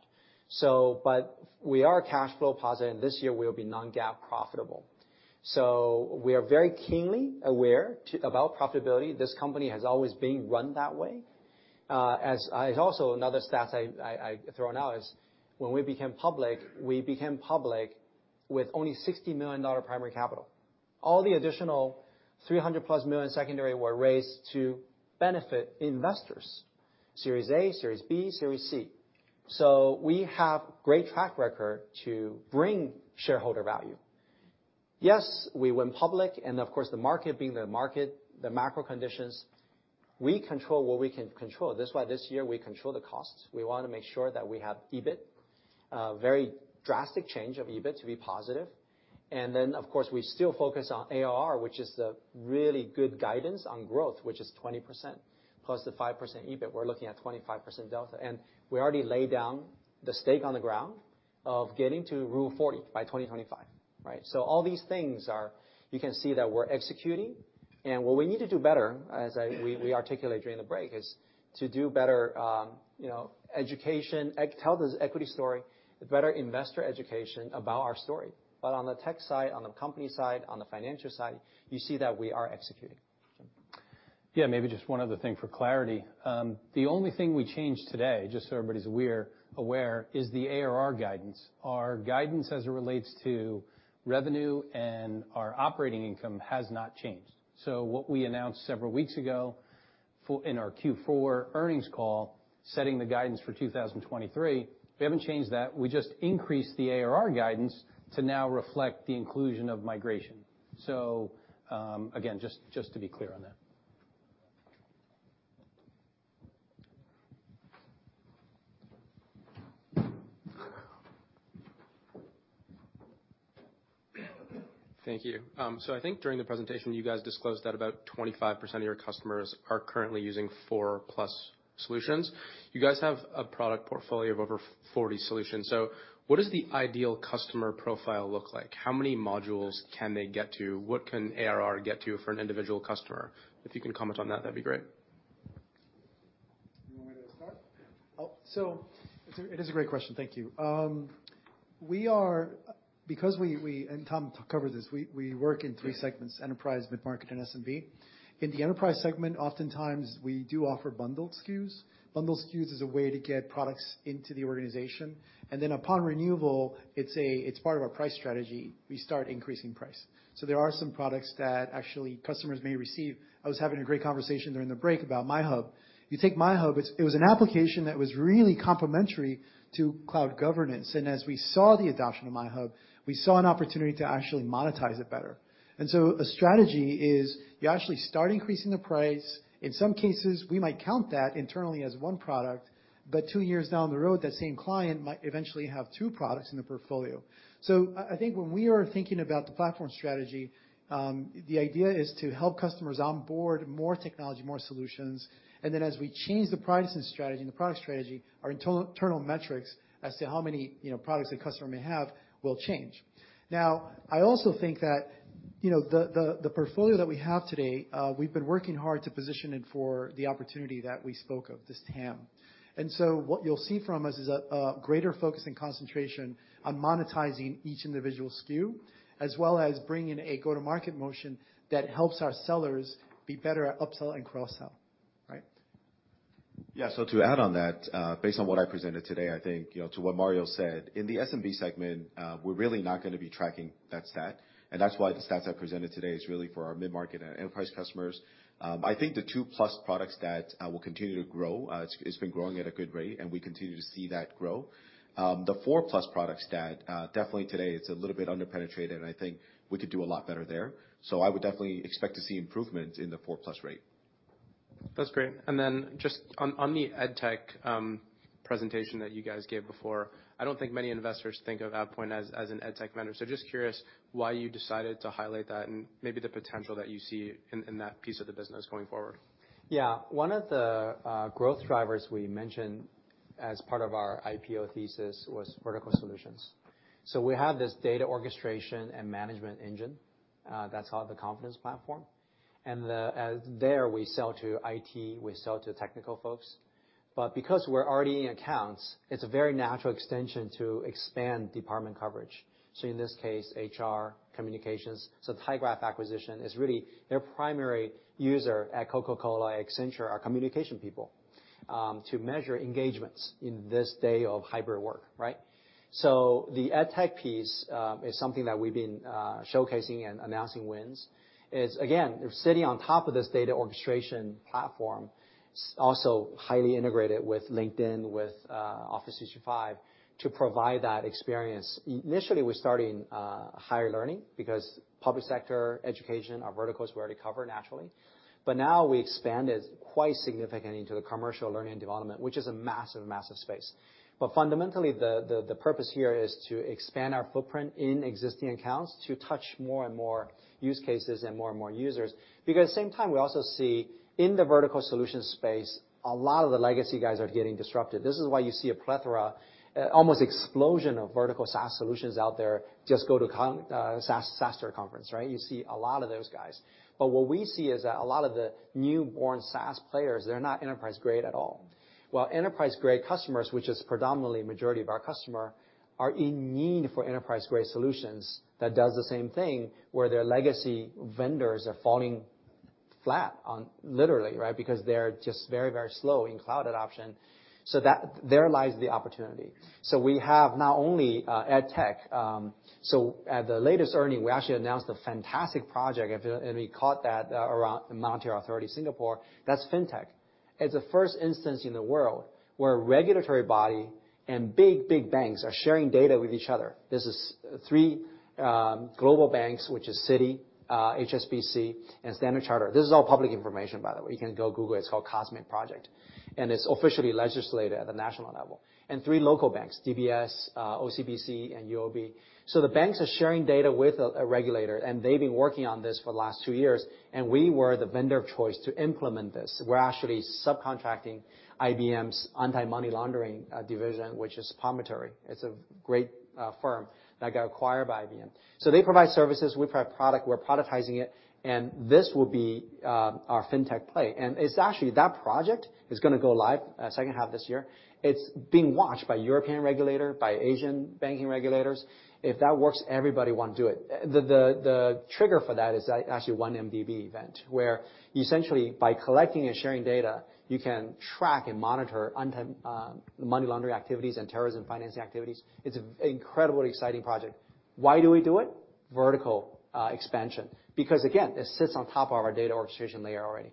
We are cash flow positive, and this year we'll be non-GAAP profitable. We are very keenly aware about profitability. This company has always been run that way. As I also another stat I throw now is when we became public, we became public with only $60 million primary capital. All the additional $300+ million secondary were raised to benefit investors, series A, series B, series C. We have great track record to bring shareholder value. Yes, we went public and of course, the market being the market, the macro conditions, we control what we can control. This is why this year we control the costs. We wanna make sure that we have EBIT, very drastic change of EBIT to be positive. Of course, we still focus on ARR, which is the really good guidance on growth, which is 20% plus the 5% EBIT. We're looking at 25% delta. We already laid down the stake on the ground of getting to Rule of 40 by 2025, right? All these things are. You can see that we're executing. What we need to do better, as we articulated during the break, is to do better, you know, education, tell the equity story, better investor education about our story. On the tech side, on the company side, on the financial side, you see that we are executing. Yeah, maybe just one other thing for clarity. The only thing we changed today, just so everybody's aware is the ARR guidance. Our guidance as it relates to revenue and our operating income has not changed. What we announced several weeks ago in our Q4 earnings call, setting the guidance for 2023, we haven't changed that. We just increased the ARR guidance to now reflect the inclusion of migration. Again, just to be clear on that. Thank you. I think during the presentation you guys disclosed that about 25% of your customers are currently using 4+ solutions. You guys have a product portfolio of over 40 solutions. What is the ideal customer profile look like? How many modules can they get to? What can ARR get to for an individual customer? If you can comment on that'd be great. It's a, it is a great question, thank you. We are because we and Tom covered this, we work in 3 segments: enterprise, mid-market, and SMB. In the enterprise segment, oftentimes we do offer bundled SKUs. Bundled SKUs is a way to get products into the organization, and then upon renewal, it's part of our price strategy. We start increasing price. There are some products that actually customers may receive. I was having a great conversation during the break about MyHub. You take MyHub, it was an application that was really complementary to Cloud Governance, and as we saw the adoption of MyHub, we saw an opportunity to actually monetize it better. The strategy is you actually start increasing the price. In some cases, we might count that internally as one product, but two years down the road, that same client might eventually have two products in the portfolio. I think when we are thinking about the platform strategy, the idea is to help customers onboard more technology, more solutions, and then as we change the pricing strategy and the product strategy, our internal metrics as to how many, you know, products a customer may have will change. I also think that, you know, the portfolio that we have today, we've been working hard to position it for the opportunity that we spoke of, this TAM. What you'll see from us is a greater focus and concentration on monetizing each individual SKU, as well as bringing a go-to-market motion that helps our sellers be better at upsell and cross-sell. Right? To add on that, based on what I presented today, I think, you know, to what Mario said, in the SMB segment, we're really not gonna be tracking that stat, and that's why the stats I presented today is really for our mid-market and enterprise customers. I think the two-plus products that will continue to grow, it's been growing at a good rate, and we continue to see that grow. The four-plus products that definitely today it's a little bit under-penetrated, and I think we could do a lot better there. I would definitely expect to see improvement in the four-plus rate. That's great. Just on the edTech presentation that you guys gave before, I don't think many investors think of AvePoint as an edTech vendor. Just curious why you decided to highlight that and maybe the potential that you see in that piece of the business going forward. One of the growth drivers we mentioned as part of our IPO thesis was vertical solutions. We have this data orchestration and management engine that's called the Confidence Platform. There we sell to IT, we sell to technical folks. Because we're already in accounts, it's a very natural extension to expand department coverage. In this case, HR, communications. The tyGraph acquisition is really their primary user at Coca-Cola, Accenture, are communication people to measure engagements in this day of hybrid work, right? The edtech piece is something that we've been showcasing and announcing wins, is again, they're sitting on top of this data orchestration platform, also highly integrated with LinkedIn, with Office 365 to provide that experience. Initially, we're starting higher learning because public sector education are verticals we already cover naturally. Now we expanded quite significantly into the commercial learning development, which is a massive space. Fundamentally, the purpose here is to expand our footprint in existing accounts to touch more and more use cases and more and more users. At the same time we also see in the vertical solution space, a lot of the legacy guys are getting disrupted. This is why you see a plethora, almost explosion of vertical SaaS solutions out there. Just go to SaaStr conference, right? You see a lot of those guys. What we see is that a lot of the newborn SaaS players, they're not enterprise-grade at all, while enterprise-grade customers, which is predominantly majority of our customer, are in need for enterprise-grade solutions that does the same thing, where their legacy vendors are falling flat on literally, right? They're just very, very slow in cloud adoption. There lies the opportunity. We have not only edtech. At the latest earning, we actually announced a fantastic project if, and we caught that, around the Monetary Authority of Singapore. That's fintech. It's the first instance in the world where a regulatory body and big, big banks are sharing data with each other. This is 3 global banks, which is Citi, HSBC and Standard Chartered. This is all public information, by the way. You can go Google. It's called COSMIC Project, it's officially legislated at the national level. 3 local banks, DBS, OCBC and UOB. The banks are sharing data with a regulator, they've been working on this for the last 2 years, we were the vendor of choice to implement this. We're actually subcontracting IBM's anti-money laundering division, which is Promontory. It's a great firm that got acquired by IBM. They provide services. We provide product. We're productizing it, and this will be our fintech play. It's actually, that project is gonna go live second half this year. It's being watched by European regulator, by Asian banking regulators. If that works, everybody wanna do it. The trigger for that is actually 1MDB event where essentially by collecting and sharing data, you can track and monitor money laundering activities and terrorism financing activities. It's an incredibly exciting project. Why do we do it? Vertical expansion. Because again, this sits on top of our data orchestration layer already.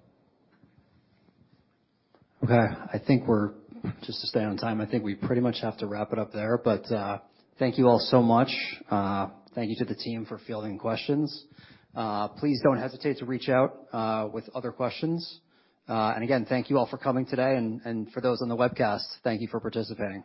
Okay. I think we're just to stay on time, I think we pretty much have to wrap it up there. Thank you all so much. Thank you to the team for fielding questions. Please don't hesitate to reach out with other questions. Again, thank you all for coming today and for those on the webcast, thank you for participating.